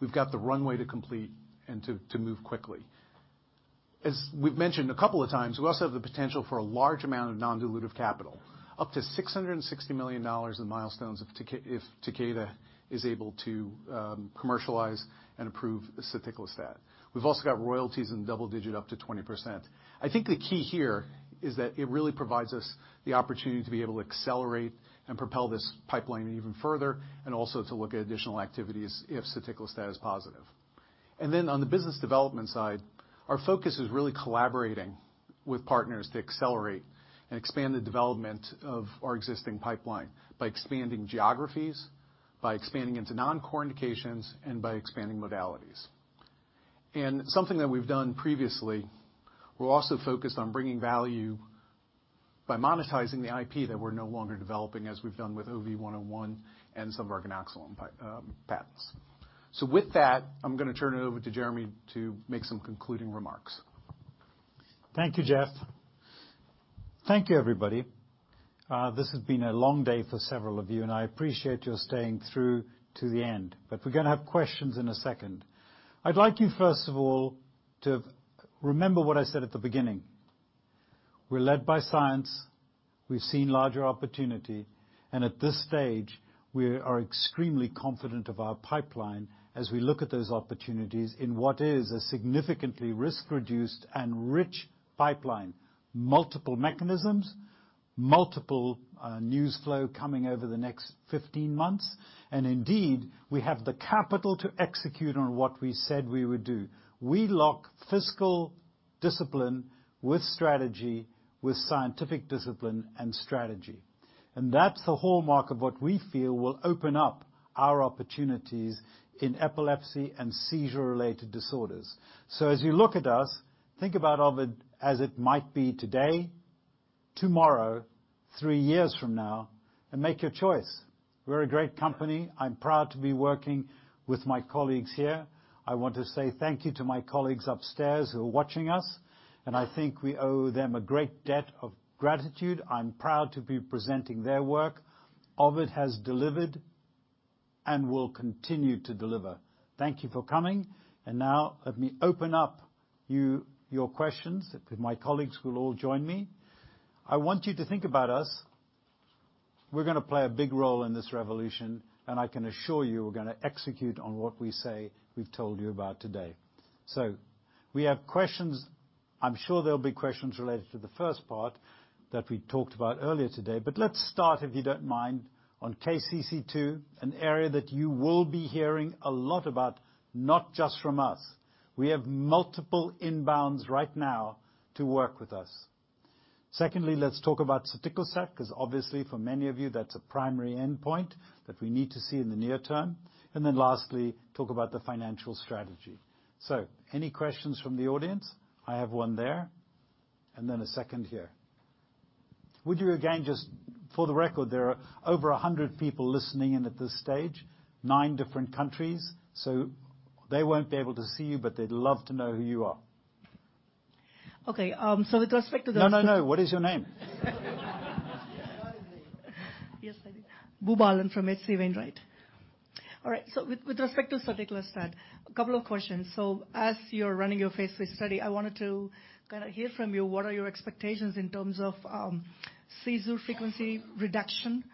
We've got the runway to complete and to move quickly. As we've mentioned a couple of times, we also have the potential for a large amount of non-dilutive capital, up to $660 million in milestones if Takeda is able to commercialize and approve soticlestat. We've also got royalties in double digit, up to 20%. I think the key here is that it really provides us the opportunity to be able to accelerate and propel this pipeline even further, and also to look at additional activities if soticlestat is positive. Then on the business development side, our focus is really collaborating with partners to accelerate and expand the development of our existing pipeline by expanding geographies, by expanding into non-core indications, and by expanding modalities. Something that we've done previously, we're also focused on bringing value by monetizing the IP that we're no longer developing, as we've done with OV101 and some of our ganaxolone patents. With that, I'm going to turn it over to Jeremy to make some concluding remarks. Thank you, Jeff. Thank you, everybody. This has been a long day for several of you, and I appreciate your staying through to the end, but we're going to have questions in a second. I'd like you, first of all, to remember what I said at the beginning. We're led by science, we've seen larger opportunity, and at this stage, we are extremely confident of our pipeline as we look at those opportunities in what is a significantly risk-reduced and rich pipeline. Multiple mechanisms, multiple, news flow coming over the next 15 months, and indeed, we have the capital to execute on what we said we would do. We lock fiscal discipline with strategy, with scientific discipline and strategy, and that's the hallmark of what we feel will open up our opportunities in epilepsy and seizure-related disorders. So as you look at us, think about Ovid as it might be today, tomorrow, three years from now, and make your choice. We're a great company. I'm proud to be working with my colleagues here. I want to say thank you to my colleagues upstairs who are watching us, and I think we owe them a great debt of gratitude. I'm proud to be presenting their work. Ovid has delivered and will continue to deliver. Thank you for coming, and now let me open up your questions. My colleagues will all join me. I want you to think about us. We're going to play a big role in this revolution, and I can assure you, we're going to execute on what we say we've told you about today. So we have questions. I'm sure there'll be questions related to the first part that we talked about earlier today, but let's start, if you don't mind, on KCC2, an area that you will be hearing a lot about, not just from us. We have multiple inbounds right now to work with us. Secondly, let's talk about soticlestat, because obviously, for many of you, that's a primary endpoint that we need to see in the near term. And then lastly, talk about the financial strategy. So any questions from the audience? I have one there, and then a second here. Would you again, just for the record? There are over 100 people listening in at this stage, nine different countries, so they won't be able to see you, but they'd love to know who you are. Okay, so with respect to the- <crosstalk> No, no, no. What is your name? Yes, Boobalan from HC Wainwright. All right, so with, with respect to soticlestat, a couple of questions. So as you're running your Phase 3 study, I wanted to kinda hear from you what are your expectations in terms of seizure frequency reduction?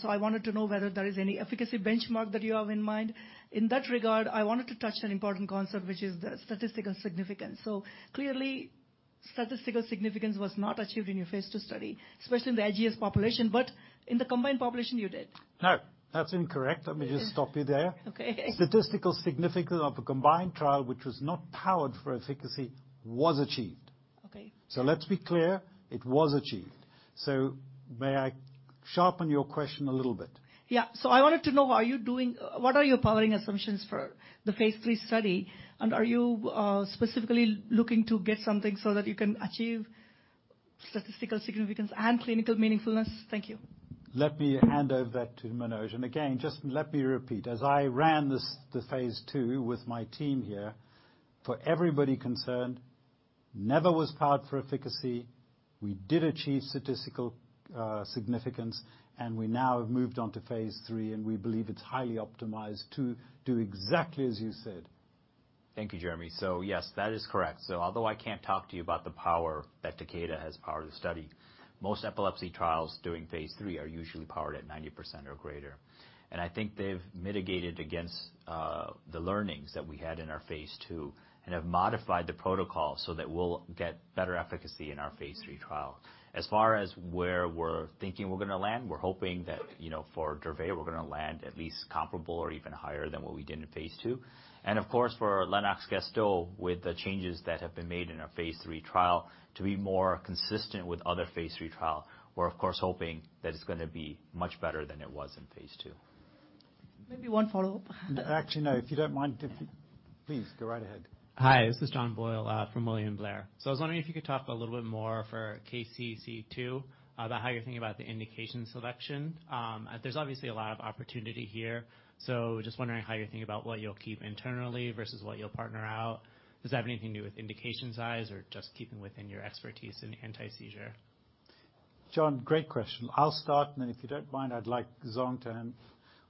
So I wanted to know whether there is any efficacy benchmark that you have in mind. In that regard, I wanted to touch an important concept, which is the statistical significance. So clearly, statistical significance was not achieved in your Phase 2 study, especially in the LGS population, but in the combined population, you did. No, that's incorrect. Let me just stop you there. Okay. Statistical significance of a combined trial, which was not powered for efficacy, was achieved. Okay. Let's be clear, it was achieved. May I sharpen your question a little bit? Yeah. So I wanted to know, are you doing, what are your powering assumptions for the Phase 3 study? And are you specifically looking to get something so that you can achieve statistical significance and clinical meaningfulness? Thank you. Let me hand over that to Manoj. And again, just let me repeat, as I ran this, the Phase 2 with my team here, for everybody concerned, never was powered for efficacy. We did achieve statistical significance, and we now have moved on to Phase 3, and we believe it's highly optimized to do exactly as you said. Thank you, Jeremy. So yes, that is correct. So although I can't talk to you about the power that Takeda has powered the study, most epilepsy trials doing Phase 3 are usually powered at 90% or greater. And I think they've mitigated against the learnings that we had in our Phase 2 and have modified the protocol so that we'll get better efficacy in our Phase 3 trial. As far as where we're thinking we're gonna land, we're hoping that, you know, for Dravet, we're gonna land at least comparable or even higher than what we did in Phase 2. And of course, for Lennox-Gastaut, with the changes that have been made in our Phase 3 trial to be more consistent with other Phase 3 trial, we're of course hoping that it's gonna be much better than it was in Phase 2. Maybe one follow-up. Actually, no. If you don't mind, please, go right ahead. Hi, this is John Boyle from William Blair. So I was wondering if you could talk a little bit more for KCC2, about how you're thinking about the indication selection. There's obviously a lot of opportunity here, so just wondering how you're thinking about what you'll keep internally versus what you'll partner out. Does it have anything to do with indication size or just keeping within your expertise in anti-seizure? John, great question. I'll start, and then if you don't mind, I'd like Zhong to end.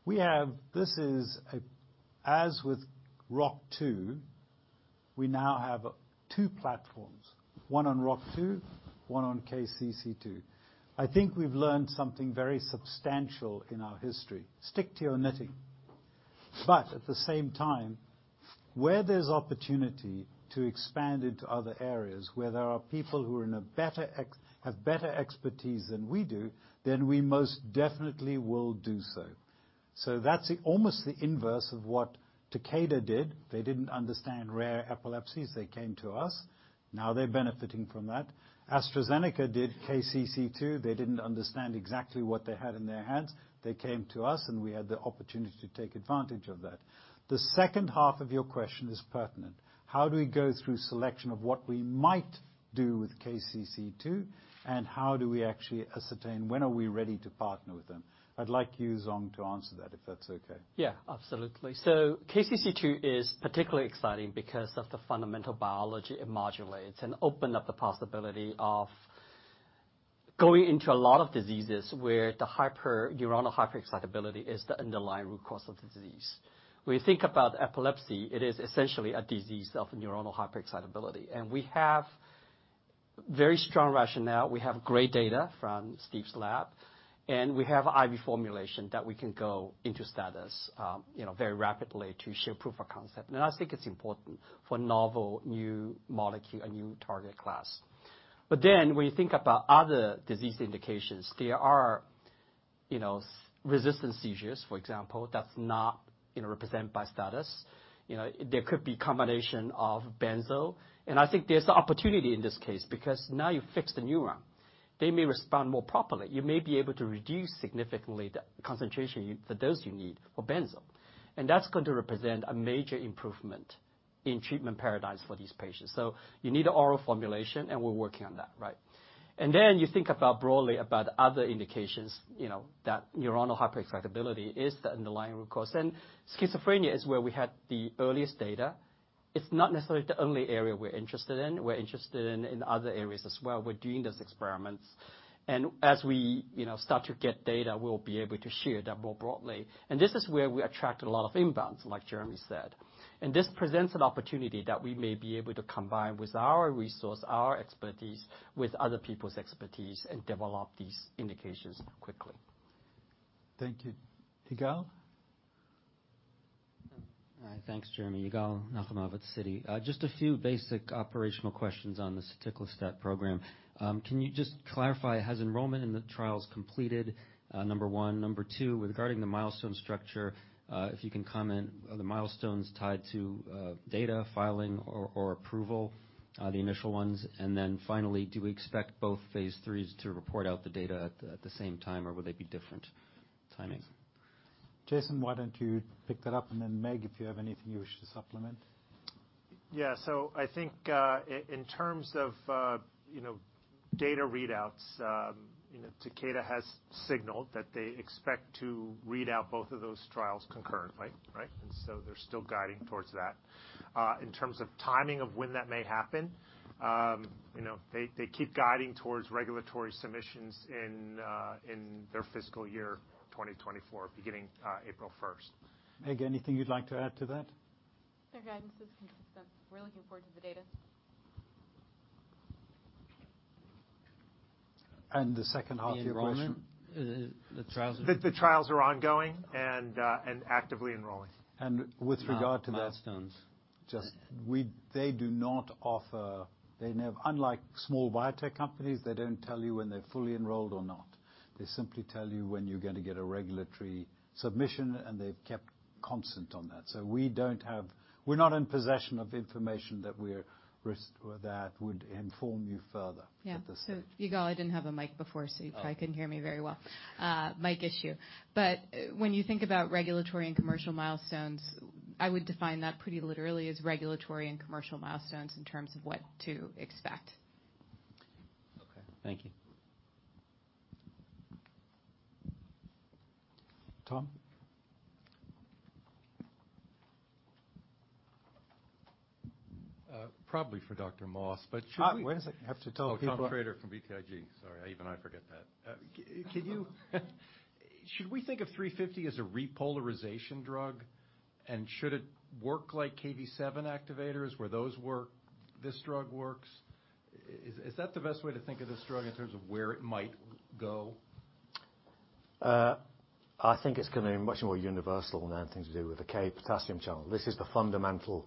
We have, this is a, as with ROCK2, we now have two platforms, one on ROCK2, one on KCC2. I think we've learned something very substantial in our history, stick to your knitting. At the same time, where there's opportunity to expand into other areas, where there are people who are in a better ex, have better expertise than we do, we most definitely will do so. That's almost the inverse of what Takeda did. They didn't understand rare epilepsies, they came to us. Now they're benefiting from that. AstraZeneca did KCC2. They didn't understand exactly what they had in their hands. They came to us, and we had the opportunity to take advantage of that. The second half of your question is pertinent, how do we go through selection of what we might do with KCC2, and how do we actually ascertain when are we ready to partner with them? I'd like you, Zong, to answer that, if that's okay. Yeah, absolutely. So KCC2 is particularly exciting because of the fundamental biology it modulates and open up the possibility of going into a lot of diseases where the hyper, neuronal hyperexcitability is the underlying root cause of the disease. When you think about epilepsy, it is essentially a disease of neuronal hyperexcitability, and we have very strong rationale, we have great data from Steve's lab, and we have IV formulation that we can go into status, you know, very rapidly to share proof of concept. And I think it's important for novel, new molecule, a new target class. But then when you think about other disease indications, there are, you know, resistant seizures, for example, that's not, you know, represented by status. You know, there could be combination of benzo, and I think there's the opportunity in this case, because now you fix the neuron, they may respond more properly. You may be able to reduce significantly the concentration, the dose you need for benzo. And that's going to represent a major improvement in treatment paradigms for these patients. So you need an oral formulation, and we're working on that, right? And then you think about, broadly, about other indications, you know, that neuronal hyperexcitability is the underlying root cause. And schizophrenia is where we had the earliest data. It's not necessarily the only area we're interested in. We're interested in other areas as well. We're doing those experiments, and as we, you know, start to get data, we'll be able to share that more broadly. And this is where we attract a lot of inbounds, like Jeremy said. This presents an opportunity that we may be able to combine with our resource, our expertise, with other people's expertise and develop these indications quickly. Thank you. Yigal? Thanks, Jeremy. Yigal Nochomovitz of Citi. Just a few basic operational questions on the soticlestat program. Can you just clarify, has enrollment in the trials completed, number one? Number two, regarding the milestone structure, if you can comment, are the milestones tied to data filing or approval, the initial ones? And then finally, do we expect both Phase 3s to report out the data at the same time, or will they be different timing? Jason, why don't you pick that up, and then, Meg, if you have anything you wish to supplement. Yeah. So I think, in terms of, you know, data readouts, you know, Takeda has signaled that they expect to read out both of those trials concurrently, right? And so they're still guiding towards that. In terms of timing of when that may happen, you know, they, they keep guiding towards regulatory submissions in, in their fiscal year 2024, beginning April first. Meg, anything you'd like to add to that? Their guidance is consistent. We're looking forward to the data. And the second half of your question? The enrollment, the trials- <crosstalk> The trials are ongoing and actively enrolling. And with regard to that milestones. They do not offer. They never, unlike small biotech companies, they don't tell you when they're fully enrolled or not. They simply tell you when you're going to get a regulatory submission, and they've kept constant on that. So we're not in possession of information that we're risk or that would inform you further at this stage. Yeah. So Yigal, I didn't have a mic before, so you probably couldn't hear me very well. Mic issue. But when you think about regulatory and commercial milestones, I would define that pretty literally as regulatory and commercial milestones in terms of what to expect. Okay. Thank you. Tom? Probably for Dr. Moss, but should we- Ah, wait a second. I have to tell people <crosstalk> Oh, Tom Shrader from BTIG. Sorry, even I forget that. Should we think of 350 as a repolarization drug? And should it work like KV7 activators, where those work, this drug works? Is that the best way to think of this drug in terms of where it might go? I think it's going to be much more universal than anything to do with the KCC2. This is the fundamental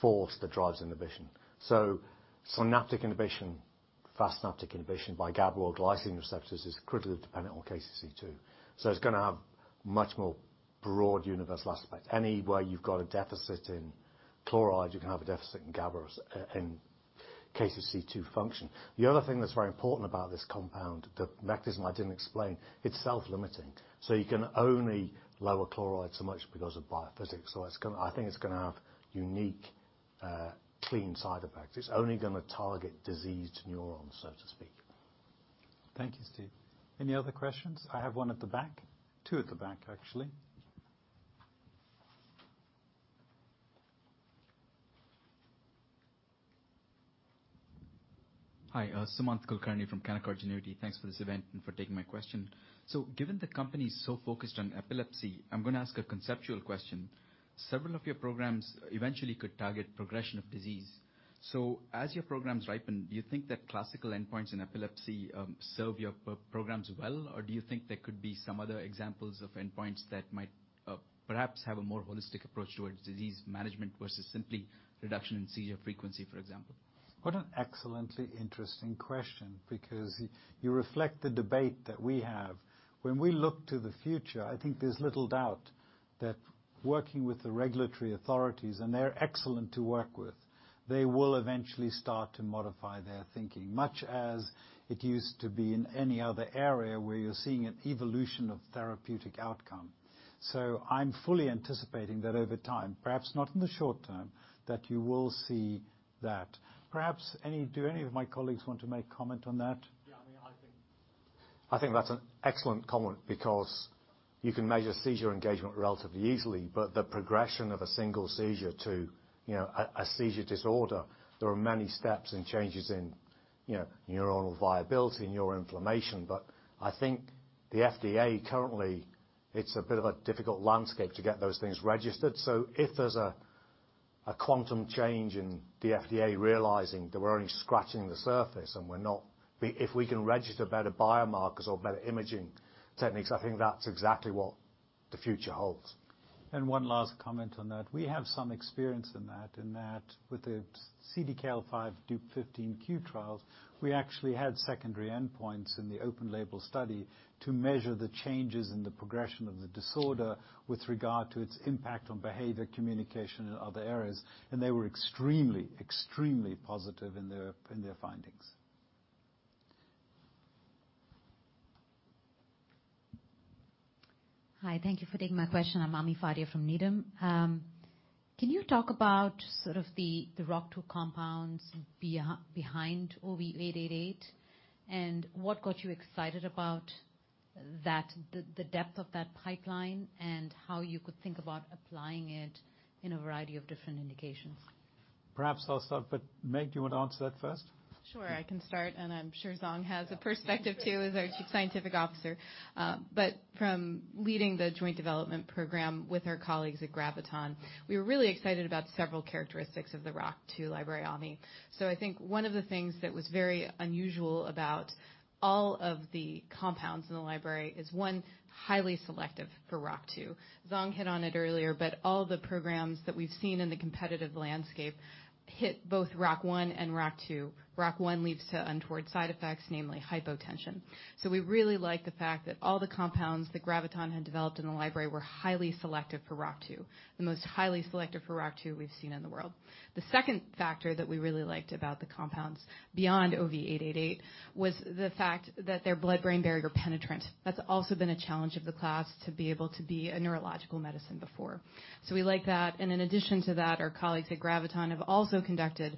force that drives inhibition. So synaptic inhibition, fast synaptic inhibition by GABA or glycine receptors is critically dependent on KCC2. So it's going to have much more broad, universal aspect. Anywhere you've got a deficit in chloride, you can have a deficit in GABA or in KCC2 function. The other thing that's very important about this compound, the mechanism I didn't explain, it's self-limiting. So you can only lower chloride so much because of biophysics. So it's gonna. I think it's going to have unique, clean side effects. It's only going to target diseased neurons, so to speak. Thank you, Steve. Any other questions? I have one at the back. Two at the back, actually. Hi, Sumant Kulkarni from Canaccord Genuity. Thanks for this event and for taking my question. So given the company is so focused on epilepsy, I'm going to ask a conceptual question. Several of your programs eventually could target progression of disease. So as your programs ripen, do you think that classical endpoints in epilepsy serve your programs well? Or do you think there could be some other examples of endpoints that might perhaps have a more holistic approach towards disease management versus simply reduction in seizure frequency, for example? What an excellently interesting question, because you reflect the debate that we have. When we look to the future, I think there's little doubt that working with the regulatory authorities, and they're excellent to work with, they will eventually start to modify their thinking, much as it used to be in any other area where you're seeing an evolution of therapeutic outcome. So I'm fully anticipating that over time, perhaps not in the short term, that you will see that. Do any of my colleagues want to make comment on that? Yeah, I mean, I think, I think that's an excellent comment because you can measure seizure engagement relatively easily, but the progression of a single seizure to, you know, a seizure disorder, there are many steps and changes in, you know, neuronal viability and neural inflammation. But I think the FDA, currently, it's a bit of a difficult landscape to get those things registered. So if there's a quantum change in the FDA realizing that we're only scratching the surface and we're not, if we can register better biomarkers or better imaging techniques, I think that's exactly what the future holds. And one last comment on that. We have some experience in that, in that with the CDKL5 Dup15q trials, we actually had secondary endpoints in the open label study to measure the changes in the progression of the disorder with regard to its impact on behavior, communication, and other areas. And they were extremely, extremely positive in their, in their findings. Hi, thank you for taking my question. I'm Ami Fadia from Needham. Can you talk about sort of the ROCK2 compounds behind OV888, and what got you excited about that, the depth of that pipeline, and how you could think about applying it in a variety of different indications? Perhaps I'll start, but Meg, do you want to answer that first? Sure, I can start, and I'm sure Zong has a perspective, too, as our Chief Scientific Officer. But from leading the joint development program with our colleagues at Graviton, we were really excited about several characteristics of the ROCK2 library, Ami. So I think one of the things that was very unusual about all of the compounds in the library is, one, highly selective for ROCK2. Zong hit on it earlier, but all the programs that we've seen in the competitive landscape hit both ROCK1 and ROCK2. ROCK1 leads to untoward side effects, namely hypotension. So we really like the fact that all the compounds that Graviton had developed in the library were highly selective for ROCK2, the most highly selective for ROCK2 we've seen in the world. The second factor that we really liked about the compounds beyond OV888, was the fact that their blood-brain barrier penetrant. That's also been a challenge of the class, to be able to be a neurological medicine before. So we like that, and in addition to that, our colleagues at Graviton have also conducted,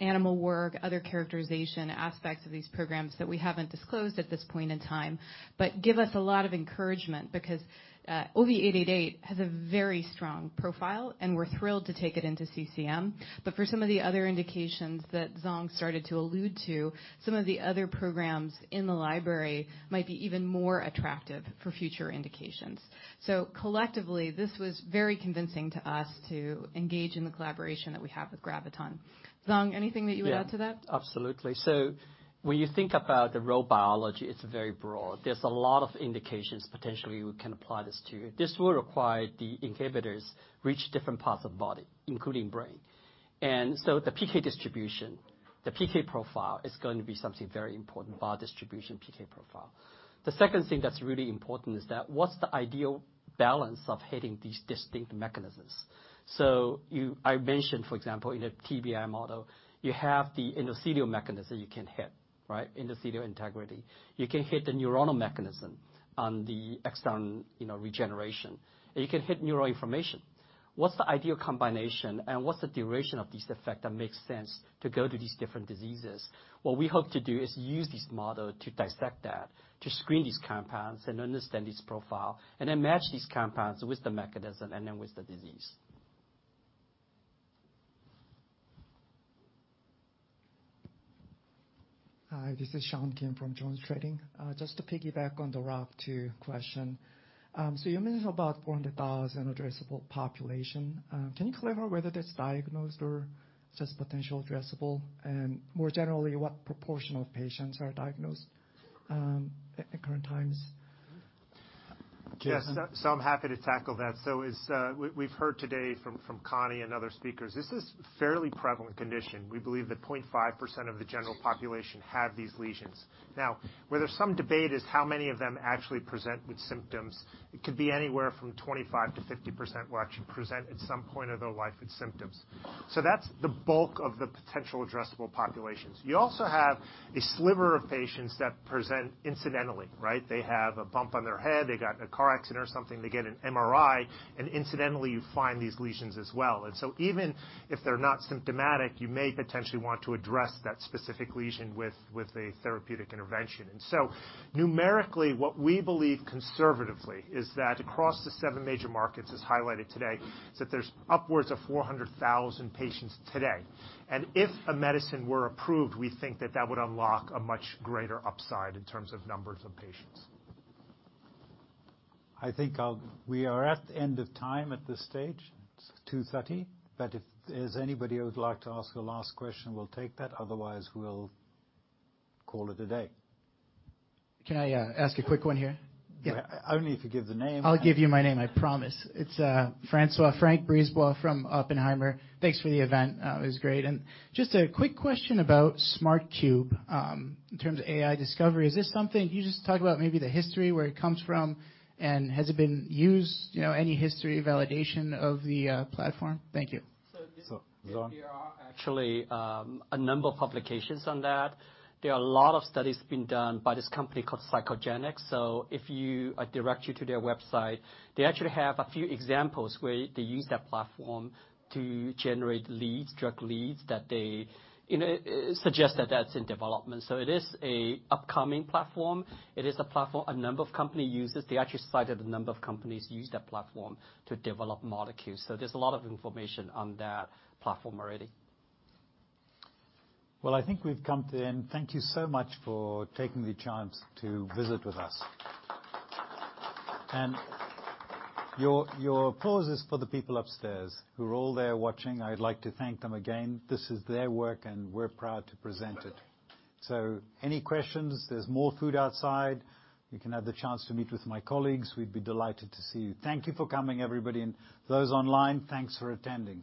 animal work, other characterization aspects of these programs that we haven't disclosed at this point in time, but give us a lot of encouragement because, OV888 has a very strong profile, and we're thrilled to take it into CCM. But for some of the other indications that Zhong started to allude to, some of the other programs in the library might be even more attractive for future indications. So collectively, this was very convincing to us to engage in the collaboration that we have with Graviton. Zhong, anything that you would add to that? Yeah. Absolutely. So when you think about the Rho biology, it's very broad. There's a lot of indications, potentially, we can apply this to. This will require the inhibitors reach different parts of body, including brain. And so the PK distribution, the PK profile, is going to be something very important, brain distribution, PK profile. The second thing that's really important is that what's the ideal balance of hitting these distinct mechanisms? So you, I mentioned, for example, in a TBI model, you have the endothelial mechanism you can hit, right? Endothelial integrity. You can hit the neuronal mechanism on the axon, you know, regeneration, and you can hit neuroinflammation. What's the ideal combination, and what's the duration of this effect that makes sense to go to these different diseases? What we hope to do is use this model to dissect that, to screen these compounds and understand its profile, and then match these compounds with the mechanism and then with the disease. Hi, this is Sean Kim from JonesTrading. Just to piggyback on the ROCK2 question. So you mentioned about 400,000 addressable population. Can you clarify whether that's diagnosed or just potential addressable? And more generally, what proportion of patients are diagnosed at current times? Yes, so I'm happy to tackle that. So as we've heard today from Connie and other speakers, this is a fairly prevalent condition. We believe that 0.5% of the general population have these lesions. Now, where there's some debate is how many of them actually present with symptoms. It could be anywhere from 25%-50% will actually present at some point of their life with symptoms. So that's the bulk of the potential addressable populations. You also have a sliver of patients that present incidentally, right? They have a bump on their head, they got in a car accident or something, they get an MRI, and incidentally, you find these lesions as well. And so even if they're not symptomatic, you may potentially want to address that specific lesion with a therapeutic intervention. And so numerically, what we believe conservatively is that across the seven major markets, as highlighted today, is that there's upwards of 400,000 patients today. And if a medicine were approved, we think that that would unlock a much greater upside in terms of numbers of patients. I think we are at the end of time at this stage. It's 2:30 PM, but if there's anybody who would like to ask a last question, we'll take that. Otherwise, we'll call it a day. Can I ask a quick one here? Yeah. Only if you give the name. I'll give you my name, I promise. It's François, Frank Brisebois from Oppenheimer. Thanks for the event. It was great. And just a quick question about SmartCube, in terms of AI discovery. Is this something... Can you just talk about maybe the history, where it comes from, and has it been used, you know, any history of validation of the platform? Thank you. So, there are actually, a number of publications on that. There are a lot of studies being done by this company called PsychoGenics. So if you, I direct you to their website, they actually have a few examples where they use that platform to generate leads, drug leads, that they, you know, suggest that that's in development. So it is a upcoming platform. It is a platform a number of company uses. They actually cited a number of companies use that platform to develop molecules, so there's a lot of information on that platform already. Well, I think we've come to the end. Thank you so much for taking the chance to visit with us. And your, your applause is for the people upstairs who are all there watching. I'd like to thank them again. This is their work, and we're proud to present it. So any questions, there's more food outside. You can have the chance to meet with my colleagues. We'd be delighted to see you. Thank you for coming, everybody, and those online, thanks for attending.